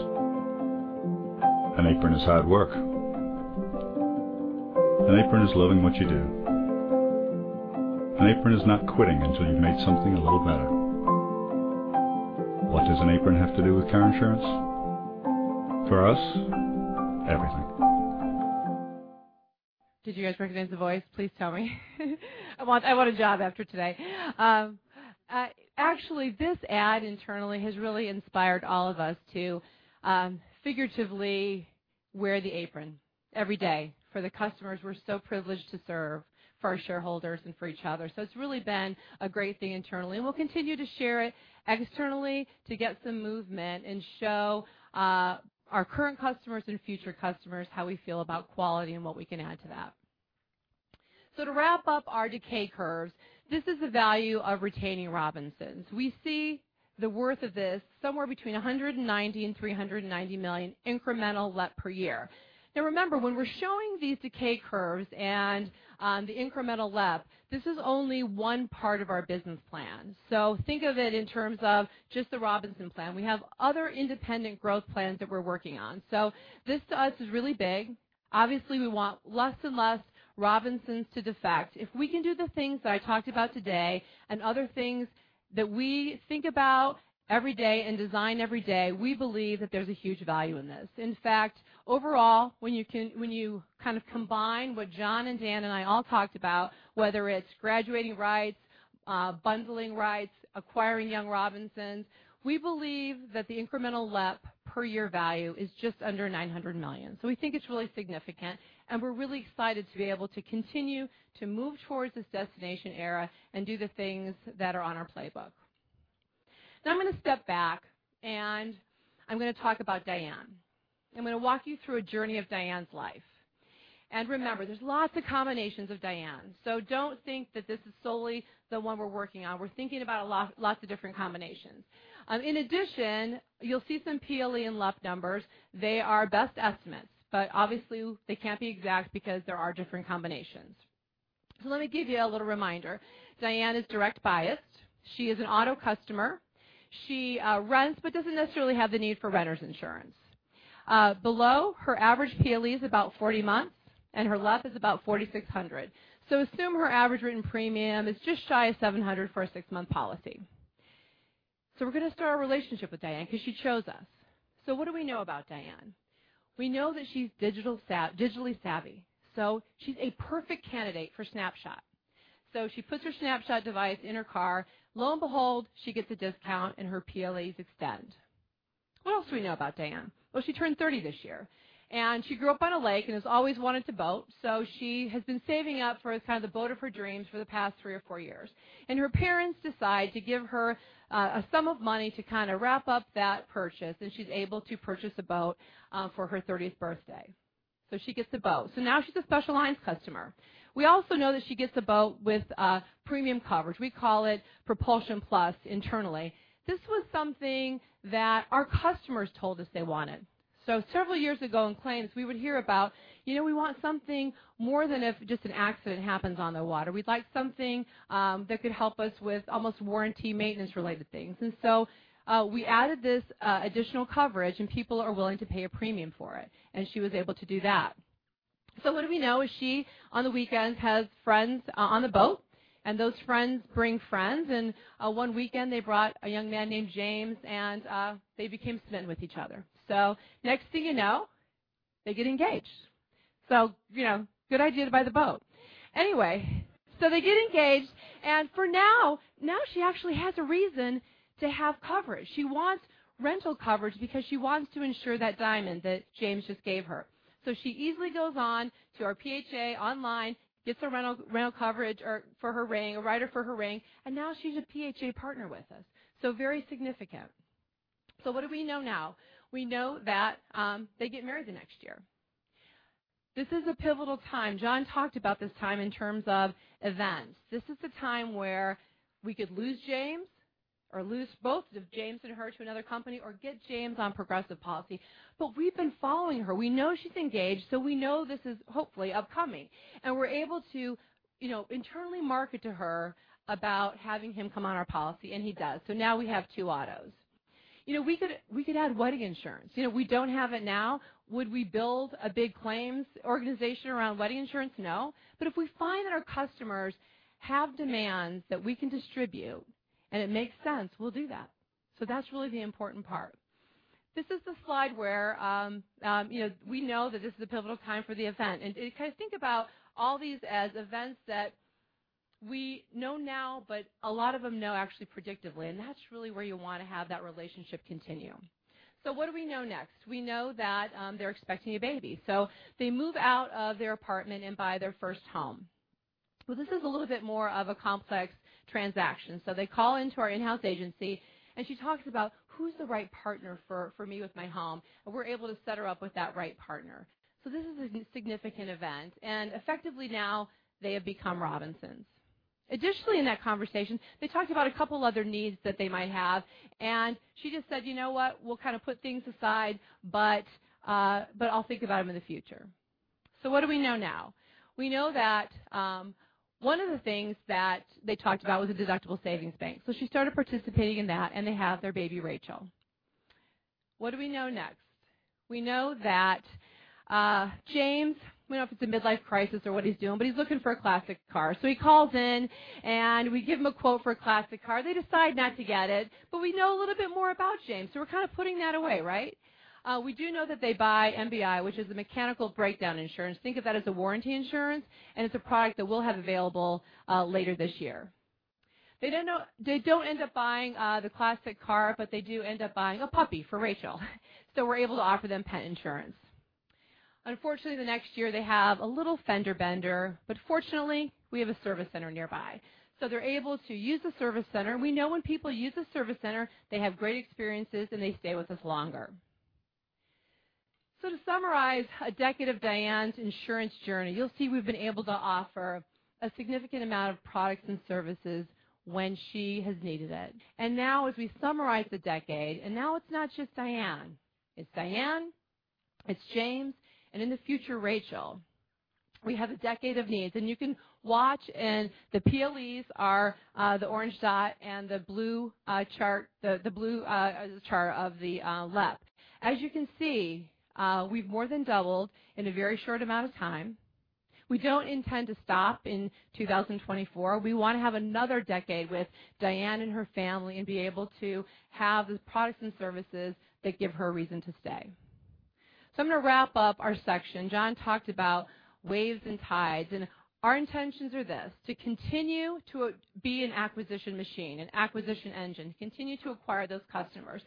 An apron is hard work. An apron is loving what you do. An apron is not quitting until you've made something a little better. What does an apron have to do with car insurance? For us, everything. Did you guys recognize the voice? Please tell me. I want a job after today. Actually, this ad internally has really inspired all of us to figuratively wear the apron every day for the customers we're so privileged to serve, for our shareholders, and for each other. It's really been a great thing internally, and we'll continue to share it externally to get some movement and show our current customers and future customers how we feel about quality and what we can add to that. To wrap up our decay curves, this is the value of retaining Robinsons. We see the worth of this somewhere between $190 million and $390 million incremental LEP per year. Remember, when we're showing these decay curves and the incremental LEP, this is only one part of our business plan. Think of it in terms of just the Robinson plan. We have other independent growth plans that we're working on. This to us is really big. Obviously, we want less and less Robinsons to defect. If we can do the things that I talked about today and other things that we think about every day and design every day, we believe that there's a huge value in this. In fact, overall, when you combine what John and Dan and I all talked about, whether it's graduating Wrights, bundling Wrights, acquiring young Robinsons, we believe that the incremental LEP per year value is just under $900 million. We think it's really significant, and we're really excited to be able to continue to move towards this destination era and do the things that are on our playbook. I'm going to step back, and I'm going to talk about Diane. I'm going to walk you through a journey of Diane's life. Remember, there's lots of combinations of Diane. Don't think that this is solely the one we're working on. We're thinking about lots of different combinations. In addition, you'll see some PLE and LEP numbers. They are best estimates, but obviously, they can't be exact because there are different combinations. Let me give you a little reminder. Diane is direct biased. She is an auto customer. She rents, but doesn't necessarily have the need for renters insurance. Below, her average PLE is about 40 months, and her loss is about $4,600. Assume her average written premium is just shy of $700 for a six-month policy. We're going to start a relationship with Diane because she chose us. What do we know about Diane? We know that she's digitally savvy, she's a perfect candidate for Snapshot. She puts her Snapshot device in her car. Lo and behold, she gets a discount, and her PLEs extend. What else do we know about Diane? Well, she turned 30 this year, and she grew up on a lake and has always wanted to boat, she has been saving up for the boat of her dreams for the past three or four years. Her parents decide to give her a sum of money to wrap up that purchase, and she's able to purchase a boat for her 30th birthday. She gets the boat. Now she's a special lines customer. We also know that she gets the boat with premium coverage. We call it Propulsion Plus internally. This was something that our customers told us they wanted. Several years ago in claims, we would hear about, we want something more than if just an accident happens on the water. We'd like something that could help us with almost warranty maintenance related things. We added this additional coverage, and people are willing to pay a premium for it, and she was able to do that. What do we know is she, on the weekends, has friends on the boat, and those friends bring friends, and one weekend, they brought a young man named James, and they became smitten with each other. Next thing you know, they get engaged. Good idea to buy the boat. Anyway, they get engaged, and for now, she actually has a reason to have coverage. She wants rental coverage because she wants to insure that diamond that James just gave her. She easily goes on to our PHA online, gets a rental coverage for her ring, a rider for her ring, and now she's a PHA partner with us. Very significant. What do we know now? We know that they get married the next year. This is a pivotal time. John talked about this time in terms of events. This is the time where we could lose James or lose both of James and her to another company or get James on Progressive policy. We've been following her. We know she's engaged, we know this is hopefully upcoming. We're able to internally market to her about having him come on our policy, and he does. Now we have two autos. We could add wedding insurance. We don't have it now. Would we build a big claims organization around wedding insurance? No. If we find that our customers have demands that we can distribute and it makes sense, we'll do that. That's really the important part. This is the slide where we know that this is a pivotal time for the event, and think about all these as events that we know now, but a lot of them know actually predictably, and that's really where you want to have that relationship continue. What do we know next? We know that they're expecting a baby. They move out of their apartment and buy their first home. This is a little bit more of a complex transaction. They call into our in-house agency, and she talks about who's the right partner for me with my home, and we're able to set her up with that right partner. This is a significant event, and effectively now they have become Robinsons. Additionally, in that conversation, they talked about a couple other needs that they might have, and she just said, "You know what? We'll put things aside, but I'll think about them in the future." What do we know now? We know that one of the things that they talked about was a Deductible Savings Bank. She started participating in that, and they have their baby, Rachel. What do we know next? We know that James, we don't know if it's a midlife crisis or what he's doing, but he's looking for a classic car. He calls in, and we give him a quote for a classic car. They decide not to get it, but we know a little bit more about James, so we're putting that away, right? We do know that they buy MBI, which is the mechanical breakdown insurance. Think of that as a warranty insurance, and it's a product that we'll have available later this year. They don't end up buying the classic car, but they do end up buying a puppy for Rachel. We're able to offer them pet insurance. Unfortunately, the next year, they have a little fender bender, but fortunately, we have a service center nearby. They're able to use the service center. We know when people use the service center, they have great experiences, and they stay with us longer. To summarize a decade of Diane's insurance journey, you'll see we've been able to offer a significant amount of products and services when she has needed it. Now as we summarize the decade, now it's not just Diane, it's Diane, it's James, and in the future, Rachel. We have a decade of needs, and you can watch, and the PLEs are the orange dot and the blue chart of the left. As you can see, we've more than doubled in a very short amount of time. We don't intend to stop in 2024. We want to have another decade with Diane and her family and be able to have the products and services that give her a reason to stay. I'm going to wrap up our section. John talked about waves and tides, and our intentions are this, to continue to be an acquisition machine, an acquisition engine, to continue to acquire those customers.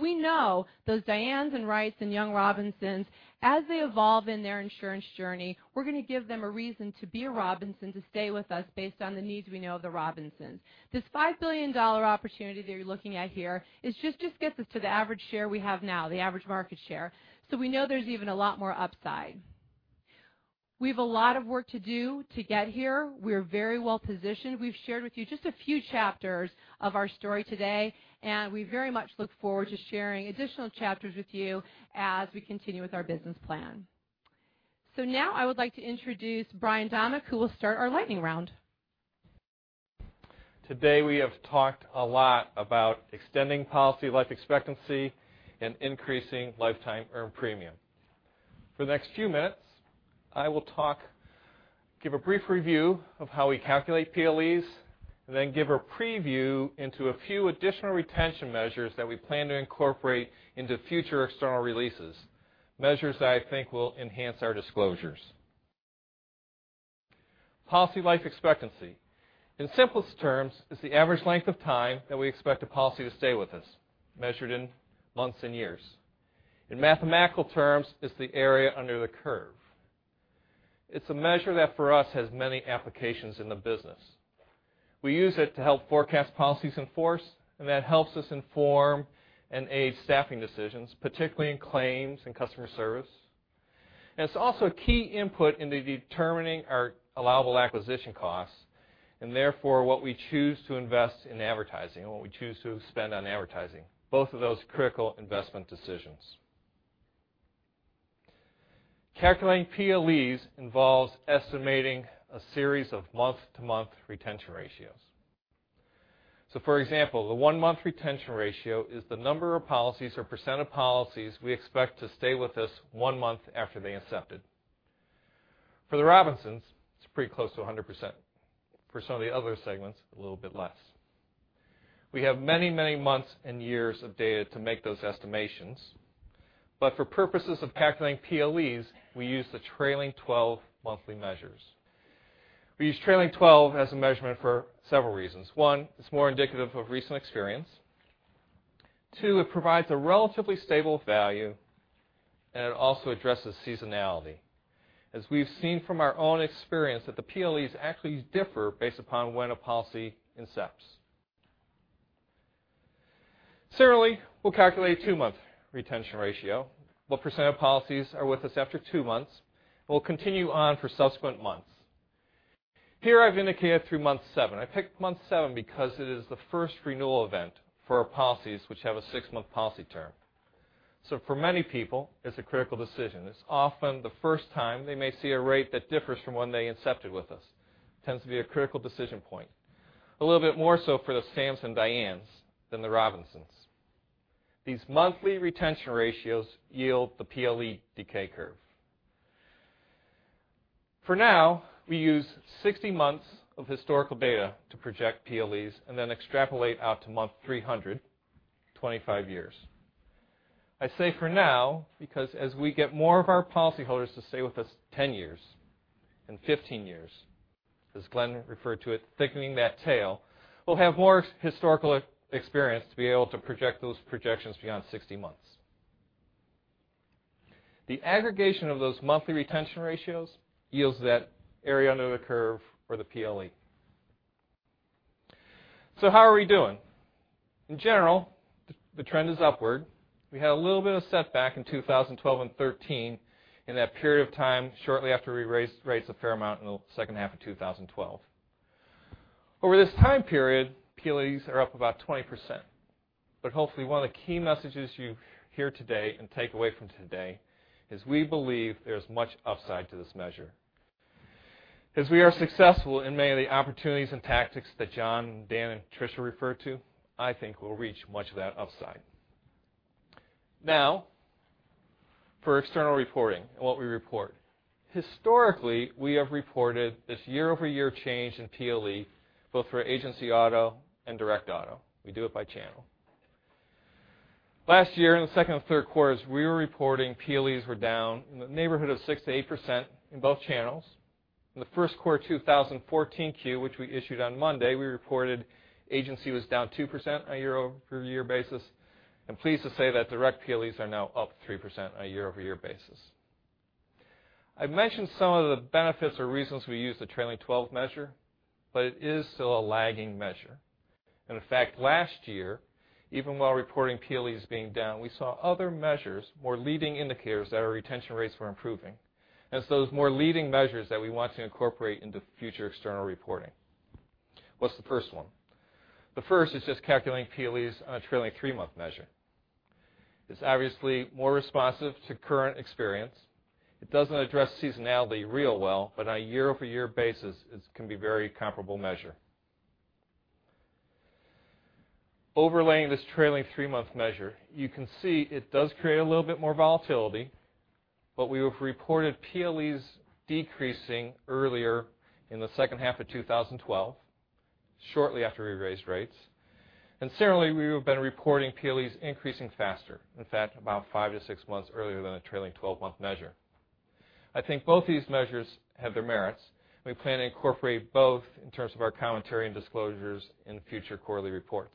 We know those Dianes and Wrights and young Robinsons, as they evolve in their insurance journey, we're going to give them a reason to be a Robinson, to stay with us based on the needs we know of the Robinsons. This $5 billion opportunity that you're looking at here, this just gets us to the average share we have now, the average market share. We know there's even a lot more upside. We have a lot of work to do to get here. We're very well positioned. We've shared with you just a few chapters of our story today, and we very much look forward to sharing additional chapters with you as we continue with our business plan. Now I would like to introduce Brian Domeck, who will start our lightning round. Today, we have talked a lot about extending policy life expectancy and increasing lifetime earned premium. For the next few minutes, I will give a brief review of how we calculate PLEs, and then give a preview into a few additional retention measures that we plan to incorporate into future external releases, measures that I think will enhance our disclosures. Policy life expectancy, in simplest terms, is the average length of time that we expect a policy to stay with us, measured in months and years. In mathematical terms, it's the area under the curve. It's a measure that, for us, has many applications in the business. We use it to help forecast policies in force, and that helps us inform and aid staffing decisions, particularly in claims and customer service. It's also a key input into determining our allowable acquisition costs, and therefore, what we choose to invest in advertising and what we choose to spend on advertising, both of those critical investment decisions. Calculating PLEs involves estimating a series of month-to-month retention ratios. For example, the one-month retention ratio is the number of policies or percent of policies we expect to stay with us one month after they incepted. For the Robinsons, it's pretty close to 100%. For some of the other segments, a little bit less. We have many, many months and years of data to make those estimations. For purposes of calculating PLEs, we use the trailing 12 monthly measures. We use trailing 12 as a measurement for several reasons. One, it's more indicative of recent experience. Two, it provides a relatively stable value, and it also addresses seasonality, as we've seen from our own experience that the PLEs actually differ based upon when a policy incepts. Similarly, we'll calculate a two-month retention ratio. What percent of policies are with us after two months? We'll continue on for subsequent months. Here, I've indicated through month seven. I picked month seven because it is the first renewal event for our policies, which have a six-month policy term. For many people, it's a critical decision. It's often the first time they may see a rate that differs from when they incepted with us. It tends to be a critical decision point, a little bit more so for the Sams and Dianes than the Robinsons. These monthly retention ratios yield the PLE decay curve. For now, we use 60 months of historical data to project PLEs and then extrapolate out to month 300, 25 years. I say for now because as we get more of our policyholders to stay with us 10 years and 15 years, as Glenn referred to it, thickening that tail, we'll have more historical experience to be able to project those projections beyond 60 months. The aggregation of those monthly retention ratios yields that area under the curve or the PLE. How are we doing? In general, the trend is upward. We had a little bit of setback in 2012 and 2013, in that period of time shortly after we raised the fair amount in the second half of 2012. Over this time period, PLEs are up about 20%. Hopefully, one of the key messages you hear today and take away from today is we believe there's much upside to this measure. As we are successful in many of the opportunities and tactics that John, Dan, and Tricia referred to, I think we'll reach much of that upside. For external reporting and what we report. Historically, we have reported this year-over-year change in PLE, both for agency auto and direct auto. We do it by channel. Last year, in the second and third quarters, we were reporting PLEs were down in the neighborhood of 6%-8% in both channels. In the first quarter 2014, which we issued on Monday, we reported agency was down 2% on a year-over-year basis, and pleased to say that direct PLEs are now up 3% on a year-over-year basis. I've mentioned some of the benefits or reasons we use the trailing 12 measure, but it is still a lagging measure. In fact, last year, even while reporting PLEs being down, we saw other measures, more leading indicators that our retention rates were improving. It's those more leading measures that we want to incorporate into future external reporting. What's the first one? The first is just calculating PLEs on a trailing three-month measure. It's obviously more responsive to current experience. It doesn't address seasonality real well, but on a year-over-year basis, it can be very comparable measure. Overlaying this trailing three-month measure, you can see it does create a little bit more volatility, but we have reported PLEs decreasing earlier in the second half of 2012, shortly after we raised rates. Certainly, we have been reporting PLEs increasing faster. In fact, about five to six months earlier than a trailing 12-month measure. I think both these measures have their merits. We plan to incorporate both in terms of our commentary and disclosures in future quarterly reports.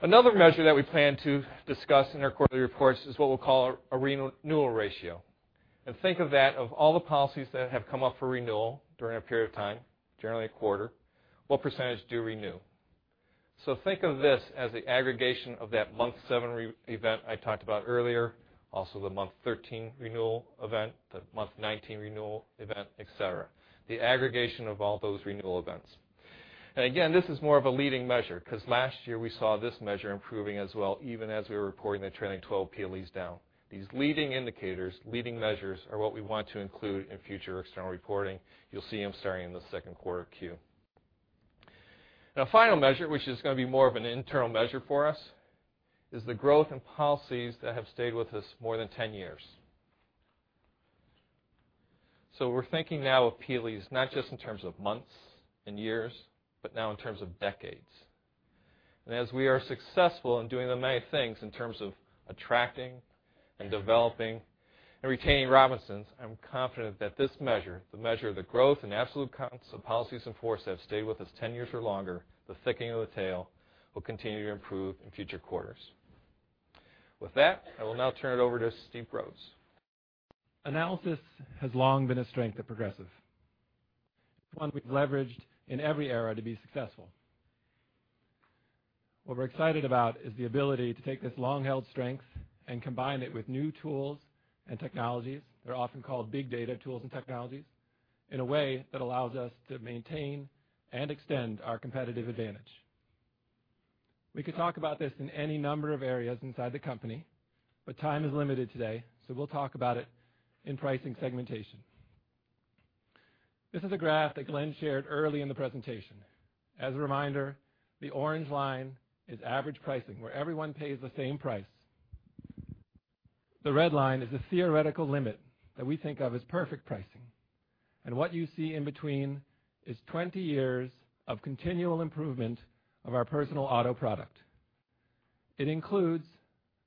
Another measure that we plan to discuss in our quarterly reports is what we'll call a renewal ratio. Think of that, of all the policies that have come up for renewal during a period of time, generally a quarter, what percentage do renew? Think of this as the aggregation of that month 7 event I talked about earlier, also the month 13 renewal event, the month 19 renewal event, et cetera. The aggregation of all those renewal events. Again, this is more of a leading measure because last year we saw this measure improving as well, even as we were reporting the trailing 12 PLEs down. These leading indicators, leading measures, are what we want to include in future external reporting. You'll see them starting in the second quarter Q. The final measure, which is going to be more of an internal measure for us, is the growth in policies that have stayed with us more than 10 years. We're thinking now of PLEs, not just in terms of months and years, but now in terms of decades. As we are successful in doing the many things in terms of attracting and developing and retaining Robinsons, I'm confident that this measure, the measure of the growth and absolute counts of policies in force that have stayed with us 10 years or longer, the thickening of the tail, will continue to improve in future quarters. With that, I will now turn it over to Steve Broz. Analysis has long been a strength of Progressive. It's one we've leveraged in every era to be successful. What we're excited about is the ability to take this long-held strength and combine it with new tools and technologies, they're often called big data tools and technologies, in a way that allows us to maintain and extend our competitive advantage. We could talk about this in any number of areas inside the company, but time is limited today, so we'll talk about it in pricing segmentation. This is a graph that Glenn shared early in the presentation. As a reminder, the orange line is average pricing, where everyone pays the same price. The red line is the theoretical limit that we think of as perfect pricing. What you see in between is 20 years of continual improvement of our personal auto product. It includes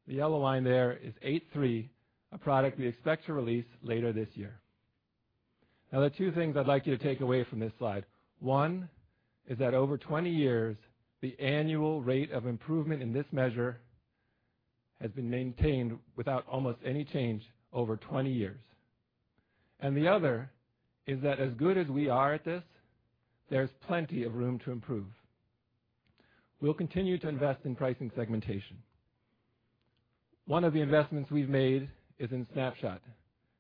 the yellow line there is eight three, a product we expect to release later this year. The two things I'd like you to take away from this slide. One is that over 20 years, the annual rate of improvement in this measure has been maintained without almost any change over 20 years. The other is that as good as we are at this, there's plenty of room to improve. We'll continue to invest in pricing segmentation. One of the investments we've made is in Snapshot,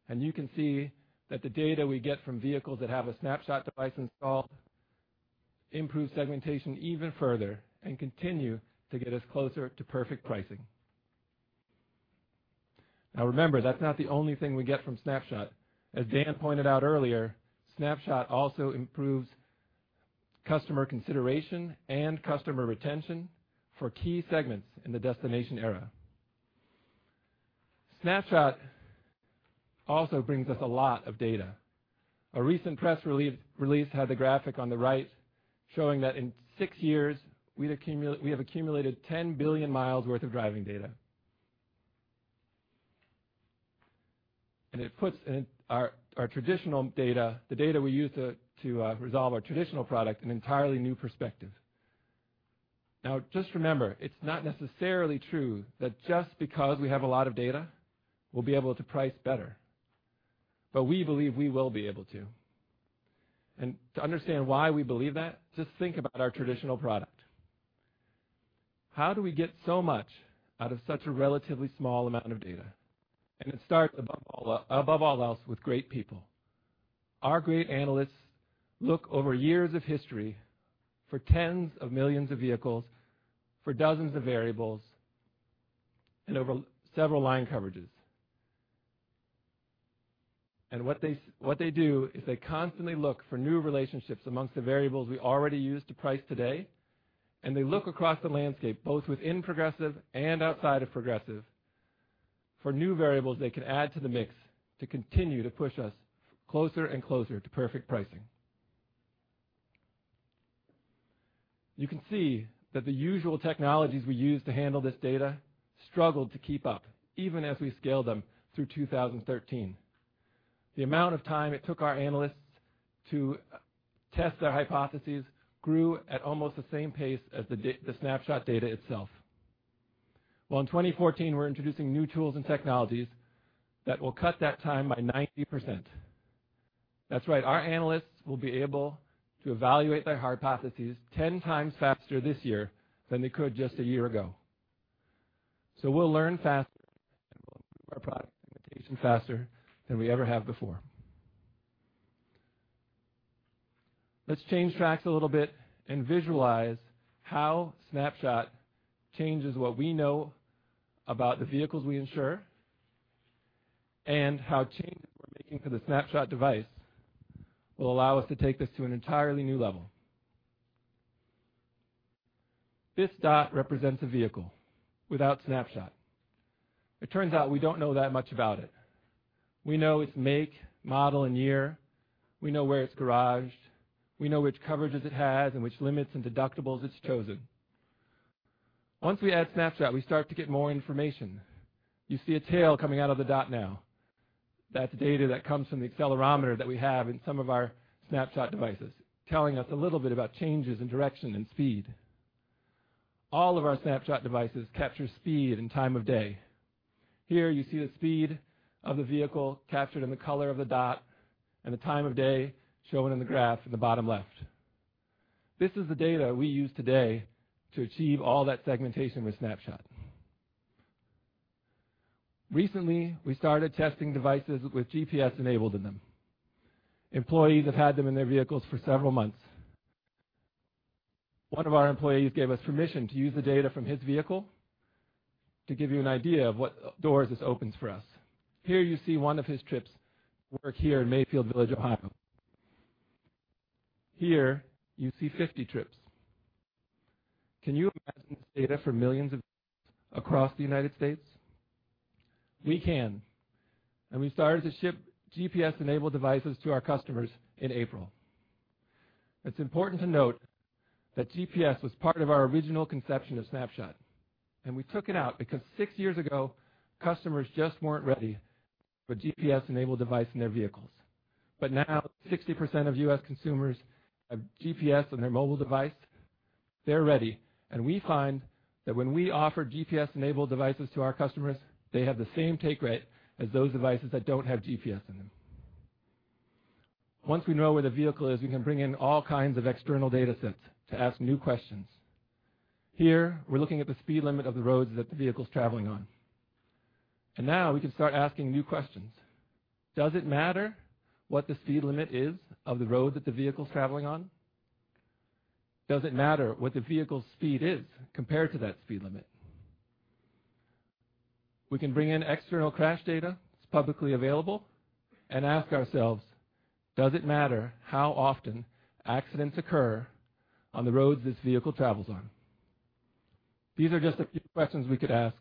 and you can see that the data we get from vehicles that have a Snapshot device installed improves segmentation even further and continue to get us closer to perfect pricing. Remember, that's not the only thing we get from Snapshot. As Dan pointed out earlier, Snapshot also improves customer consideration and customer retention for key segments in the destination era. Snapshot also brings us a lot of data. A recent press release had the graphic on the right showing that in six years we have accumulated 10 billion miles worth of driving data. It puts our traditional data, the data we use to resolve our traditional product, an entirely new perspective. Just remember, it's not necessarily true that just because we have a lot of data, we'll be able to price better. We believe we will be able to. To understand why we believe that, just think about our traditional product. How do we get so much out of such a relatively small amount of data? It starts above all else with great people. Our great analysts look over years of history for tens of millions of vehicles, for dozens of variables, and over several line coverages. What they do is they constantly look for new relationships amongst the variables we already use to price today, and they look across the landscape, both within Progressive and outside of Progressive, for new variables they can add to the mix to continue to push us closer and closer to perfect pricing. You can see that the usual technologies we use to handle this data struggle to keep up, even as we scale them through 2013. The amount of time it took our analysts to test their hypotheses grew at almost the same pace as the Snapshot data itself. In 2014, we're introducing new tools and technologies that will cut that time by 90%. That's right. Our analysts will be able to evaluate their hypotheses ten times faster this year than they could just a year ago. We'll learn faster, and we'll improve our product segmentation faster than we ever have before. Let's change tracks a little bit and visualize how Snapshot changes what we know about the vehicles we insure and how changes we're making to the Snapshot device will allow us to take this to an entirely new level. This dot represents a vehicle without Snapshot. It turns out we don't know that much about it. We know its make, model, and year. We know where it's garaged. We know which coverages it has and which limits and deductibles it's chosen. Once we add Snapshot, we start to get more information. You see a tail coming out of the dot now. That's data that comes from the accelerometer that we have in some of our Snapshot devices, telling us a little bit about changes in direction and speed. All of our Snapshot devices capture speed and time of day. Here you see the speed of the vehicle captured in the color of the dot, and the time of day shown in the graph in the bottom left. This is the data we use today to achieve all that segmentation with Snapshot. Recently, we started testing devices with GPS enabled in them. Employees have had them in their vehicles for several months. One of our employees gave us permission to use the data from his vehicle to give you an idea of what doors this opens for us. Here you see one of his trips to work here in Mayfield Village, Ohio. Here you see 50 trips. Can you imagine this data for millions of across the United States? We can, and we started to ship GPS-enabled devices to our customers in April. It's important to note that GPS was part of our original conception of Snapshot, and we took it out because six years ago, customers just weren't ready for a GPS-enabled device in their vehicles. Now 60% of U.S. consumers have GPS on their mobile device. They're ready, and we find that when we offer GPS-enabled devices to our customers, they have the same take rate as those devices that don't have GPS in them. Once we know where the vehicle is, we can bring in all kinds of external data sets to ask new questions. Here, we're looking at the speed limit of the roads that the vehicle's traveling on. Now we can start asking new questions. Does it matter what the speed limit is of the road that the vehicle's traveling on? Does it matter what the vehicle's speed is compared to that speed limit? We can bring in external crash data that's publicly available and ask ourselves, does it matter how often accidents occur on the roads this vehicle travels on? These are just a few questions we could ask,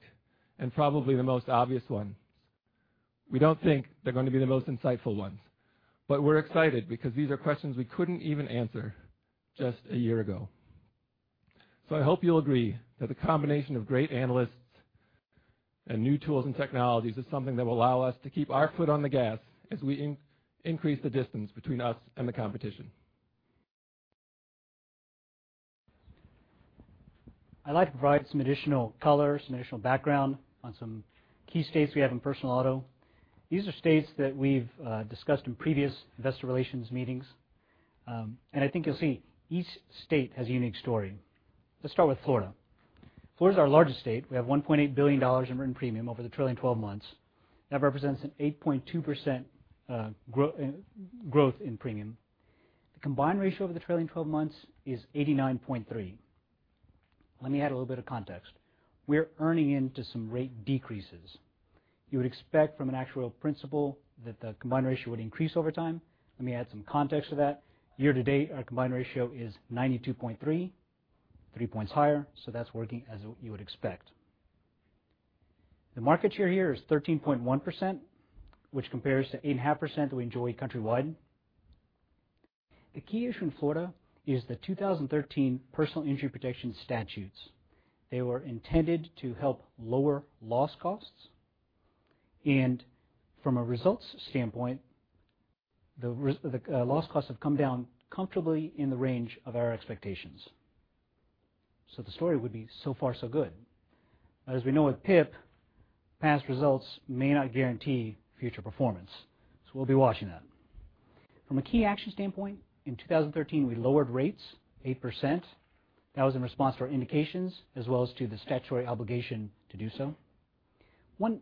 and probably the most obvious ones. We don't think they're going to be the most insightful ones. We're excited because these are questions we couldn't even answer just a year ago. I hope you'll agree that the combination of great analysts and new tools and technologies is something that will allow us to keep our foot on the gas as we increase the distance between us and the competition. I'd like to provide some additional color, some additional background on some key states we have in personal auto. These are states that we've discussed in previous investor relations meetings. I think you'll see each state has a unique story. Let's start with Florida. Florida's our largest state. We have $1.8 billion in written premium over the trailing 12 months. That represents an 8.2% growth in premium. The combined ratio over the trailing 12 months is 89.3%. Let me add a little bit of context. We're earning into some rate decreases. You would expect from an actuarial principle that the combined ratio would increase over time. Let me add some context to that. Year to date, our combined ratio is 92.3%, three points higher, that's working as you would expect. The market share here is 13.1%, which compares to 8.5% we enjoy countrywide. The key issue in Florida is the 2013 personal injury protection statutes. They were intended to help lower loss costs, from a results standpoint, the loss costs have come down comfortably in the range of our expectations. The story would be so far so good. As we know with PIP, past results may not guarantee future performance, we'll be watching that. From a key action standpoint, in 2013, we lowered rates 8%. That was in response to our indications as well as to the statutory obligation to do so. One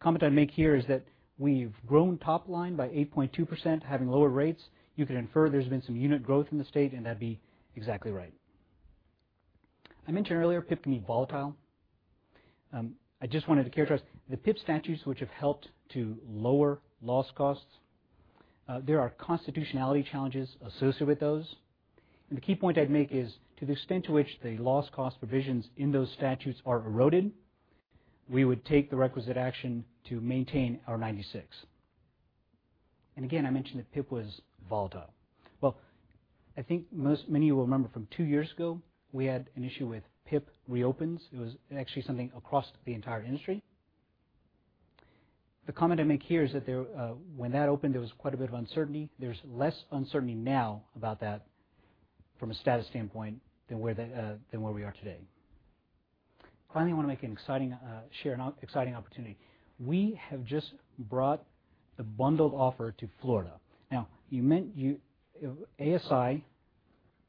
comment I'd make here is that we've grown top line by 8.2% having lower rates. You can infer there's been some unit growth in the state, that'd be exactly right. I mentioned earlier, PIP can be volatile. I just wanted to characterize, the PIP statutes, which have helped to lower loss costs, there are constitutionality challenges associated with those. The key point I'd make is, to the extent to which the loss cost provisions in those statutes are eroded, we would take the requisite action to maintain our 96%. Again, I mentioned that PIP was volatile. Well, I think many of you will remember from two years ago, we had an issue with PIP reopens. It was actually something across the entire industry. The comment I make here is that when that opened, there was quite a bit of uncertainty. There's less uncertainty now about that from a status standpoint than where we are today. Finally, I want to share an exciting opportunity. We have just brought the bundled offer to Florida. ASI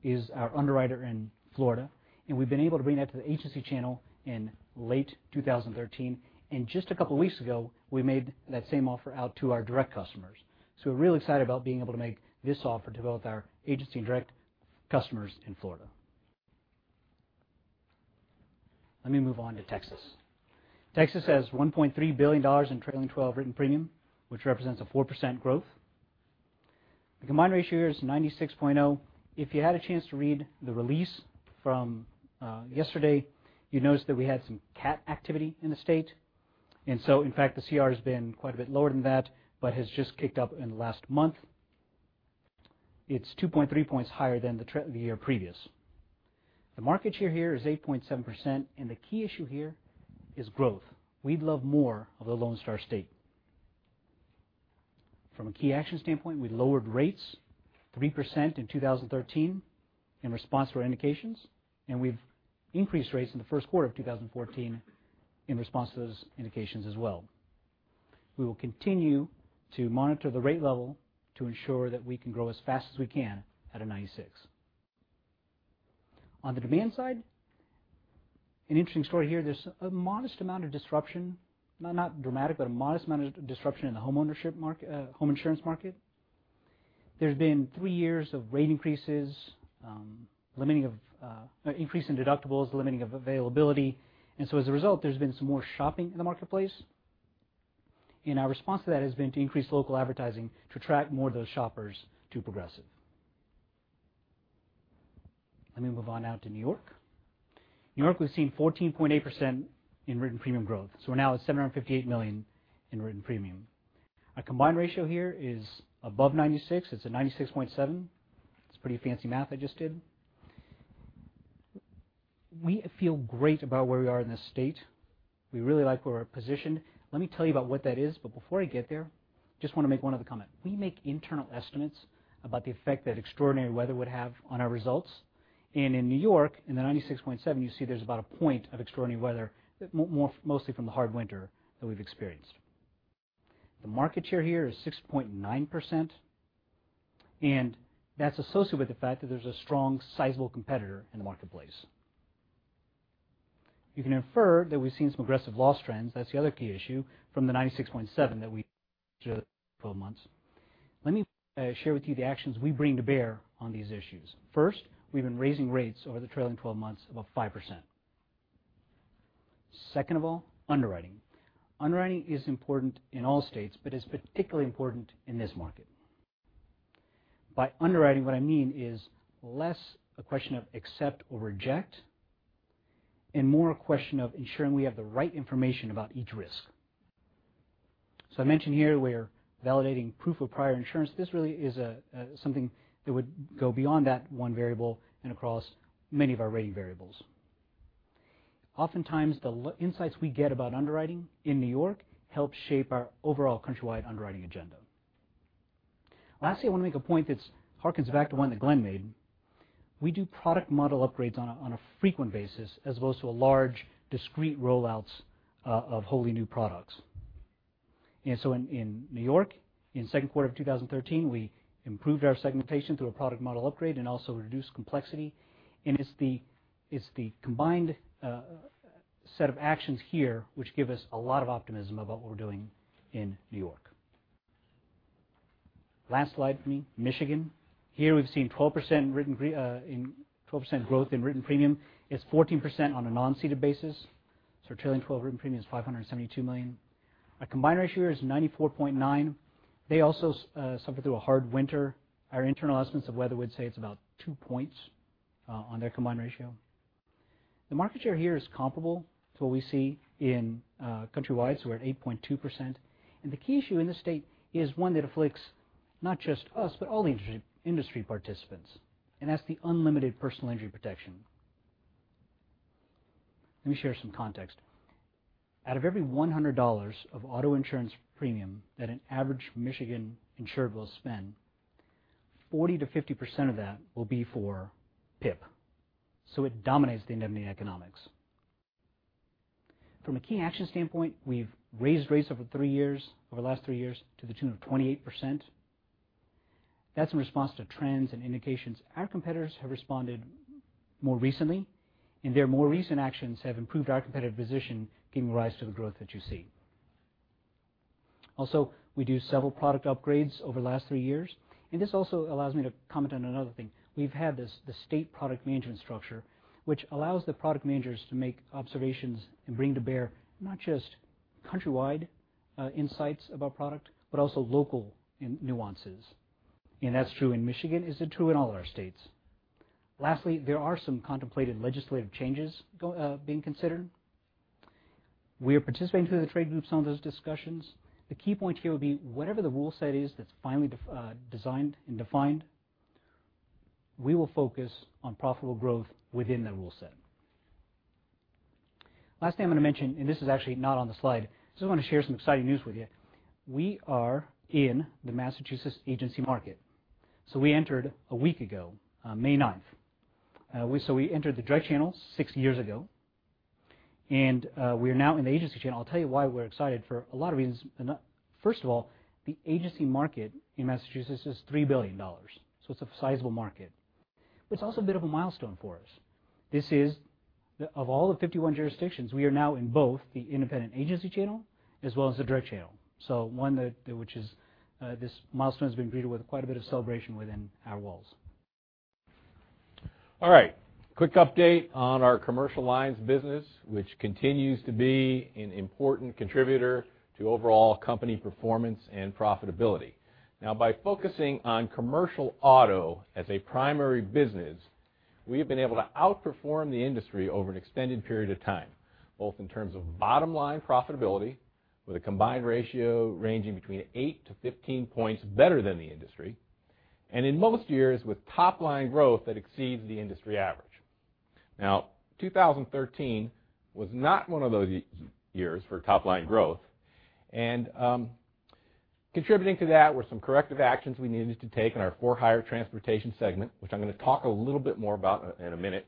is our underwriter in Florida, and we've been able to bring that to the agency channel in late 2013. Just a couple of weeks ago, we made that same offer out to our direct customers. We're really excited about being able to make this offer to both our agency and direct customers in Florida. Let me move on to Texas. Texas has $1.3 billion in trailing 12 written premium, which represents a 4% growth. The combined ratio here is 96.0. If you had a chance to read the release from yesterday, you noticed that we had some cat activity in the state. In fact, the CR has been quite a bit lower than that, but has just kicked up in the last month. It's 2.3 points higher than the year previous. The market share here is 8.7%. The key issue here is growth. We'd love more of the Lone Star State. From a key action standpoint, we lowered rates 3% in 2013 in response to our indications. We've increased rates in the first quarter of 2014 in response to those indications as well. We will continue to monitor the rate level to ensure that we can grow as fast as we can at a 96. On the demand side, an interesting story here, there's a modest amount of disruption, not dramatic, but a modest amount of disruption in the home insurance market. There's been three years of rate increases, increase in deductibles, limiting of availability. As a result, there's been some more shopping in the marketplace. Our response to that has been to increase local advertising to attract more of those shoppers to Progressive. Let me move on now to New York. New York, we've seen 14.8% in written premium growth. We're now at $758 million in written premium. Our combined ratio here is above 96. It's a 96.7. It's pretty fancy math I just did. We feel great about where we are in this state. We really like where we're positioned. Let me tell you about what that is, before I get there, just want to make one other comment. We make internal estimates about the effect that extraordinary weather would have on our results. In New York, in the 96.7, you see there's about a point of extraordinary weather, mostly from the hard winter that we've experienced. The market share here is 6.9%. That's associated with the fact that there's a strong, sizable competitor in the marketplace. You can infer that we've seen some aggressive loss trends, that's the other key issue, from the 96.7 that we 12 months. Let me share with you the actions we bring to bear on these issues. First, we've been raising rates over the trailing 12 months, about 5%. Second of all, underwriting. Underwriting is important in all states. It's particularly important in this market. By underwriting, what I mean is less a question of accept or reject, more a question of ensuring we have the right information about each risk. I mentioned here we are validating proof of prior insurance. This really is something that would go beyond that one variable across many of our rating variables. Oftentimes, the insights we get about underwriting in New York help shape our overall countrywide underwriting agenda. Lastly, I want to make a point that hearkens back to one that Glenn made. We do product model upgrades on a frequent basis as opposed to large, discrete rollouts of wholly new products. In New York, in second quarter of 2013, we improved our segmentation through a product model upgrade and also reduced complexity. It's the combined set of actions here which give us a lot of optimism about what we're doing in New York. Last slide for me, Michigan. Here we've seen 12% growth in written premium. It's 14% on a non-ceded basis. Trailing 12 written premium is $572 million. Our combined ratio here is 94.9. They also suffered through a hard winter. Our internal estimates of weather, we'd say it's about two points on their combined ratio. The market share here is comparable to what we see in countrywide, so we're at 8.2%. The key issue in this state is one that afflicts not just us, but all the industry participants, and that's the unlimited personal injury protection. Let me share some context. Out of every $100 of auto insurance premium that an average Michigan insured will spend, 40%-50% of that will be for PIP. It dominates the economics. From a key action standpoint, we've raised rates over three years, over the last three years, to the tune of 28%. That's in response to trends and indications. Our competitors have responded more recently, and their more recent actions have improved our competitive position, giving rise to the growth that you see. Also, we do several product upgrades over the last three years. This also allows me to comment on another thing. We've had the state product management structure, which allows the product managers to make observations and bring to bear not just countrywide insights about product, but also local nuances. That's true in Michigan as true in all of our states. Lastly, there are some contemplated legislative changes being considered. We are participating through the trade groups on those discussions. The key point here would be whatever the rule set is that's finally designed and defined, we will focus on profitable growth within that rule set. Last thing I'm going to mention, this is actually not on the slide. I just want to share some exciting news with you. We are in the Massachusetts agency market. We entered a week ago, on May 9th. We entered the direct channel six years ago, and we are now in the agency channel. I'll tell you why we're excited for a lot of reasons. First of all, the agency market in Massachusetts is $3 billion, it's a sizable market. It's also a bit of a milestone for us. This is, of all the 51 jurisdictions, we are now in both the independent agency channel as well as the direct channel. This milestone has been greeted with quite a bit of celebration within our walls. All right. Quick update on our commercial lines business, which continues to be an important contributor to overall company performance and profitability. By focusing on commercial auto as a primary business, we have been able to outperform the industry over an extended period of time, both in terms of bottom-line profitability, with a combined ratio ranging between 8-15 points better than the industry, and in most years with top-line growth that exceeds the industry average. 2013 was not one of those years for top-line growth, and contributing to that were some corrective actions we needed to take in our for-hire transportation segment, which I'm going to talk a little bit more about in a minute.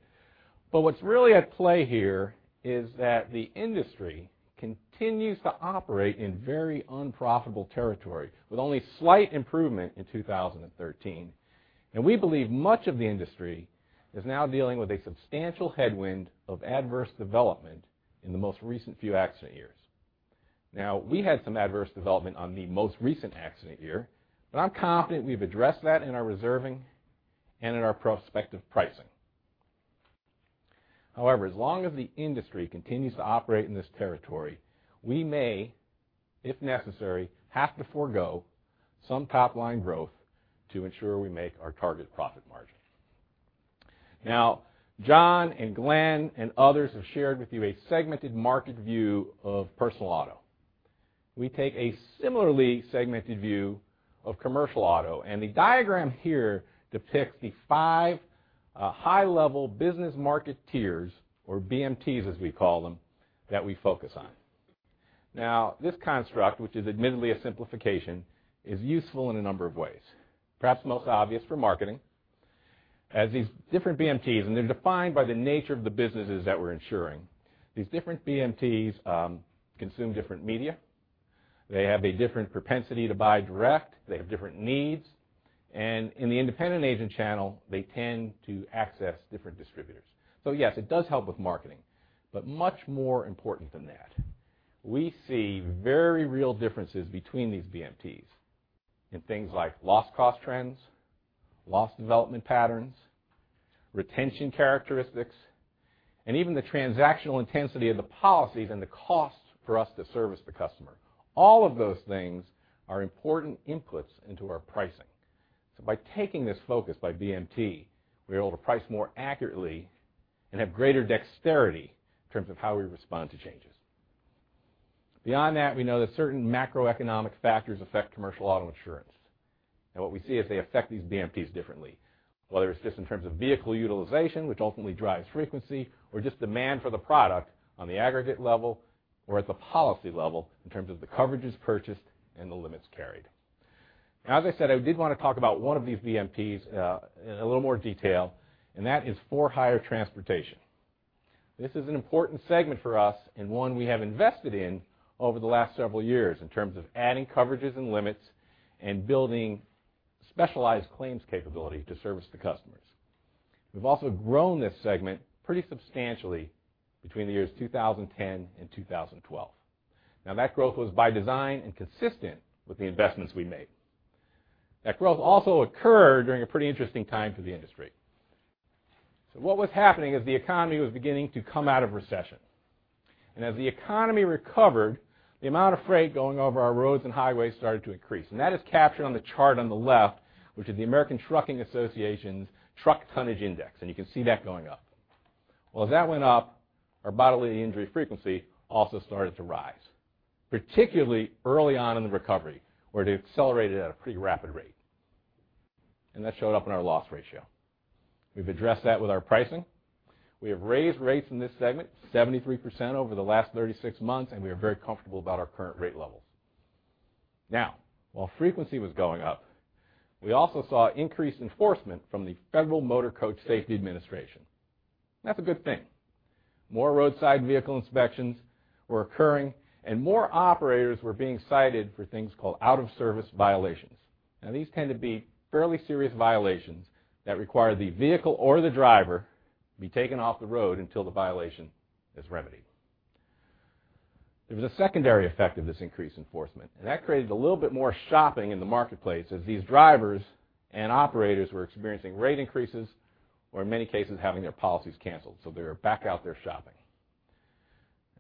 What's really at play here is that the industry continues to operate in very unprofitable territory, with only slight improvement in 2013. We believe much of the industry is now dealing with a substantial headwind of adverse development in the most recent few accident years. We had some adverse development on the most recent accident year, I'm confident we've addressed that in our reserving and in our prospective pricing. However, as long as the industry continues to operate in this territory, we may, if necessary, have to forego some top-line growth to ensure we make our targeted profit margin. John and Glenn and others have shared with you a segmented market view of personal auto. We take a similarly segmented view of commercial auto, and the diagram here depicts the 5 high-level business market tiers, or BMTs as we call them, that we focus on. This construct, which is admittedly a simplification, is useful in a number of ways. Perhaps most obvious for marketing, as these different BMTs, they're defined by the nature of the businesses that we're insuring. These different BMTs consume different media. They have a different propensity to buy direct. They have different needs. In the independent agent channel, they tend to access different distributors. Yes, it does help with marketing. Much more important than that, we see very real differences between these BMTs in things like loss cost trends, loss development patterns, retention characteristics, and even the transactional intensity of the policies and the cost for us to service the customer. All of those things are important inputs into our pricing. By taking this focus by BMT, we're able to price more accurately and have greater dexterity in terms of how we respond to changes. Beyond that, we know that certain macroeconomic factors affect commercial auto insurance, what we see is they affect these BMTs differently. Whether it's just in terms of vehicle utilization, which ultimately drives frequency, or just demand for the product on the aggregate level or at the policy level in terms of the coverages purchased and the limits carried. As I said, I did want to talk about one of these BMTs in a little more detail, and that is for-hire transportation. This is an important segment for us and one we have invested in over the last several years in terms of adding coverages and limits and building specialized claims capability to service the customers. We've also grown this segment pretty substantially between the years 2010 and 2012. That growth was by design and consistent with the investments we made. That growth also occurred during a pretty interesting time for the industry. What was happening is the economy was beginning to come out of recession. As the economy recovered, the amount of freight going over our roads and highways started to increase. That is captured on the chart on the left, which is the American Trucking Associations' truck tonnage index, and you can see that going up. As that went up, our bodily injury frequency also started to rise, particularly early on in the recovery, where it accelerated at a pretty rapid rate. That showed up in our loss ratio. We've addressed that with our pricing. We have raised rates in this segment 73% over the last 36 months, and we are very comfortable about our current rate levels. While frequency was going up, we also saw increased enforcement from the Federal Motor Carrier Safety Administration. That's a good thing. More roadside vehicle inspections were occurring, and more operators were being cited for things called out-of-service violations. These tend to be fairly serious violations that require the vehicle or the driver be taken off the road until the violation is remedied. There was a secondary effect of this increased enforcement, and that created a little bit more shopping in the marketplace as these drivers and operators were experiencing rate increases, or in many cases, having their policies canceled. They were back out there shopping.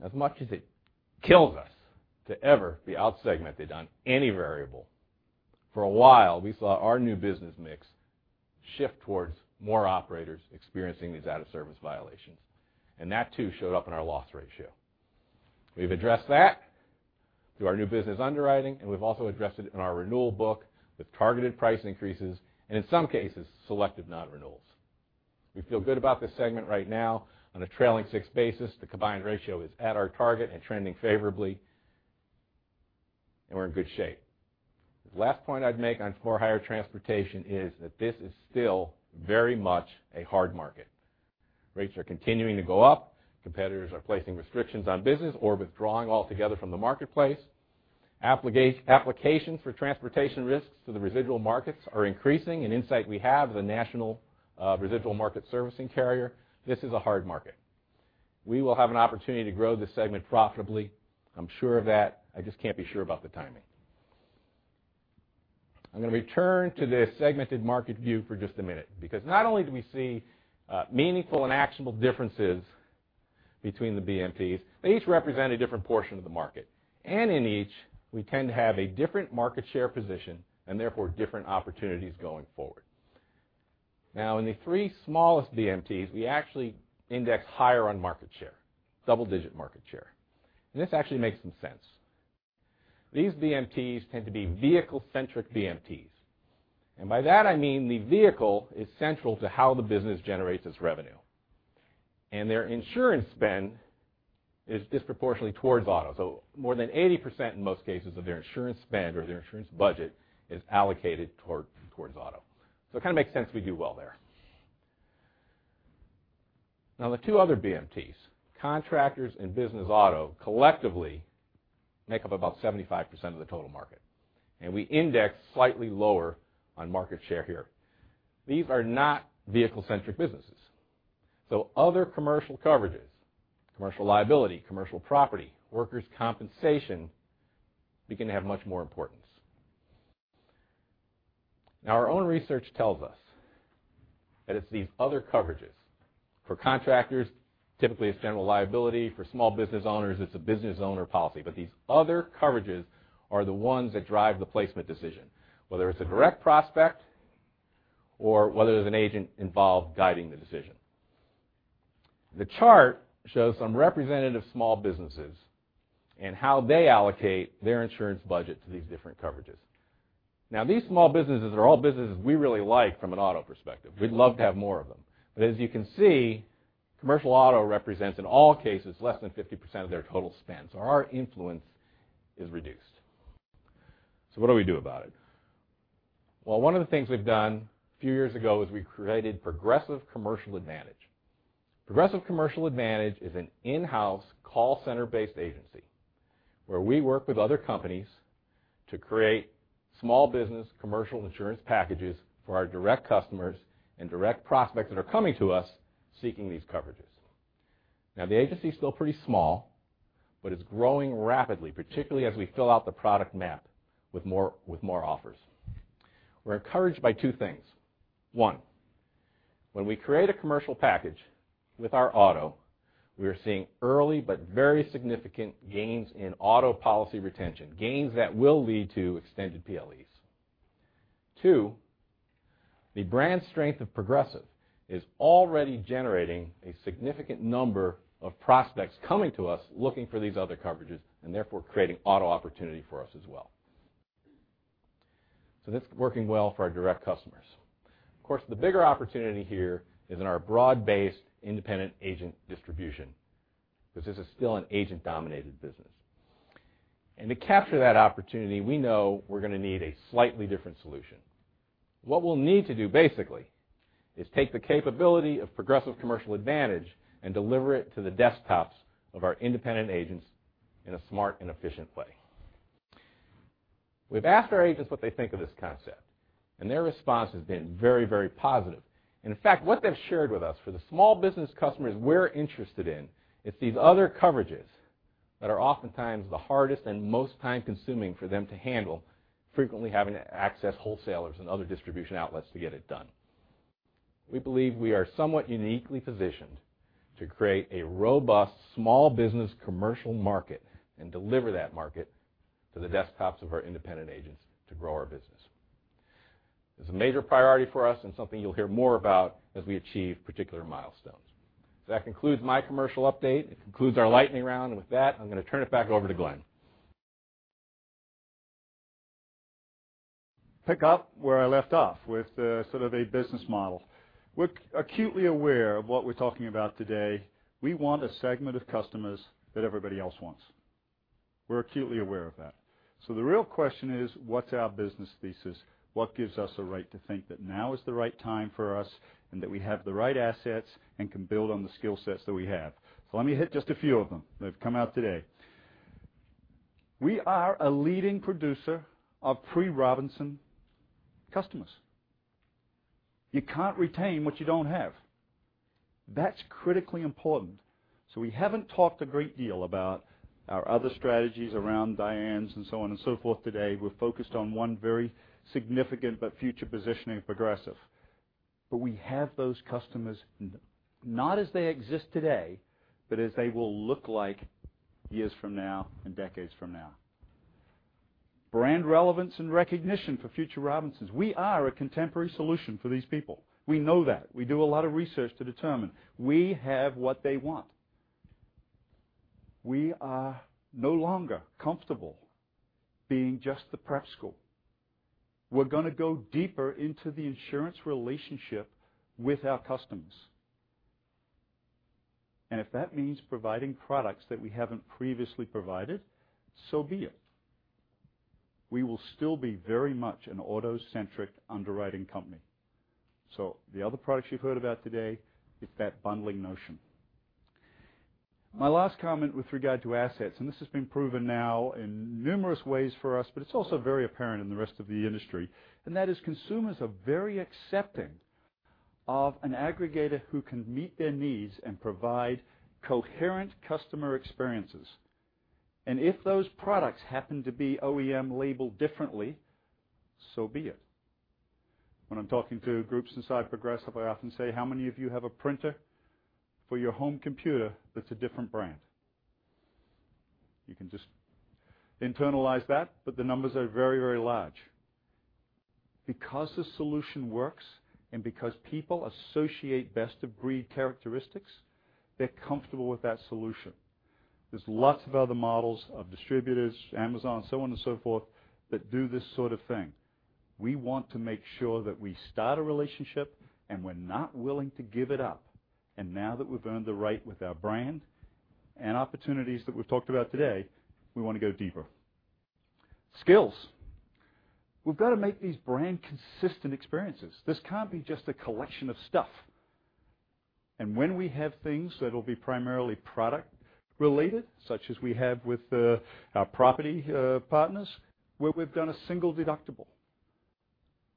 As much as it kills us to ever be out-segmented on any variable, for a while, we saw our new business mix shift towards more operators experiencing these out-of-service violations. That, too, showed up in our loss ratio. We've addressed that through our new business underwriting. We've also addressed it in our renewal book with targeted price increases and, in some cases, selective nonrenewals. We feel good about this segment right now. On a trailing six basis, the combined ratio is at our target and trending favorably, and we're in good shape. Last point I'd make on for-hire transportation is that this is still very much a hard market. Rates are continuing to go up. Competitors are placing restrictions on business or withdrawing altogether from the marketplace. Applications for transportation risks to the residual markets are increasing. In insight we have the national residual market servicing carrier. This is a hard market. We will have an opportunity to grow this segment profitably. I'm sure of that. I just can't be sure about the timing. I'm going to return to this segmented market view for just a minute because not only do we see meaningful and actionable differences between the BMTs, they each represent a different portion of the market. In each, we tend to have a different market share position, and therefore, different opportunities going forward. In the three smallest BMTs, we actually index higher on market share, double-digit market share. This actually makes some sense. These BMTs tend to be vehicle-centric BMTs. By that I mean the vehicle is central to how the business generates its revenue. Their insurance spend is disproportionately towards auto. More than 80%, in most cases, of their insurance spend or their insurance budget is allocated towards auto. It kind of makes sense we do well there. The two other BMTs, contractors and business auto, collectively make up about 75% of the total market, and we index slightly lower on market share here. These are not vehicle centric businesses. Other commercial coverages, commercial liability, commercial property, workers' compensation, begin to have much more importance. Our own research tells us that it's these other coverages. For contractors, typically it's general liability. For small business owners, it's a business owner policy. These other coverages are the ones that drive the placement decision, whether it's a direct prospect or whether there's an agent involved guiding the decision. The chart shows some representative small businesses and how they allocate their insurance budget to these different coverages. These small businesses are all businesses we really like from an auto perspective. We'd love to have more of them. As you can see, commercial auto represents, in all cases, less than 50% of their total spend. Our influence is reduced. What do we do about it? One of the things we've done a few years ago was we created Progressive Commercial Advantage. Progressive Commercial Advantage is an in-house call center based agency where we work with other companies to create small business commercial insurance packages for our direct customers and direct prospects that are coming to us seeking these coverages. The agency is still pretty small, but it's growing rapidly, particularly as we fill out the product map with more offers. We're encouraged by two things. One, when we create a commercial package with our auto, we are seeing early but very significant gains in auto policy retention, gains that will lead to extended PLEs. Two, the brand strength of Progressive is already generating a significant number of prospects coming to us looking for these other coverages and therefore creating auto opportunity for us as well. That's working well for our direct customers. Of course, the bigger opportunity here is in our broad-based independent agent distribution, because this is still an agent dominated business. To capture that opportunity, we know we're going to need a slightly different solution. What we'll need to do, basically, is take the capability of Progressive Commercial Advantage and deliver it to the desktops of our independent agents in a smart and efficient way. We've asked our agents what they think of this concept, their response has been very positive. What they've shared with us for the small business customers we're interested in, it's these other coverages that are oftentimes the hardest and most time-consuming for them to handle, frequently having to access wholesalers and other distribution outlets to get it done. We believe we are somewhat uniquely positioned to create a robust small business commercial market and deliver that market to the desktops of our independent agents to grow our business. It's a major priority for us and something you'll hear more about as we achieve particular milestones. That concludes my commercial update. It concludes our lightning round. With that, I'm going to turn it back over to Glenn. Pick up where I left off with the sort of a business model. We're acutely aware of what we're talking about today. We want a segment of customers that everybody else wants. We're acutely aware of that. The real question is, what's our business thesis? What gives us a right to think that now is the right time for us and that we have the right assets and can build on the skill sets that we have? Let me hit just a few of them that have come out today. We are a leading producer of pre-Robinson customers. You can't retain what you don't have. That's critically important. We haven't talked a great deal about our other strategies around Diane's and so on and so forth today. We're focused on one very significant but future positioning of Progressive. We have those customers, not as they exist today, but as they will look like years from now and decades from now. Brand relevance and recognition for future Robinsons. We are a contemporary solution for these people. We know that. We do a lot of research to determine. We have what they want. We are no longer comfortable being just the prep school. We're going to go deeper into the insurance relationship with our customers. If that means providing products that we haven't previously provided, so be it. We will still be very much an auto centric underwriting company. The other products you've heard about today, it's that bundling notion. My last comment with regard to assets, this has been proven now in numerous ways for us, it's also very apparent in the rest of the industry, and that is consumers are very accepting of an aggregator who can meet their needs and provide coherent customer experiences. If those products happen to be OEM labeled differently, so be it. When I'm talking to groups inside Progressive, I often say, how many of you have a printer for your home computer that's a different brand? You can just internalize that, the numbers are very large. Because the solution works and because people associate best of breed characteristics, they're comfortable with that solution. There's lots of other models of distributors, Amazon, so on and so forth, that do this sort of thing. We want to make sure that we start a relationship, and we're not willing to give it up. Now that we've earned the right with our brand and opportunities that we've talked about today, we want to go deeper. Skills. We've got to make these brand consistent experiences. This can't be just a collection of stuff. When we have things that will be primarily product related, such as we have with our property partners, where we've done a single deductible.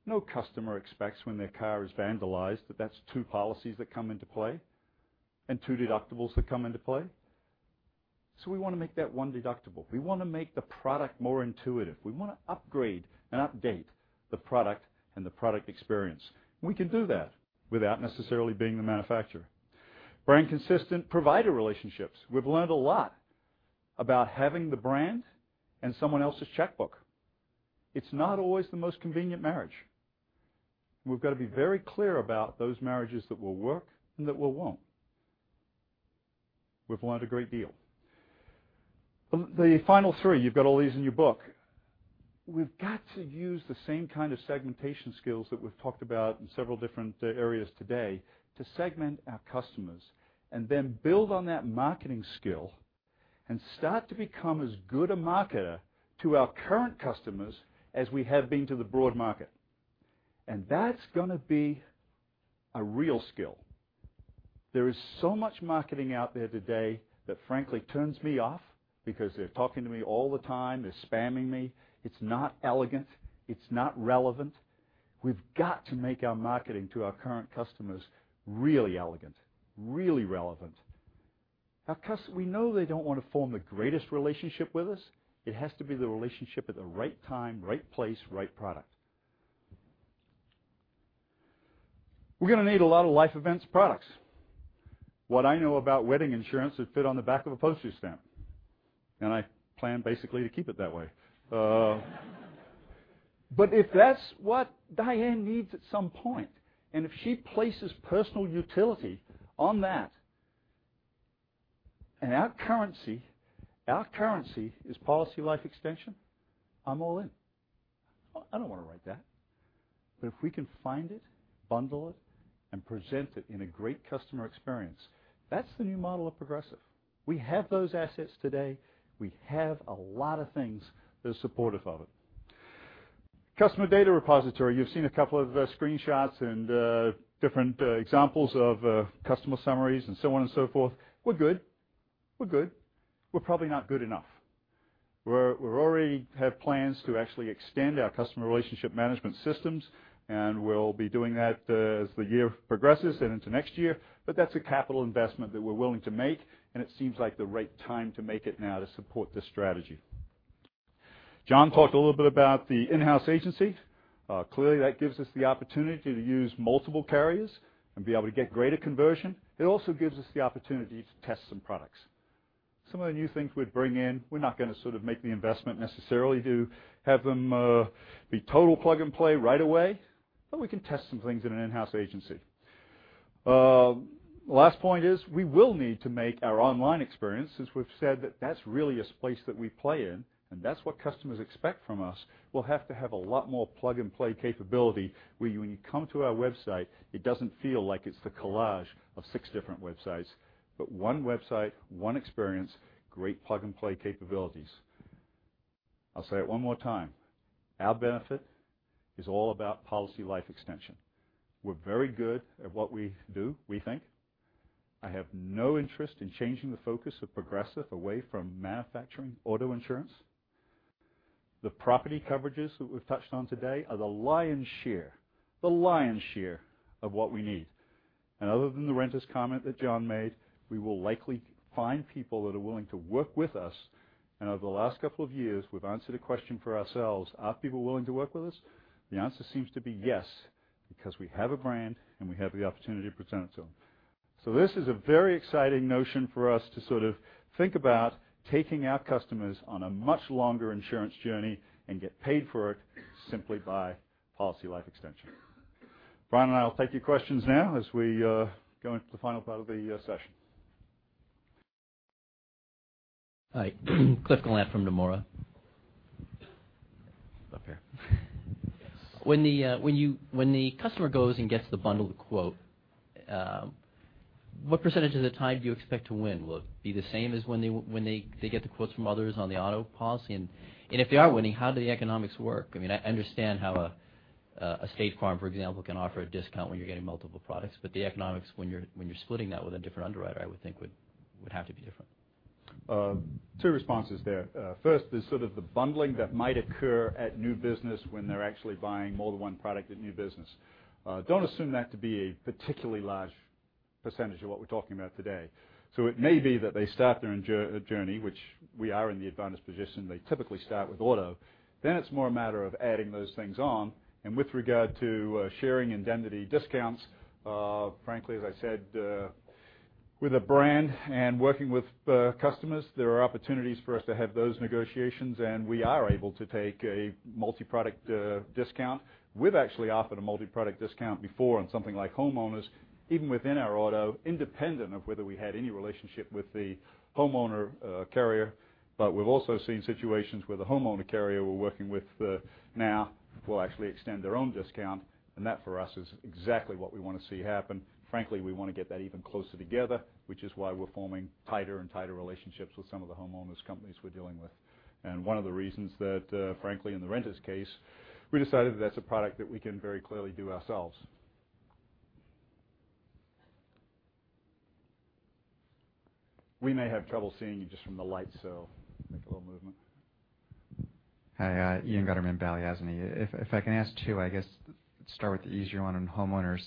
No customer expects when their car is vandalized that that's two policies that come into play and two deductibles that come into play. We want to make that one deductible. We want to make the product more intuitive. We want to upgrade and update the product and the product experience. We can do that without necessarily being the manufacturer. Brand consistent provider relationships. We've learned a lot about having the brand and someone else's checkbook. It's not always the most convenient marriage. We've got to be very clear about those marriages that will work and that will won't. We've learned a great deal. The final three, you've got all these in your book. We've got to use the same kind of segmentation skills that we've talked about in several different areas today to segment our customers, then build on that marketing skill and start to become as good a marketer to our current customers as we have been to the broad market. That's going to be a real skill. There is so much marketing out there today that frankly turns me off because they're talking to me all the time. They're spamming me. It's not elegant. It's not relevant. We've got to make our marketing to our current customers really elegant, really relevant. Our customers, we know they don't want to form the greatest relationship with us. It has to be the relationship at the right time, right place, right product. We're going to need a lot of life events products. What I know about wedding insurance would fit on the back of a postage stamp, and I plan basically to keep it that way. If that's what Diane needs at some point, and if she places personal utility on that, and our currency is policy life extension, I'm all in. I don't want to write that. If we can find it, bundle it, and present it in a great customer experience, that's the new model of Progressive. We have those assets today. We have a lot of things that are supportive of it. Customer data repository. You've seen a couple of screenshots and different examples of customer summaries and so on and so forth. We're good. We're probably not good enough. We already have plans to actually extend our customer relationship management systems, and we'll be doing that as the year progresses and into next year. That's a capital investment that we're willing to make, and it seems like the right time to make it now to support this strategy. John talked a little bit about the in-house agency. Clearly, that gives us the opportunity to use multiple carriers and be able to get greater conversion. It also gives us the opportunity to test some products. Some of the new things we'd bring in, we're not going to sort of make the investment necessarily to have them be total plug and play right away, but we can test some things in an in-house agency. Last point is, we will need to make our online experience, since we've said that that's really a place that we play in, and that's what customers expect from us. We'll have to have a lot more plug and play capability where when you come to our website, it doesn't feel like it's the collage of six different websites, but one website, one experience, great plug and play capabilities. I'll say it one more time. Our benefit is all about policy life extension. We're very good at what we do, we think. I have no interest in changing the focus of Progressive away from manufacturing auto insurance. The property coverages that we've touched on today are the lion's share, the lion's share of what we need. Other than the renter's comment that John made, we will likely find people that are willing to work with us. Over the last couple of years, we've answered a question for ourselves, are people willing to work with us? The answer seems to be yes, because we have a brand and we have the opportunity to present it to them. This is a very exciting notion for us to sort of think about taking our customers on a much longer insurance journey and get paid for it simply by policy life extension. Brian and I will take your questions now as we go into the final part of the session. Hi. Cliff Gallant from Nomura. Up here. When the customer goes and gets the bundled quote, what % of the time do you expect to win? Will it be the same as when they get the quotes from others on the auto policy? If they are winning, how do the economics work? I understand how a State Farm, for example, can offer a discount when you're getting multiple products, but the economics when you're splitting that with a different underwriter, I would think would have to be different. Two responses there. First is sort of the bundling that might occur at new business when they're actually buying more than one product at new business. Don't assume that to be a particularly large % of what we're talking about today. It may be that they start their journey, which we are in the advantage position. They typically start with auto. It's more a matter of adding those things on. With regard to sharing indemnity discounts, frankly, as I said, with a brand and working with customers, there are opportunities for us to have those negotiations, and we are able to take a multi-product discount. We've actually offered a multi-product discount before on something like homeowners, even within our auto, independent of whether we had any relationship with the homeowner carrier. We've also seen situations where the homeowner carrier we're working with now will actually extend their own discount, and that, for us, is exactly what we want to see happen. Frankly, we want to get that even closer together, which is why we're forming tighter and tighter relationships with some of the homeowners companies we're dealing with. One of the reasons that, frankly, in the renter's case, we decided that that's a product that we can very clearly do ourselves. We may have trouble seeing you just from the light, so make a little movement. Hi, Ian Gutterman, Balyasny. If I can ask two, I guess start with the easier one on homeowners.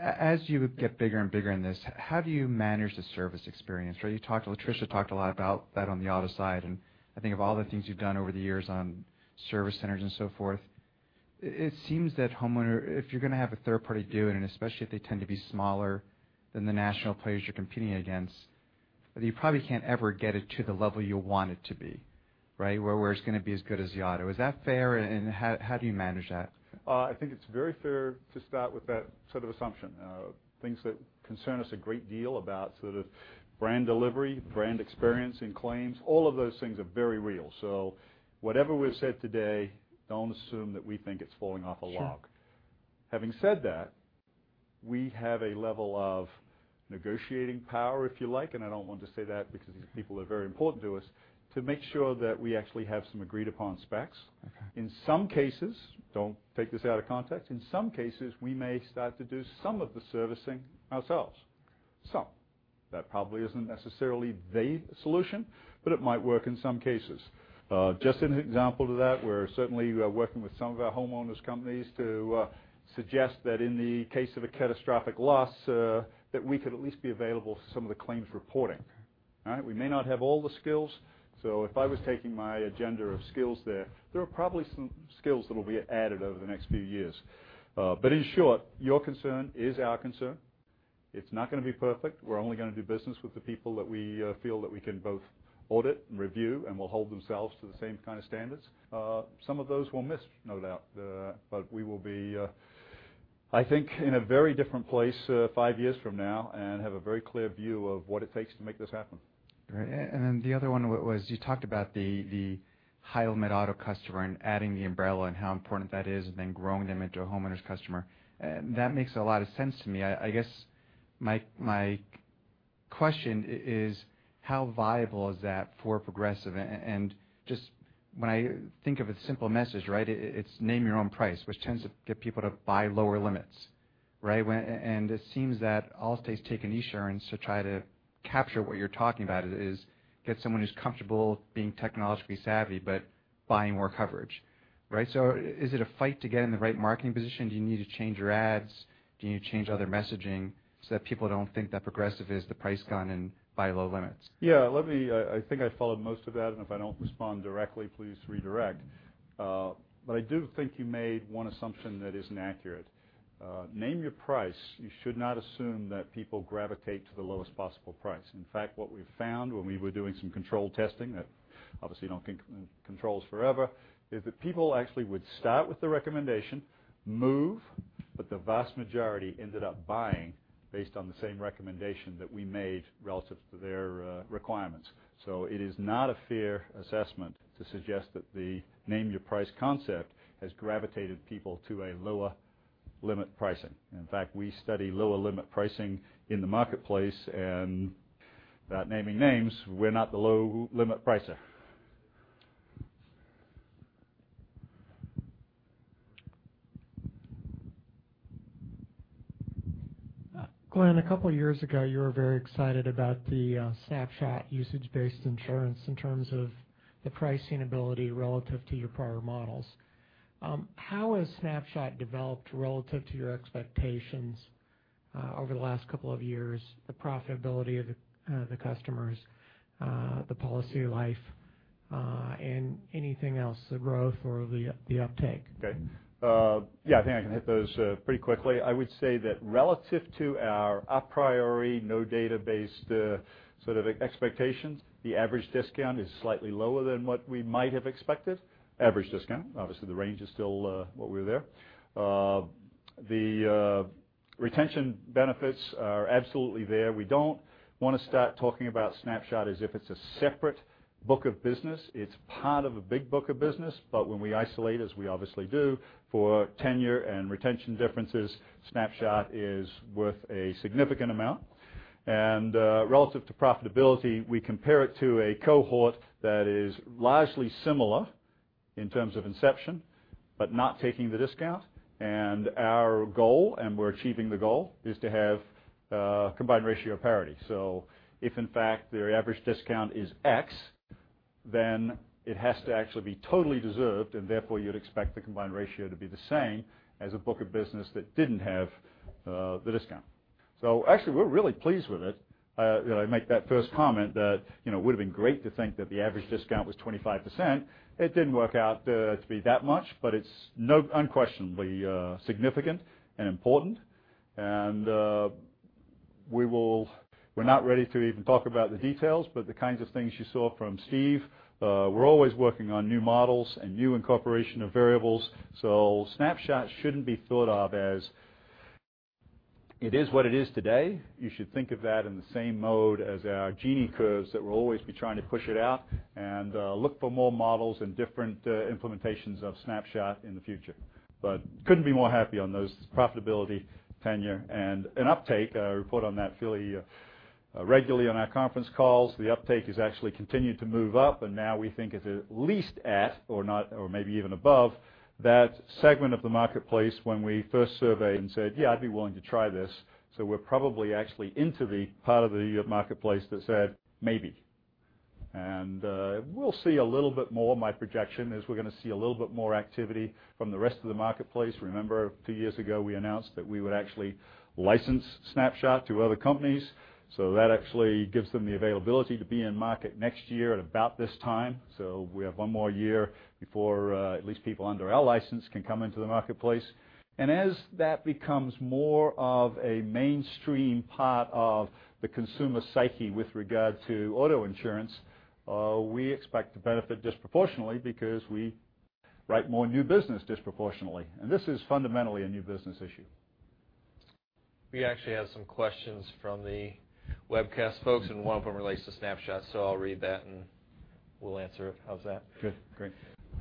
As you get bigger and bigger in this, how do you manage the service experience? Tricia talked a lot about that on the auto side. I think of all the things you've done over the years on service centers and so forth, it seems that homeowner, if you're going to have a third party do it, and especially if they tend to be smaller than the national players you're competing against, you probably can't ever get it to the level you want it to be. Where it's going to be as good as the auto. Is that fair, and how do you manage that? I think it's very fair to start with that sort of assumption. Things that concern us a great deal about brand delivery, brand experience in claims, all of those things are very real. Whatever we've said today, don't assume that we think it's falling off a log. Sure. Having said that, we have a level of negotiating power, if you like, I don't want to say that because these people are very important to us, to make sure that we actually have some agreed-upon specs. Okay. In some cases, don't take this out of context. In some cases, we may start to do some of the servicing ourselves. Some. That probably isn't necessarily the solution, but it might work in some cases. Just an example to that, we're certainly working with some of our homeowners companies to suggest that in the case of a catastrophic loss, that we could at least be available for some of the claims reporting. We may not have all the skills. If I was taking my agenda of skills there are probably some skills that'll be added over the next few years. In short, your concern is our concern. It's not going to be perfect. We're only going to do business with the people that we feel that we can both audit and review and will hold themselves to the same kind of standards. Some of those we'll miss, no doubt. We will be, I think, in a very different place five years from now and have a very clear view of what it takes to make this happen. Great. The other one was you talked about the high-limit auto customer and adding the Umbrella and how important that is, then growing them into a homeowners customer. That makes a lot of sense to me. I guess my question is how viable is that for Progressive? Just when I think of a simple message. It's Name Your Price, which tends to get people to buy lower limits. It seems that Allstate's taken Esurance to try to capture what you're talking about is get someone who's comfortable being technologically savvy, but buying more coverage. Is it a fight to get in the right marketing position? Do you need to change your ads? Do you need to change other messaging so that people don't think that Progressive is the price gun and buy low limits? Yeah. I think I followed most of that, and if I don't respond directly, please redirect. I do think you made one assumption that isn't accurate. Name Your Price. You should not assume that people gravitate to the lowest possible price. In fact, what we've found when we were doing some control testing that obviously you don't controls forever, is that people actually would start with the recommendation, move, but the vast majority ended up buying based on the same recommendation that we made relative to their requirements. It is not a fair assessment to suggest that the Name Your Price concept has gravitated people to a lower limit pricing. In fact, we study lower limit pricing in the marketplace, and without naming names, we're not the low-limit pricer. Glenn, a couple of years ago, you were very excited about the Snapshot usage-based insurance in terms of the pricing ability relative to your prior models. How has Snapshot developed relative to your expectations over the last couple of years, the profitability of the customers, the policy life, and anything else, the growth or the uptake? I think I can hit those pretty quickly. I would say that relative to our a priori, no database sort of expectations, the average discount is slightly lower than what we might have expected. Average discount. Obviously, the range is still what we're there. The retention benefits are absolutely there. We don't want to start talking about Snapshot as if it's a separate book of business. It's part of a big book of business. When we isolate, as we obviously do, for tenure and retention differences, Snapshot is worth a significant amount. Relative to profitability, we compare it to a cohort that is largely similar in terms of inception, but not taking the discount. Our goal, and we're achieving the goal, is to have a combined ratio of parity. If in fact their average discount is X, then it has to actually be totally deserved, and therefore, you'd expect the combined ratio to be the same as a book of business that didn't have the discount. Actually, we're really pleased with it. I make that first comment that it would have been great to think that the average discount was 25%. It didn't work out to be that much, but it's unquestionably significant and important. We're not ready to even talk about the details, but the kinds of things you saw from Steve, we're always working on new models and new incorporation of variables. Snapshot shouldn't be thought of as it is what it is today. You should think of that in the same mode as our GE curves that we'll always be trying to push it out and look for more models and different implementations of Snapshot in the future. Couldn't be more happy on those profitability tenure and an uptake. I report on that fairly regularly on our conference calls. The uptake has actually continued to move up, and now we think it's at least at or maybe even above that segment of the marketplace when we first surveyed and said, "Yeah, I'd be willing to try this." We're probably actually into the part of the marketplace that said maybe. We'll see a little bit more. My projection is we're going to see a little bit more activity from the rest of the marketplace. Remember, a few years ago, we announced that we would actually license Snapshot to other companies. That actually gives them the availability to be in market next year at about this time. We have one more year before at least people under our license can come into the marketplace. As that becomes more of a mainstream part of the consumer psyche with regard to auto insurance, we expect to benefit disproportionately because we write more new business disproportionately. This is fundamentally a new business issue. We actually have some questions from the webcast folks, one of them relates to Snapshot. I'll read that, and we'll answer it. How's that? Good. Great.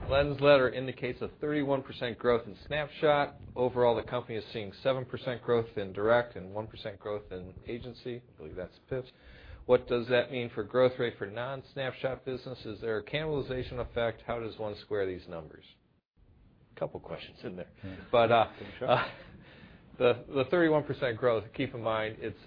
Glenn's letter indicates a 31% growth in Snapshot. Overall, the company is seeing 7% growth in direct and 1% growth in agency. I believe that's PIFs. What does that mean for growth rate for non-Snapshot business? Is there a cannibalization effect? How does one square these numbers? Couple questions in there. Sure. The 31% growth, keep in mind, it's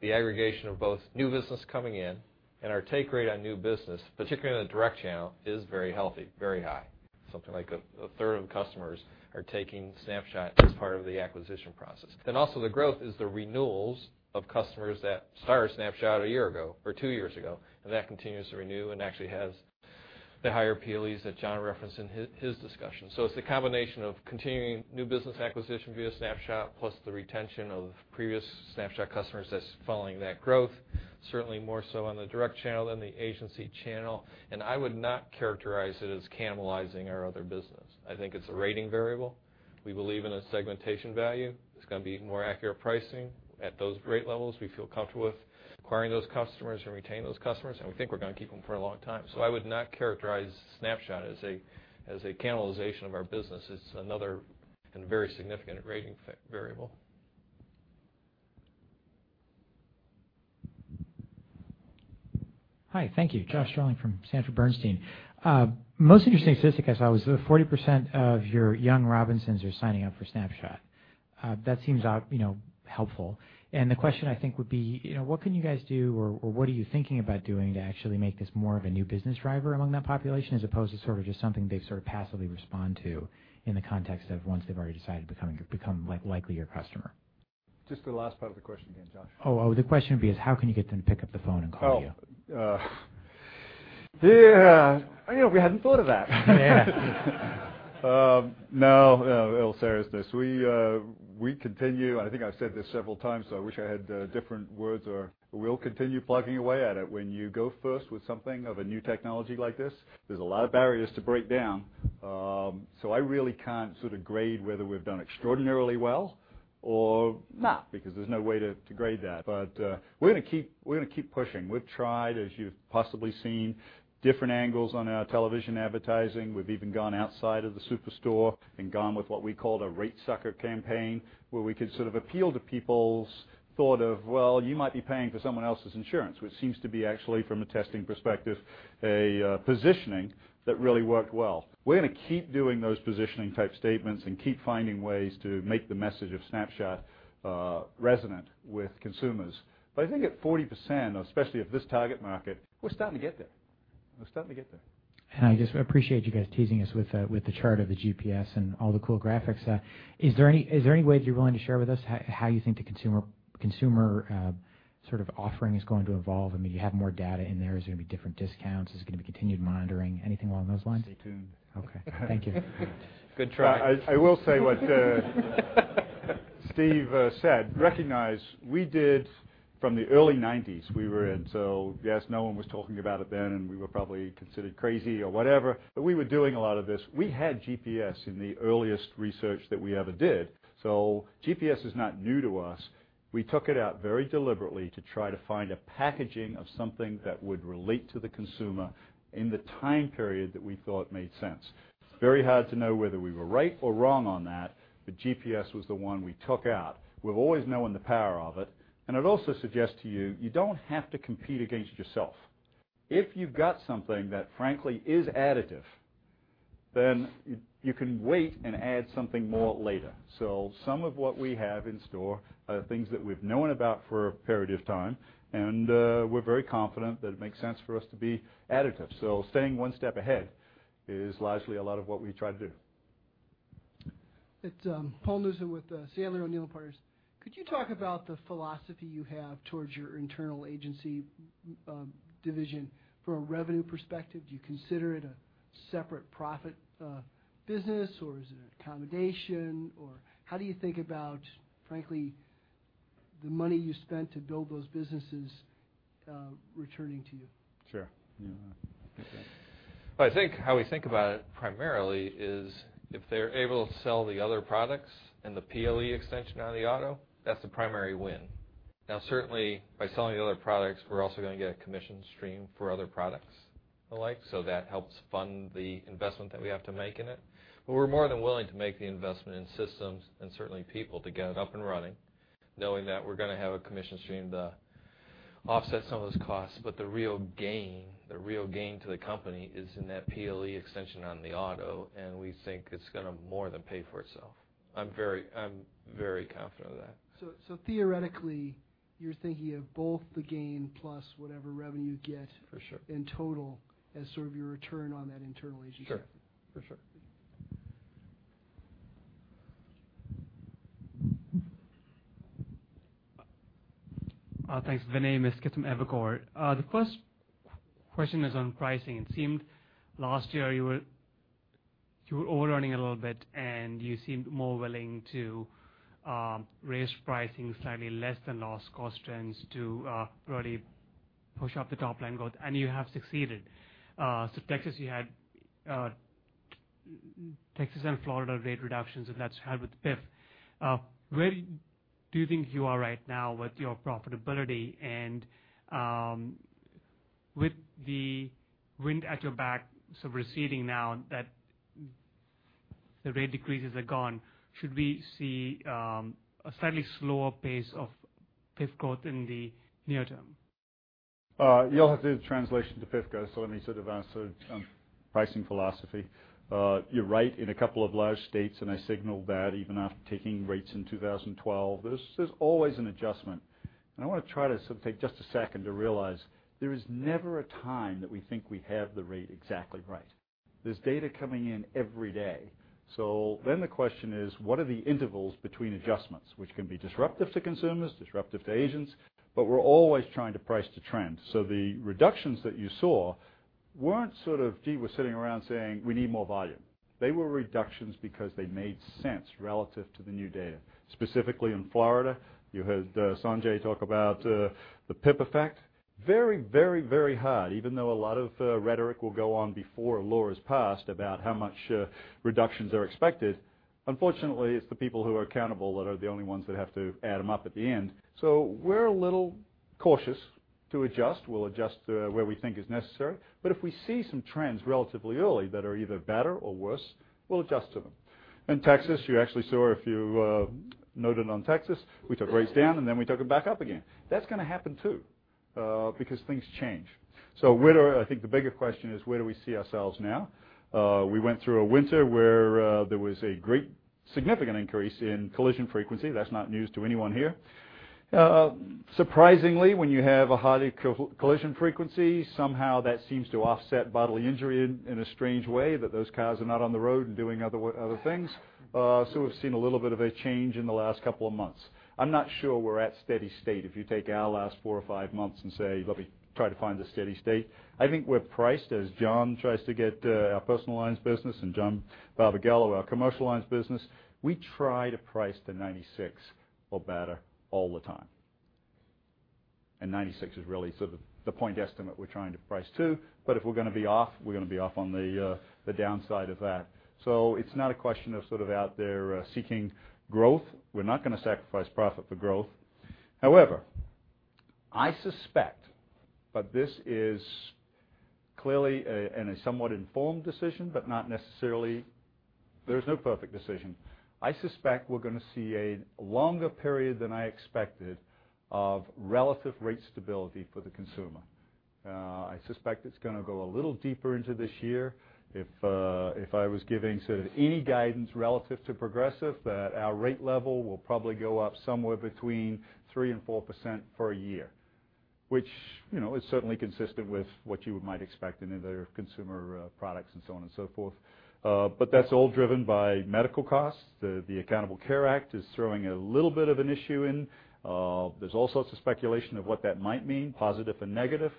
the aggregation of both new business coming in, and our take rate on new business, particularly in the direct channel, is very healthy, very high. Something like a third of customers are taking Snapshot as part of the acquisition process. Also the growth is the renewals of customers that started Snapshot a year ago or two years ago, and that continues to renew and actually has the higher PLEs that John referenced in his discussion. It's a combination of continuing new business acquisition via Snapshot plus the retention of previous Snapshot customers that's following that growth. Certainly more so on the direct channel than the agency channel. I would not characterize it as cannibalizing our other business. I think it's a rating variable. We believe in a segmentation value. It's going to be even more accurate pricing. At those rate levels, we feel comfortable with acquiring those customers and retaining those customers, and we think we're going to keep them for a long time. I would not characterize Snapshot as a cannibalization of our business. It's another very significant rating variable. Hi, thank you. Josh Shanker from Sanford Bernstein. Most interesting statistic I saw was the 40% of your young Robinsons are signing up for Snapshot. That seems helpful. The question I think would be, what can you guys do or what are you thinking about doing to actually make this more of a new business driver among that population as opposed to sort of just something they sort of passively respond to in the context of once they've already decided to become likely your customer? Just the last part of the question again, Josh. Oh, the question would be is how can you get them to pick up the phone and call you? Oh. Yeah. We hadn't thought of that. Yeah. No, in all seriousness, we continue, and I think I've said this several times, so I wish I had different words or we'll continue plugging away at it. When you go first with something of a new technology like this, there's a lot of barriers to break down. I really can't sort of grade whether we've done extraordinarily well or not because there's no way to grade that. We're going to keep pushing. We've tried, as you've possibly seen, different angles on our television advertising. We've even gone outside of the Superstore and gone with what we called a rate sucker campaign, where we could sort of appeal to people's thought of, well, you might be paying for someone else's insurance, which seems to be actually from a testing perspective, a positioning that really worked well. We're going to keep doing those positioning type statements and keep finding ways to make the message of Snapshot resonant with consumers. I think at 40%, especially of this target market, we're starting to get there. We're starting to get there. I just appreciate you guys teasing us with the chart of the GPS and all the cool graphics. Is there any way that you're willing to share with us how you think the consumer sort of offering is going to evolve? I mean, do you have more data in there? Is there going to be different discounts? Is it going to be continued monitoring? Anything along those lines? Stay tuned. Okay. Thank you. Good try. I will say what Steve said. Recognize we did from the early 1990s, we were in, so yes, no one was talking about it then and we were probably considered crazy or whatever, but we were doing a lot of this. We had GPS in the earliest research that we ever did. GPS is not new to us. We took it out very deliberately to try to find a packaging of something that would relate to the consumer in the time period that we thought made sense. It's very hard to know whether we were right or wrong on that, but GPS was the one we took out. We've always known the power of it, and I'd also suggest to you don't have to compete against yourself. If you've got something that frankly is additive, then you can wait and add something more later. Some of what we have in store are things that we've known about for a period of time, and we're very confident that it makes sense for us to be additive. Staying one step ahead is largely a lot of what we try to do. It's Paul Newsome with Sandler O'Neill & Partners. Could you talk about the philosophy you have towards your internal agency division from a revenue perspective? Do you consider it a separate profit business or is it an accommodation? How do you think about, frankly, the money you spent to build those businesses returning to you? Sure. Yeah. I think how we think about it primarily is if they're able to sell the other products and the PLE extension on the auto, that's the primary win. Certainly, by selling the other products, we're also going to get a commission stream for other products alike. That helps fund the investment that we have to make in it. We're more than willing to make the investment in systems and certainly people to get it up and running, knowing that we're going to have a commission stream to offset some of those costs. The real gain to the company is in that PLE extension on the auto, and we think it's going to more than pay for itself. I'm very confident of that. Theoretically, you're thinking of both the gain plus whatever revenue you get. For sure in total as sort of your return on that internal agency. Sure. For sure. Thanks. Vinay Misquith from Evercore. The first question is on pricing. It seemed last year you were overrunning a little bit, and you seemed more willing to raise pricing slightly less than loss cost trends to really push up the top line growth. You have succeeded. Texas and Florida rate reductions, and that's helped with PIP. Where do you think you are right now with your profitability, and with the wind at your back sort of receding now that the rate decreases are gone, should we see a slightly slower pace of PIP growth in the near term? You'll have to do the translation to PIP growth, let me sort of answer pricing philosophy. You're right, in a couple of large states, I signaled that even after taking rates in 2012, there's always an adjustment. I want to try to sort of take just a second to realize there is never a time that we think we have the rate exactly right. There's data coming in every day. The question is, what are the intervals between adjustments? Which can be disruptive to consumers, disruptive to agents, but we're always trying to price to trend. The reductions that you saw weren't sort of, gee, we're sitting around saying we need more volume. They were reductions because they made sense relative to the new data. Specifically in Florida, you heard Sanjay talk about the PIP effect. Very hard, even though a lot of rhetoric will go on before a law is passed about how much reductions are expected. Unfortunately, it's the people who are accountable that are the only ones that have to add them up at the end. We're a little cautious to adjust. We'll adjust where we think is necessary, but if we see some trends relatively early that are either better or worse, we'll adjust to them. In Texas, you actually saw a few noted on Texas, we took rates down, and then we took them back up again. That's going to happen too because things change. I think the bigger question is where do we see ourselves now? We went through a winter where there was a great significant increase in collision frequency. That's not news to anyone here. Surprisingly, when you have a high collision frequency, somehow that seems to offset bodily injury in a strange way, that those cars are not on the road and doing other things. We've seen a little bit of a change in the last four or five months. I'm not sure we're at steady state if you take our last four or five months and say, let me try to find the steady state. I think we're priced as John tries to get our personal lines business, and John Barbagallo our commercial lines business. We try to price to 96 or better all the time. 96 is really sort of the point estimate we're trying to price to. If we're going to be off, we're going to be off on the downside of that. It's not a question of sort of out there seeking growth. We're not going to sacrifice profit for growth. However, I suspect, this is clearly and a somewhat informed decision, but not necessarily, there's no perfect decision. I suspect we're going to see a longer period than I expected of relative rate stability for the consumer. I suspect it's going to go a little deeper into this year. If I was giving sort of any guidance relative to Progressive, that our rate level will probably go up somewhere between 3% and 4% for a year. Which is certainly consistent with what you might expect in other consumer products and so on and so forth. That's all driven by medical costs. The Affordable Care Act is throwing a little bit of an issue in. There's all sorts of speculation of what that might mean, positive and negative.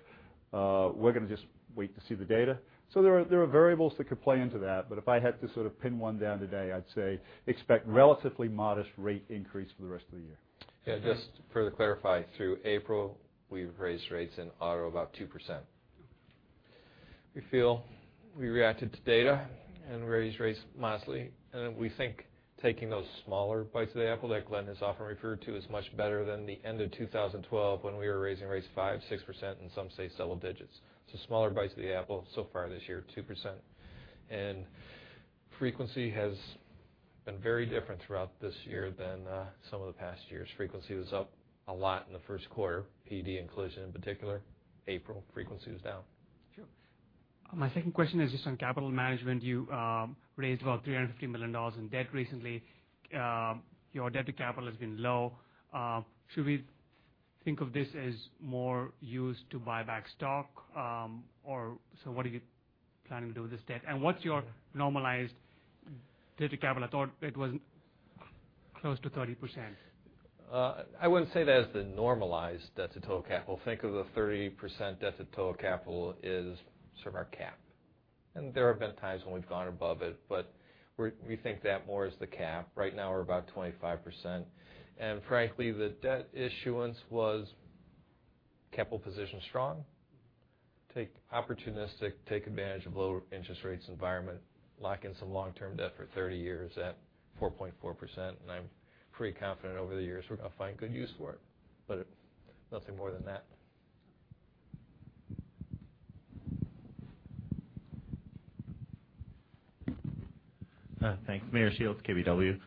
We're going to just wait to see the data. there are variables that could play into that, but if I had to sort of pin one down today, I would say expect relatively modest rate increase for the rest of the year. just to further clarify, through April, we have raised rates in auto about 2%. We feel we reacted to data and raised rates modestly. We think taking those smaller bites of the apple, like Glenn has often referred to, is much better than the end of 2012, when we were raising rates 5%-6%, in some cases double digits. smaller bites of the apple so far this year, 2%. frequency has been very different throughout this year than some of the past years. Frequency was up a lot in the first quarter, PD and collision in particular. April, frequency was down. Sure. My second question is just on capital management. You raised about $350 million in debt recently. Your debt to capital has been low. Think of this as more used to buy back stock, or what are you planning to do with this debt? What is your normalized debt to capital? I thought it was close to 30%. I would not say that as the normalized debt to total capital. Think of the 30% debt to total capital is sort of our cap, there have been times when we have gone above it, we think that more as the cap. Right now we are about 25%, frankly, the debt issuance was capital position strong. Take opportunistic, take advantage of low interest rates environment, lock in some long-term debt for 30 years at 4.4%, I am pretty confident over the years we are going to find good use for it, nothing more than that. Thanks. Meyer Shields, KBW.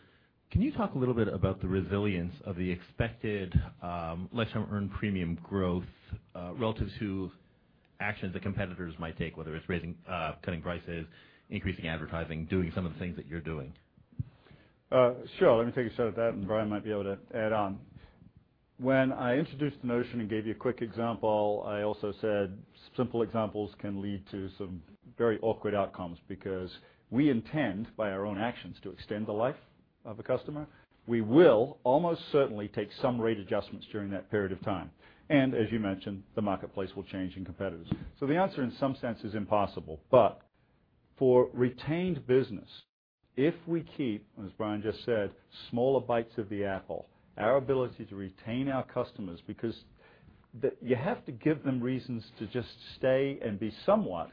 Can you talk a little bit about the resilience of the expected lifetime earned premium growth, relative to actions that competitors might take, whether it's cutting prices, increasing advertising, doing some of the things that you're doing? Sure. Let me take a shot at that, Brian might be able to add on. When I introduced the notion gave you a quick example, I also said simple examples can lead to some very awkward outcomes because we intend, by our own actions, to extend the life of a customer. We will almost certainly take some rate adjustments during that period of time, as you mentioned, the marketplace will change in competitors. The answer in some sense is impossible. For retained business, if we keep, as Brian just said, smaller bites of the apple, our ability to retain our customers, because you have to give them reasons to just stay and be somewhat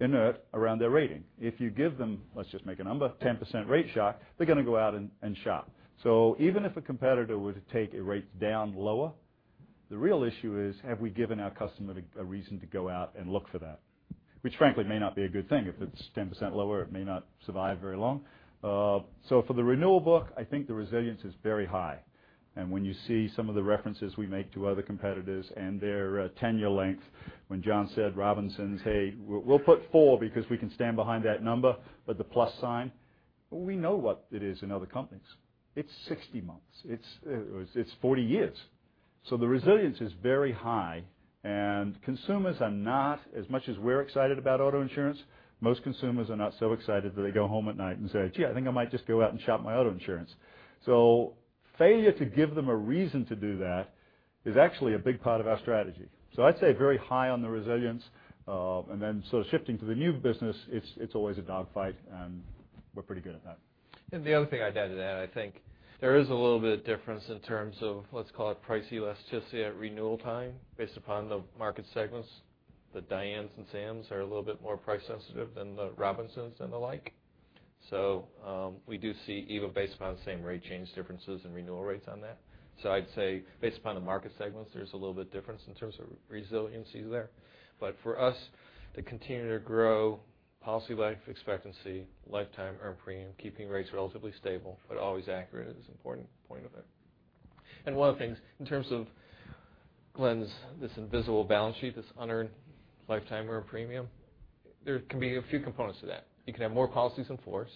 inert around their rating. If you give them, let's just make a number, 10% rate shock, they're going to go out and shop. Even if a competitor were to take a rate down lower, the real issue is have we given our customer a reason to go out and look for that? Which frankly may not be a good thing. If it's 10% lower, it may not survive very long. For the renewal book, I think the resilience is very high, when you see some of the references we make to other competitors and their tenure length, when John said Robinsons, hey, we'll put four because we can stand behind that number with the plus sign. We know what it is in other companies. It's 60 months. It's 40 years. The resilience is very high consumers are not as much as we're excited about auto insurance, most consumers are not so excited that they go home at night and say, "Gee, I think I might just go out and shop my auto insurance." Failure to give them a reason to do that is actually a big part of our strategy. I'd say very high on the resilience, shifting to the new business, it's always a dog fight, we're pretty good at that. The other thing I'd add to that, I think there is a little bit of difference in terms of let's call it price elasticity at renewal time based upon the market segments. The Dianes and Sams are a little bit more price sensitive than the Robinsons and the like. We do see even based upon the same rate change differences and renewal rates on that. I'd say based upon the market segments, there's a little bit difference in terms of resiliency there. But for us to continue to grow policy life expectancy, lifetime earned premium, keeping rates relatively stable but always accurate is important point of it. One of the things in terms of Glenn's this invisible balance sheet, this unearned lifetime earned premium, there can be a few components to that. You can have more policies in force,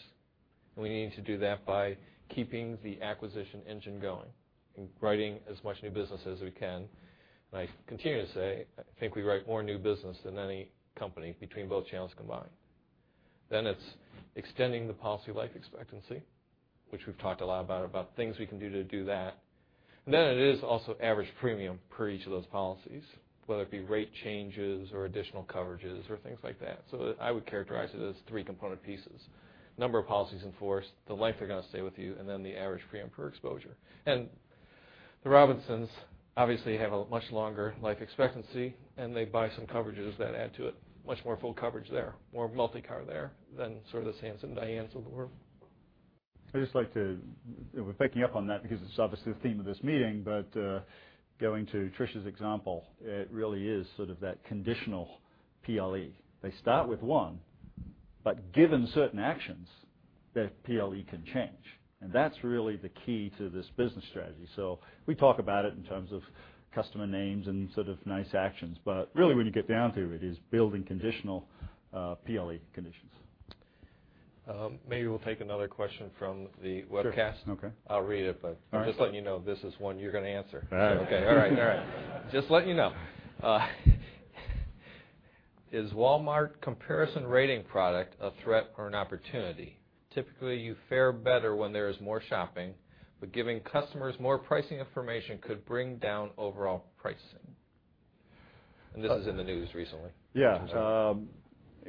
we need to do that by keeping the acquisition engine going and writing as much new business as we can. I continue to say, I think I write more new business than any company between both channels combined. It's extending the policy life expectancy, which we've talked a lot about things we can do to do that. It is also average premium per each of those policies, whether it be rate changes or additional coverages or things like that. I would characterize it as three component pieces. Number of policies in force, the length they're going to stay with you, and then the average premium per exposure. The Robinsons obviously have a much longer life expectancy and they buy some coverages that add to it, much more full coverage there, more multi-car there than sort of the Sams and Dianes of the world. We're picking up on that because it's obviously the theme of this meeting, going to Tricia's example, it really is sort of that conditional PLE. They start with one, given certain actions, that PLE can change, that's really the key to this business strategy. We talk about it in terms of customer names and sort of nice actions. Really when you get down to it, is building conditional PLE conditions. Maybe we'll take another question from the webcast. Sure. Okay. I'll read it, but I'm just letting you know this is one you're going to answer. All right. Okay. All right. Just letting you know. Is Walmart comparison rating product a threat or an opportunity? Typically, you fare better when there is more shopping, but giving customers more pricing information could bring down overall pricing. This is in the news recently. Yeah.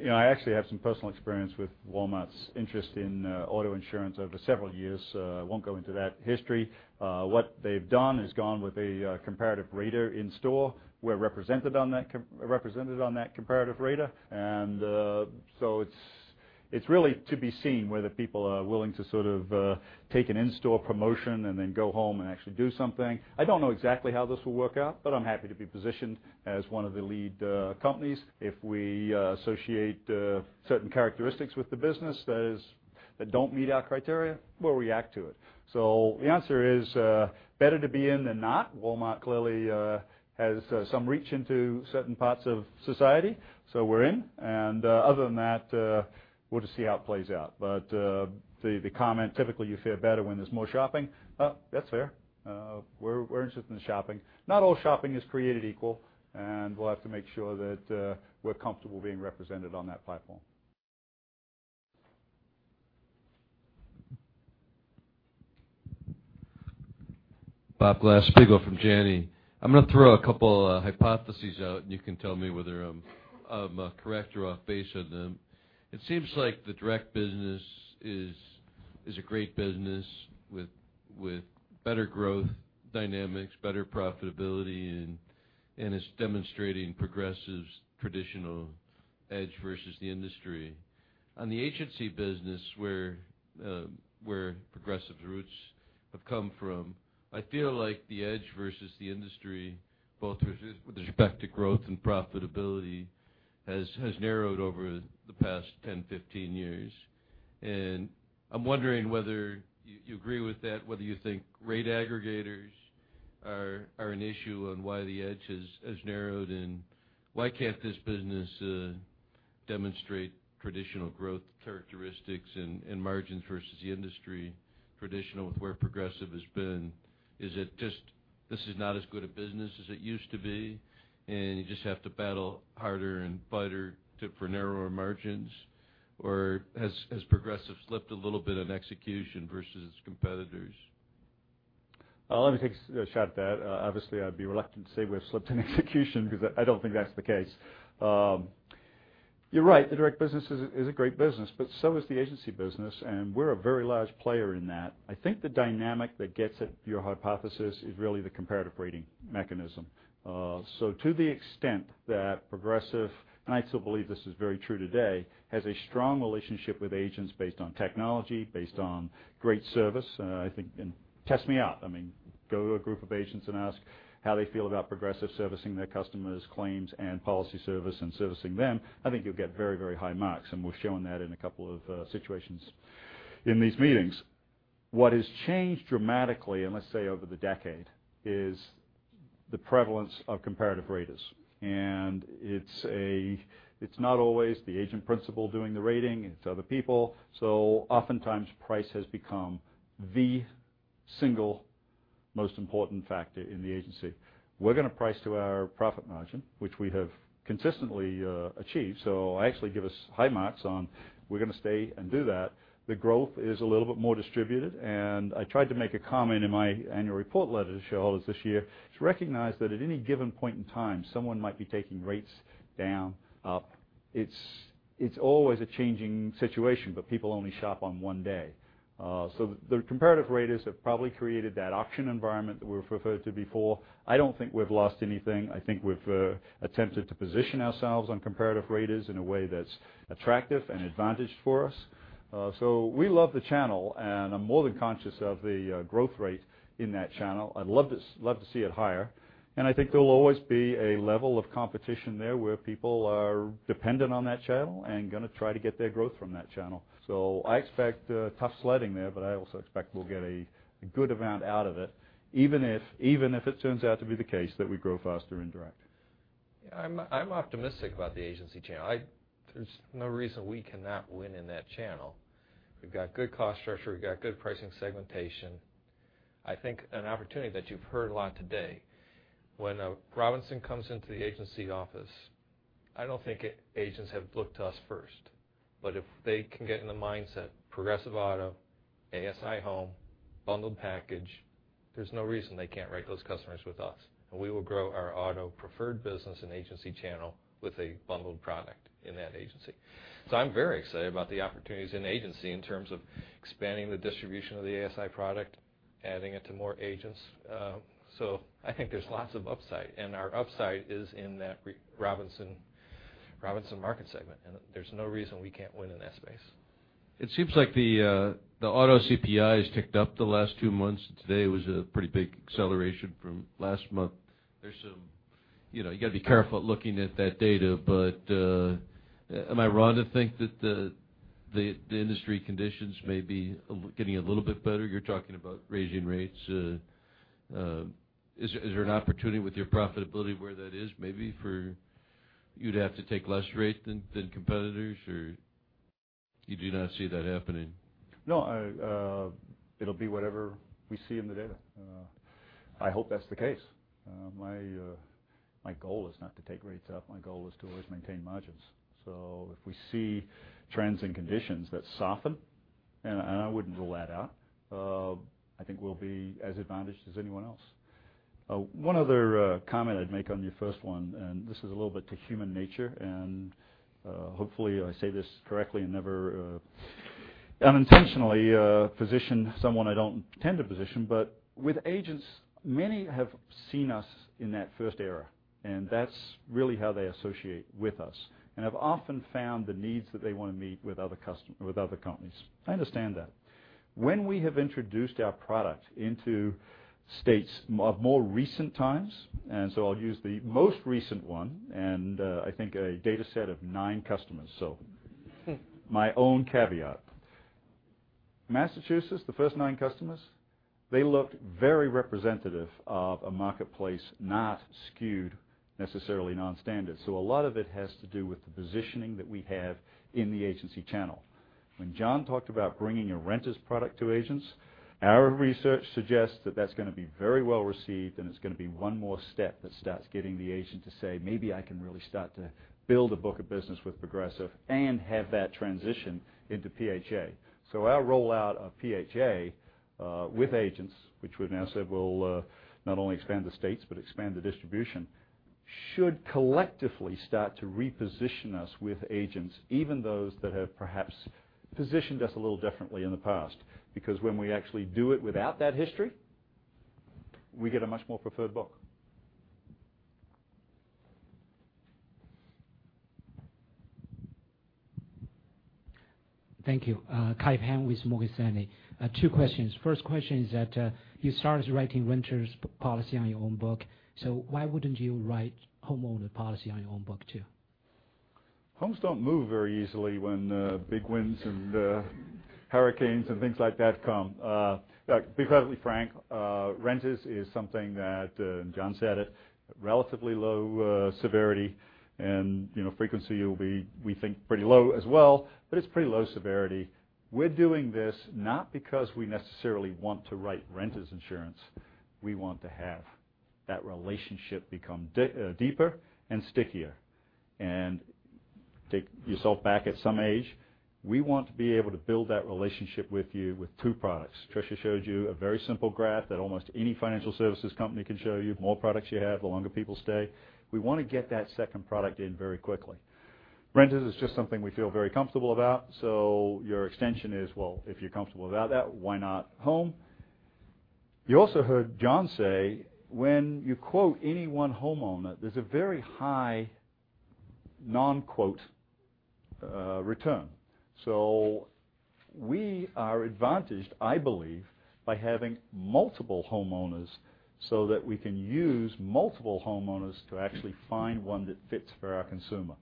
I actually have some personal experience with Walmart's interest in auto insurance over several years. I won't go into that history. What they've done is gone with a comparative rater in store. We're represented on that comparative rater, and so it's really to be seen whether people are willing to sort of take an in-store promotion and then go home and actually do something. I don't know exactly how this will work out, but I'm happy to be positioned as one of the lead companies. If we associate certain characteristics with the business that don't meet our criteria, we'll react to it. The answer is, better to be in than not. Walmart clearly has some reach into certain parts of society, so we're in. Other than that, we'll just see how it plays out. The comment, typically you fare better when there's more shopping, that's fair. We're interested in shopping. Not all shopping is created equal, and we'll have to make sure that we're comfortable being represented on that platform. Bob Glasspiegel from Janney. I'm going to throw a couple hypotheses out, and you can tell me whether I'm correct or off base on them. It seems like the direct business is a great business with better growth dynamics, better profitability, and it's demonstrating Progressive's traditional edge versus the industry. On the agency business, where Progressive's roots have come from, I feel like the edge versus the industry, both with respect to growth and profitability, has narrowed over the past 10, 15 years. I'm wondering whether you agree with that, whether you think rate aggregators are an issue on why the edge has narrowed, and why can't this business demonstrate traditional growth characteristics and margins versus the industry traditional with where Progressive has been? Is it just this is not as good a business as it used to be, and you just have to battle harder and fight for narrower margins? Has Progressive slipped a little bit on execution versus its competitors? Let me take a shot at that. Obviously, I'd be reluctant to say we have slipped in execution because I don't think that's the case. You're right, the direct business is a great business, the agency business, and we're a very large player in that. I think the dynamic that gets at your hypothesis is really the comparative rating mechanism. To the extent that Progressive, and I still believe this is very true today, has a strong relationship with agents based on technology, based on great service, I think. Test me out. I mean, go to a group of agents and ask how they feel about Progressive servicing their customers' claims and policy service and servicing them. I think you'll get very high marks, and we've shown that in a couple of situations in these meetings. What has changed dramatically in, let's say, over the decade, is the prevalence of comparative raters. It's not always the agent principal doing the rating. It's other people. Oftentimes price has become the single most important factor in the agency. We're going to price to our profit margin, which we have consistently achieved. I actually give us high marks on we're going to stay and do that. The growth is a little bit more distributed, and I tried to make a comment in my annual report letter to shareholders this year to recognize that at any given point in time, someone might be taking rates down, up. It's always a changing situation, people only shop on one day. The comparative raters have probably created that auction environment that we've referred to before. I don't think we've lost anything. I think we've attempted to position ourselves on comparative raters in a way that's attractive and advantaged for us. We love the channel, and I'm more than conscious of the growth rate in that channel. I'd love to see it higher, and I think there'll always be a level of competition there where people are dependent on that channel and going to try to get their growth from that channel. I expect tough sledding there, I also expect we'll get a good amount out of it, even if it turns out to be the case that we grow faster in direct. I'm optimistic about the agency channel. There's no reason we cannot win in that channel. We've got good cost structure. We've got good pricing segmentation. I think an opportunity that you've heard a lot today, when a Robinson comes into the agency office, I don't think agents have looked to us first. If they can get in the mindset, Progressive Auto, ASI Home, bundled package, there's no reason they can't write those customers with us. We will grow our auto preferred business and agency channel with a bundled product in that agency. I'm very excited about the opportunities in agency in terms of expanding the distribution of the ASI product, adding it to more agents. I think there's lots of upside, and our upside is in that Robinson market segment, and there's no reason we can't win in that space. It seems like the auto CPI has ticked up the last two months. Today was a pretty big acceleration from last month. You've got to be careful looking at that data. Am I wrong to think that the industry conditions may be getting a little bit better? You're talking about raising rates. Is there an opportunity with your profitability where that is maybe for you'd have to take less rate than competitors, or you do not see that happening? No. It'll be whatever we see in the data. I hope that's the case. My goal is not to take rates up. My goal is to always maintain margins. If we see trends and conditions that soften, and I wouldn't rule that out, I think we'll be as advantaged as anyone else. One other comment I'd make on your first one, and this is a little bit to human nature, and hopefully, I say this correctly and never unintentionally position someone I don't intend to position. With agents, many have seen us in that first era, and that's really how they associate with us and have often found the needs that they want to meet with other companies. I understand that. When we have introduced our product into states of more recent times, I'll use the most recent one, and I think a data set of nine customers. My own caveat. Massachusetts, the first nine customers, they looked very representative of a marketplace not skewed necessarily non-standard. A lot of it has to do with the positioning that we have in the agency channel. When John talked about bringing a renters product to agents, our research suggests that that's going to be very well received, and it's going to be one more step that starts getting the agent to say, "Maybe I can really start to build a book of business with Progressive and have that transition into PHA." Our rollout of PHA, with agents, which we've now said we'll not only expand the states but expand the distribution, should collectively start to reposition us with agents, even those that have perhaps positioned us a little differently in the past. Because when we actually do it without that history, we get a much more preferred book. Thank you. Kelvin Pang with Morgan Stanley. Two questions. First question is that you started writing renters policy on your own book. Why wouldn't you write homeowner policy on your own book, too? Homes don't move very easily when big winds and hurricanes and things like that come. To be perfectly frank, renters is something that, John said it, relatively low severity, and frequency will be, we think pretty low as well, but it's pretty low severity. We're doing this not because we necessarily want to write renters insurance. We want to have that relationship become deeper and stickier. Take yourself back at some age, we want to be able to build that relationship with you with two products. Tricia showed you a very simple graph that almost any financial services company can show you. The more products you have, the longer people stay. We want to get that second product in very quickly. Renters is just something we feel very comfortable about. Your extension is, well, if you're comfortable about that, why not home? You also heard John say, when you quote any one homeowner, there's a very high non-quote return. We are advantaged, I believe, by having multiple homeowners so that we can use multiple homeowners to actually find one that fits for our consumer.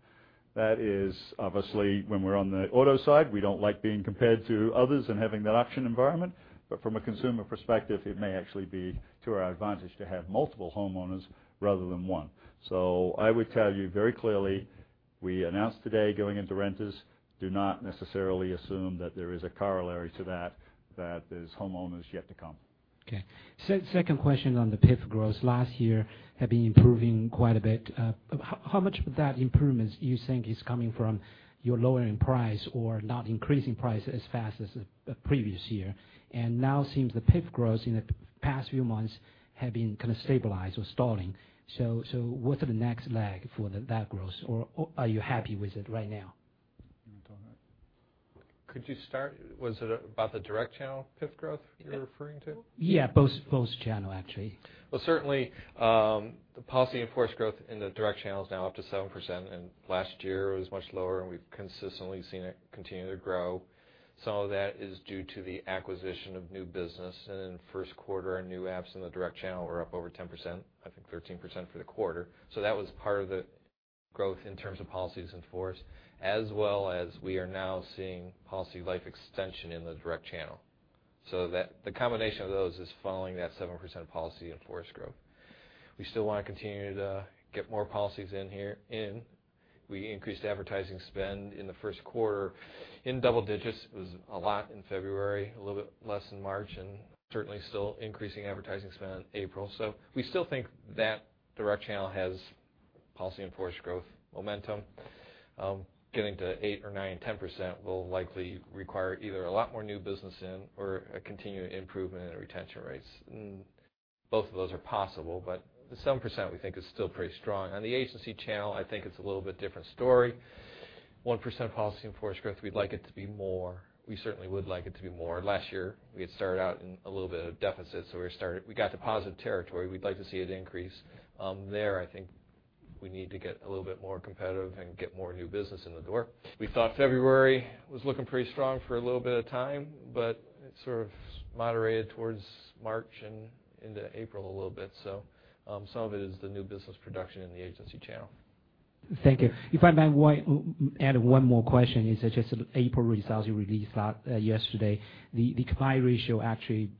That is obviously, when we're on the auto side, we don't like being compared to others and having that auction environment, but from a consumer perspective, it may actually be to our advantage to have multiple homeowners rather than one. I would tell you very clearly, we announced today going into renters, do not necessarily assume that there is a corollary to that there's homeowners yet to come. Okay. Second question on the PIF growth. Last year had been improving quite a bit. How much of that improvements you think is coming from your lowering price or not increasing price as fast as the previous year? Now seems the PIF growth in the past few months have been kind of stabilized or stalling. What's the next leg for that growth? Are you happy with it right now? You want to talk on that? Could you start? Was it about the direct channel PIF growth you're referring to? Yeah, both channel actually. Certainly, the policies in force growth in the direct channel is now up to 7%, and last year it was much lower, and we've consistently seen it continue to grow. Some of that is due to the acquisition of new business. In the first quarter, our new apps in the direct channel were up over 10%, I think 13% for the quarter. That was part of the growth in terms of policies in force, as well as we are now seeing policy life extension in the direct channel. The combination of those is following that 7% policies in force growth. We still want to continue to get more policies in here in. We increased advertising spend in the first quarter in double digits. It was a lot in February, a little bit less in March, and certainly still increasing advertising spend in April. We still think that direct channel has policies in force growth momentum. Getting to eight or nine, 10% will likely require either a lot more new business in or a continued improvement in retention rates. Both of those are possible, but the 7% we think is still pretty strong. On the agency channel, I think it's a little bit different story. 1% policies in force growth, we'd like it to be more. We certainly would like it to be more. Last year, we had started out in a little bit of a deficit, so we got to positive territory. We'd like to see it increase. There, I think we need to get a little bit more competitive and get more new business in the door. We thought February was looking pretty strong for a little bit of time, but it sort of moderated towards March and into April a little bit. Some of it is the new business production in the agency channel. Thank you. If I might add one more question. It's just April results you released out yesterday. The combined ratio actually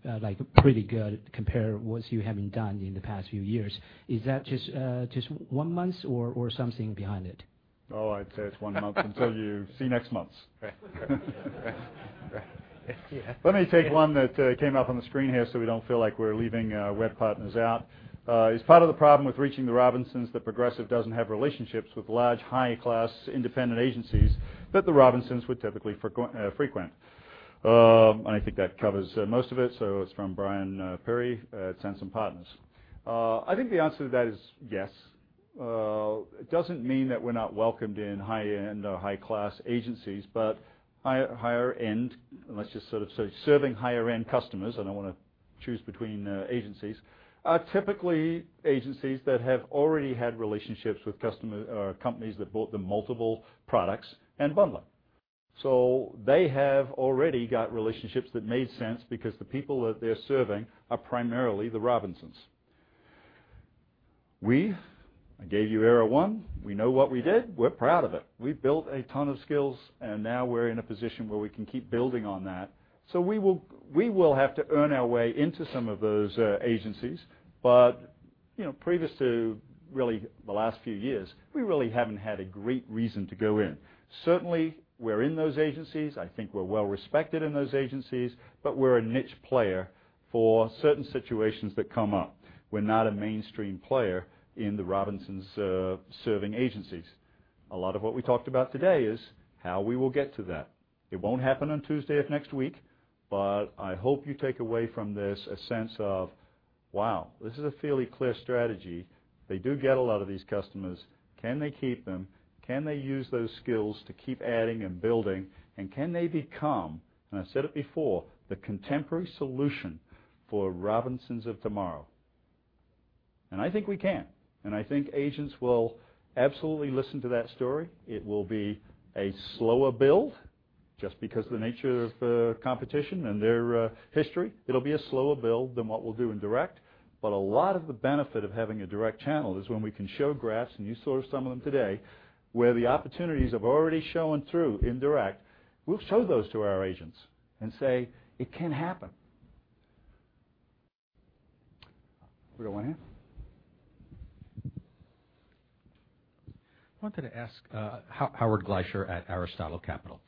pretty good compared what you have been done in the past few years. Is that just one month or something behind it? I'd say it's one month until you see next month. Right. Yeah. Let me take one that came up on the screen here so we don't feel like we're leaving our web partners out. Is part of the problem with reaching the Robinsons that Progressive doesn't have relationships with large, high-class, independent agencies that the Robinsons would typically frequent? I think that covers most of it. It's from Bryan Perry at Sansome Partners. I think the answer to that is yes. It doesn't mean that we're not welcomed in high-end or high-class agencies, but higher end, let's just sort of say serving higher end customers, I don't want to choose between agencies, are typically agencies that have already had relationships with companies that bought them multiple products and bundle them. They have already got relationships that made sense because the people that they're serving are primarily the Robinsons. We, I gave you era one. We know what we did. We're proud of it. We built a ton of skills, and now we're in a position where we can keep building on that. We will have to earn our way into some of those agencies. Previous to really the last few years, we really haven't had a great reason to go in. Certainly, we're in those agencies. I think we're well-respected in those agencies, but we're a niche player for certain situations that come up. We're not a mainstream player in the Robinsons serving agencies. A lot of what we talked about today is how we will get to that. It won't happen on Tuesday of next week, but I hope you take away from this a sense of, wow, this is a fairly clear strategy. They do get a lot of these customers. Can they keep them? Can they use those skills to keep adding and building? Can they become, and I said it before, the contemporary solution for Robinsons of tomorrow? I think we can, and I think agents will absolutely listen to that story. It will be a slower build, just because of the nature of the competition and their history. It will be a slower build than what we will do in direct, but a lot of the benefit of having a direct channel is when we can show graphs, and you saw some of them today, where the opportunities have already shown through in direct. We will show those to our agents and say, "It can happen." What do I have? I wanted to ask. Howard Gleicher at Aristotle Capital.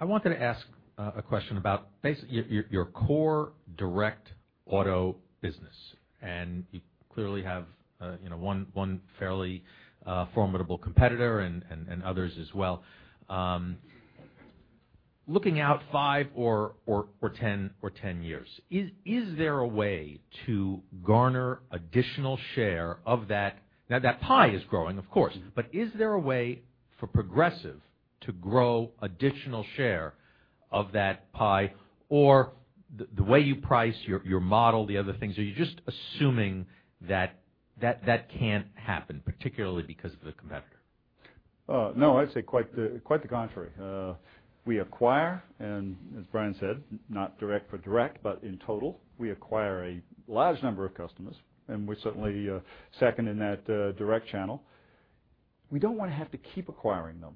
I wanted to ask a question about basically your core direct auto business. You clearly have one fairly formidable competitor and others as well. Looking out 5 or 10 years, is there a way to garner additional share of that? Now that pie is growing, of course. Is there a way for Progressive to grow additional share of that pie? Or the way you price your model, the other things, are you just assuming that can't happen, particularly because of the competitor? I would say quite the contrary. We acquire, and as Brian said, not direct for direct, but in total, we acquire a large number of customers, and we are certainly second in that direct channel. We do not want to have to keep acquiring them.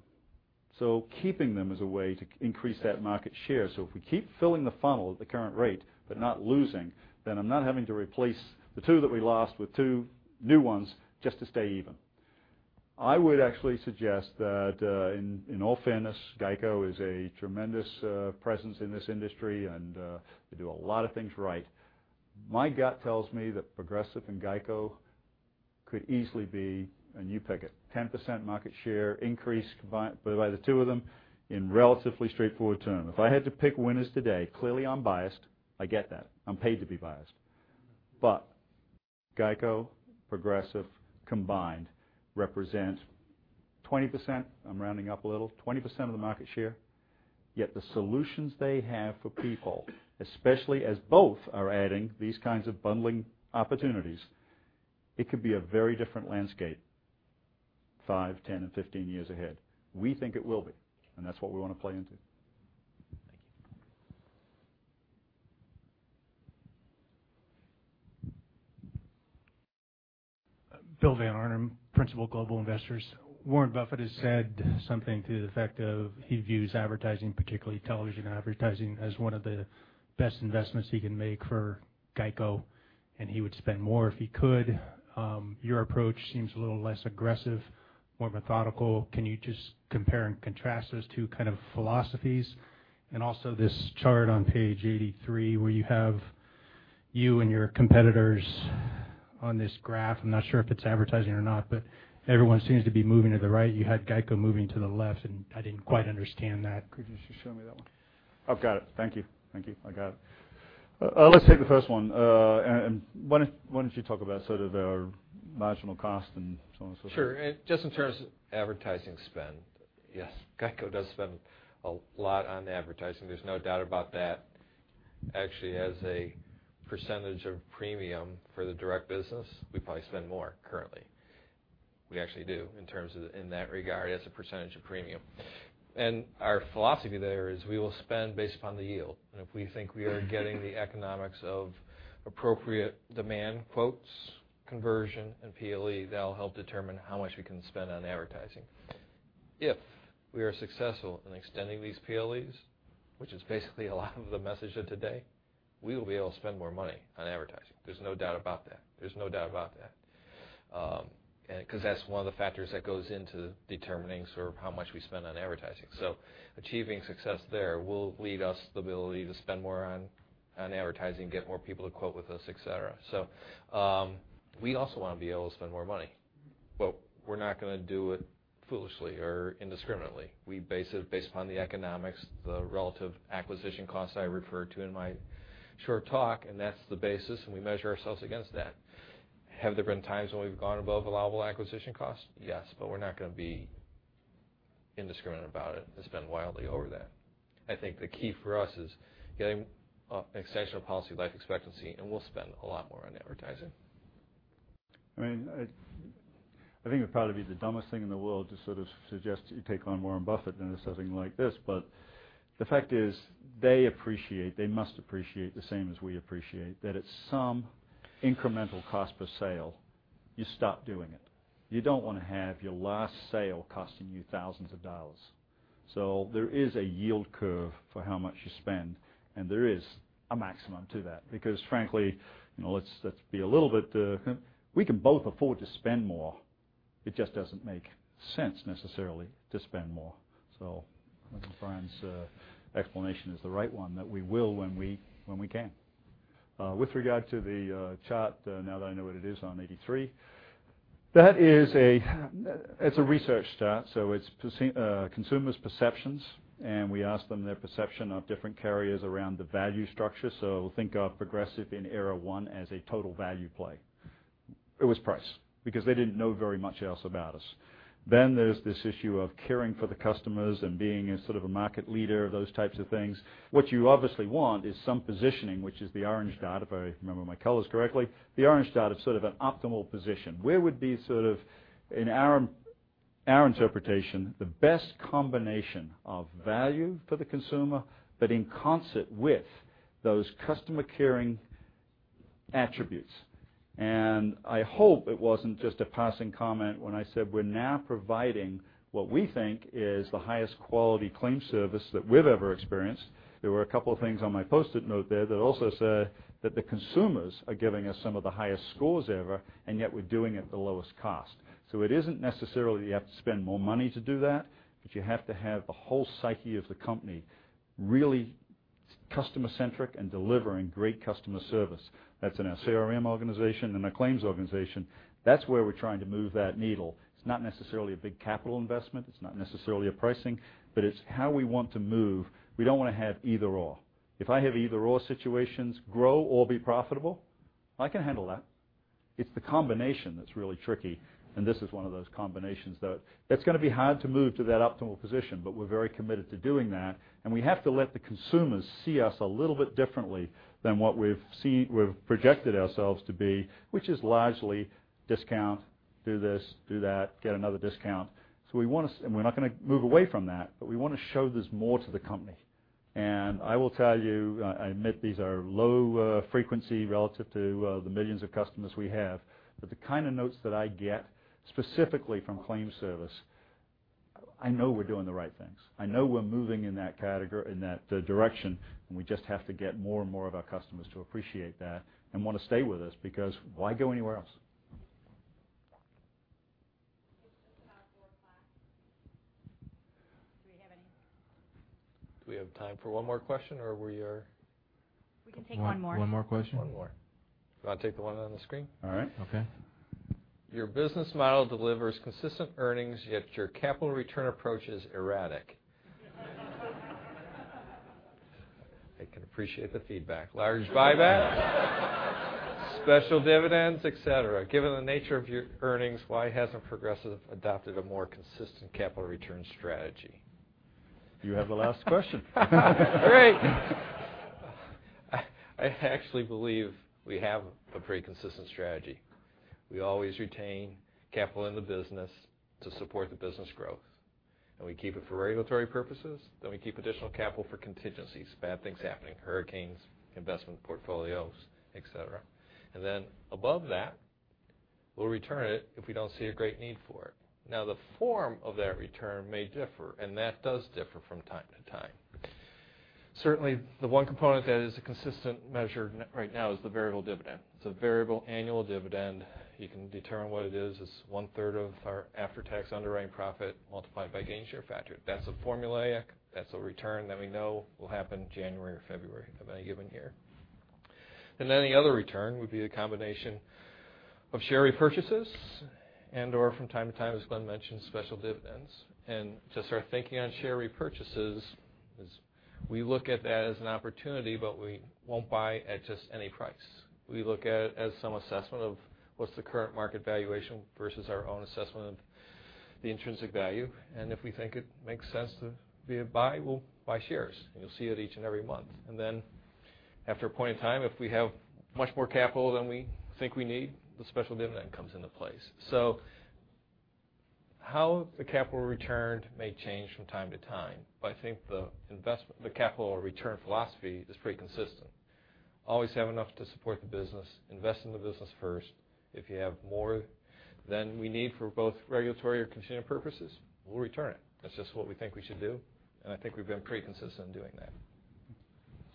Keeping them is a way to increase that market share. If we keep filling the funnel at the current rate, but not losing, I am not having to replace the two that we lost with two new ones just to stay even. I would actually suggest that in all fairness, GEICO is a tremendous presence in this industry, and they do a lot of things right. My gut tells me that Progressive and GEICO could easily be, and you pick it, 10% market share increase by the two of them in relatively straightforward terms. If I had to pick winners today, clearly I am biased. I get that. I am paid to be biased. GEICO, Progressive combined represent 20%, I am rounding up a little, 20% of the market share. Yet the solutions they have for people, especially as both are adding these kinds of bundling opportunities, it could be a very different landscape 5, 10, and 15 years ahead. We think it will be, and that is what we want to play into. Thank you. Bill Van Arnam, Principal Global Investors. Warren Buffett has said something to the effect of he views advertising, particularly television advertising, as one of the best investments he can make for GEICO, and he would spend more if he could. Your approach seems a little less aggressive, more methodical. Can you just compare and contrast those two kind of philosophies? Also this chart on page 83 where you have you and your competitors on this graph. I'm not sure if it's advertising or not, but everyone seems to be moving to the right. You had GEICO moving to the left, and I didn't quite understand that. Could you just show me that one? I've got it. Thank you. I got it. Let's take the first one. Why don't you talk about sort of our marginal cost and so on and so forth? Sure. Just in terms of advertising spend, yes, GEICO does spend a lot on advertising. There's no doubt about that. Actually, as a percentage of premium for the direct business, we probably spend more currently. We actually do in that regard as a percentage of premium. Our philosophy there is we will spend based upon the yield. If we think we are getting the economics of appropriate demand quotes, conversion, and PLE, that'll help determine how much we can spend on advertising. If we are successful in extending these PLEs, which is basically a lot of the message of today, we will be able to spend more money on advertising. There's no doubt about that. That's one of the factors that goes into determining sort of how much we spend on advertising. Achieving success there will lead us the ability to spend more on advertising, get more people to quote with us, et cetera. We also want to be able to spend more money, but we're not going to do it foolishly or indiscriminately. We base it upon the economics, the relative acquisition costs I referred to in my short talk, and that's the basis, and we measure ourselves against that. Have there been times when we've gone above allowable acquisition costs? Yes, but we're not going to be indiscriminate about it and spend wildly over that. I think the key for us is getting exceptional policy life expectancy, and we'll spend a lot more on advertising. I think it'd probably be the dumbest thing in the world to sort of suggest you take on Warren Buffett into something like this. The fact is, they must appreciate the same as we appreciate, that at some incremental cost per sale, you stop doing it. You don't want to have your last sale costing you thousands of dollars. There is a yield curve for how much you spend, and there is a maximum to that. Frankly, let's be a little bit-- we can both afford to spend more. It just doesn't make sense necessarily to spend more. I think Brian's explanation is the right one, that we will when we can. With regard to the chart, now that I know what it is on 83. That is a research chart. It's consumers' perceptions, and we ask them their perception of different carriers around the value structure. Think of Progressive in era one as a total value play. It was price, because they didn't know very much else about us. There's this issue of caring for the customers and being a sort of a market leader, those types of things. What you obviously want is some positioning, which is the orange dot, if I remember my colors correctly. The orange dot is sort of an optimal position. Where would be sort of, in our interpretation, the best combination of value for the consumer, but in concert with those customer-caring attributes. I hope it wasn't just a passing comment when I said we're now providing what we think is the highest quality claim service that we've ever experienced. There were a couple of things on my Post-it note there that also said that the consumers are giving us some of the highest scores ever, and yet we're doing it at the lowest cost. It isn't necessarily that you have to spend more money to do that, but you have to have the whole psyche of the company really customer-centric and delivering great customer service. That's in our CRM organization and our claims organization. That's where we're trying to move that needle. It's not necessarily a big capital investment, it's not necessarily a pricing, but it's how we want to move. We don't want to have either/or. If I have either/or situations, grow or be profitable, I can handle that. It's the combination that's really tricky, and this is one of those combinations that it's going to be hard to move to that optimal position, but we're very committed to doing that. We have to let the consumers see us a little bit differently than what we've projected ourselves to be, which is largely discount, do this, do that, get another discount. We're not going to move away from that, but we want to show there's more to the company. I will tell you, I admit these are low frequency relative to the millions of customers we have, but the kind of notes that I get, specifically from claim service, I know we're doing the right things. I know we're moving in that direction, and we just have to get more and more of our customers to appreciate that and want to stay with us, because why go anywhere else? It's just about 4:00. Do we have time for one more question or we? We can take one more. One more question? One more. Do you want to take the one on the screen? All right. Okay. Your business model delivers consistent earnings, yet your capital return approach is erratic. I can appreciate the feedback. Large buybacks special dividends, et cetera. Given the nature of your earnings, why hasn't Progressive adopted a more consistent capital return strategy? You have the last question. Great. I actually believe we have a pretty consistent strategy. We always retain capital in the business to support the business growth. We keep it for regulatory purposes. We keep additional capital for contingencies, bad things happening, hurricanes, investment portfolios, et cetera. Above that, we'll return it if we don't see a great need for it. Now, the form of that return may differ, and that does differ from time to time. Certainly, the one component that is a consistent measure right now is the variable dividend. It's a variable annual dividend. You can determine what it is. It's one-third of our after-tax underwriting profit multiplied by gain share factor. That's a formulaic. That's a return that we know will happen January or February of any given year. The other return would be a combination of share repurchases and/or from time to time, as Glenn mentioned, special dividends. To start thinking on share repurchases is we look at that as an opportunity, but we won't buy at just any price. We look at it as some assessment of what's the current market valuation versus our own assessment of the intrinsic value. If we think it makes sense to be a buy, we'll buy shares, and you'll see it each and every month. After a point in time, if we have much more capital than we think we need, the special dividend comes into place. How the capital returned may change from time to time. I think the capital return philosophy is pretty consistent. Always have enough to support the business, invest in the business first. If you have more than we need for both regulatory or contingent purposes, we'll return it. That's just what we think we should do, and I think we've been pretty consistent in doing that.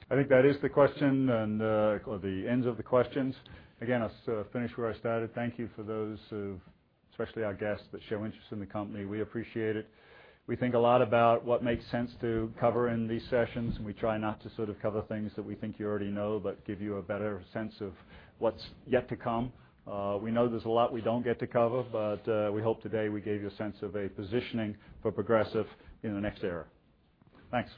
I think that is the question and the end of the questions. I'll finish where I started. Thank you for those who, especially our guests, that show interest in the company. We appreciate it. We think a lot about what makes sense to cover in these sessions, and we try not to sort of cover things that we think you already know, but give you a better sense of what's yet to come. We know there's a lot we don't get to cover, but we hope today we gave you a sense of a positioning for Progressive in the next era. Thanks.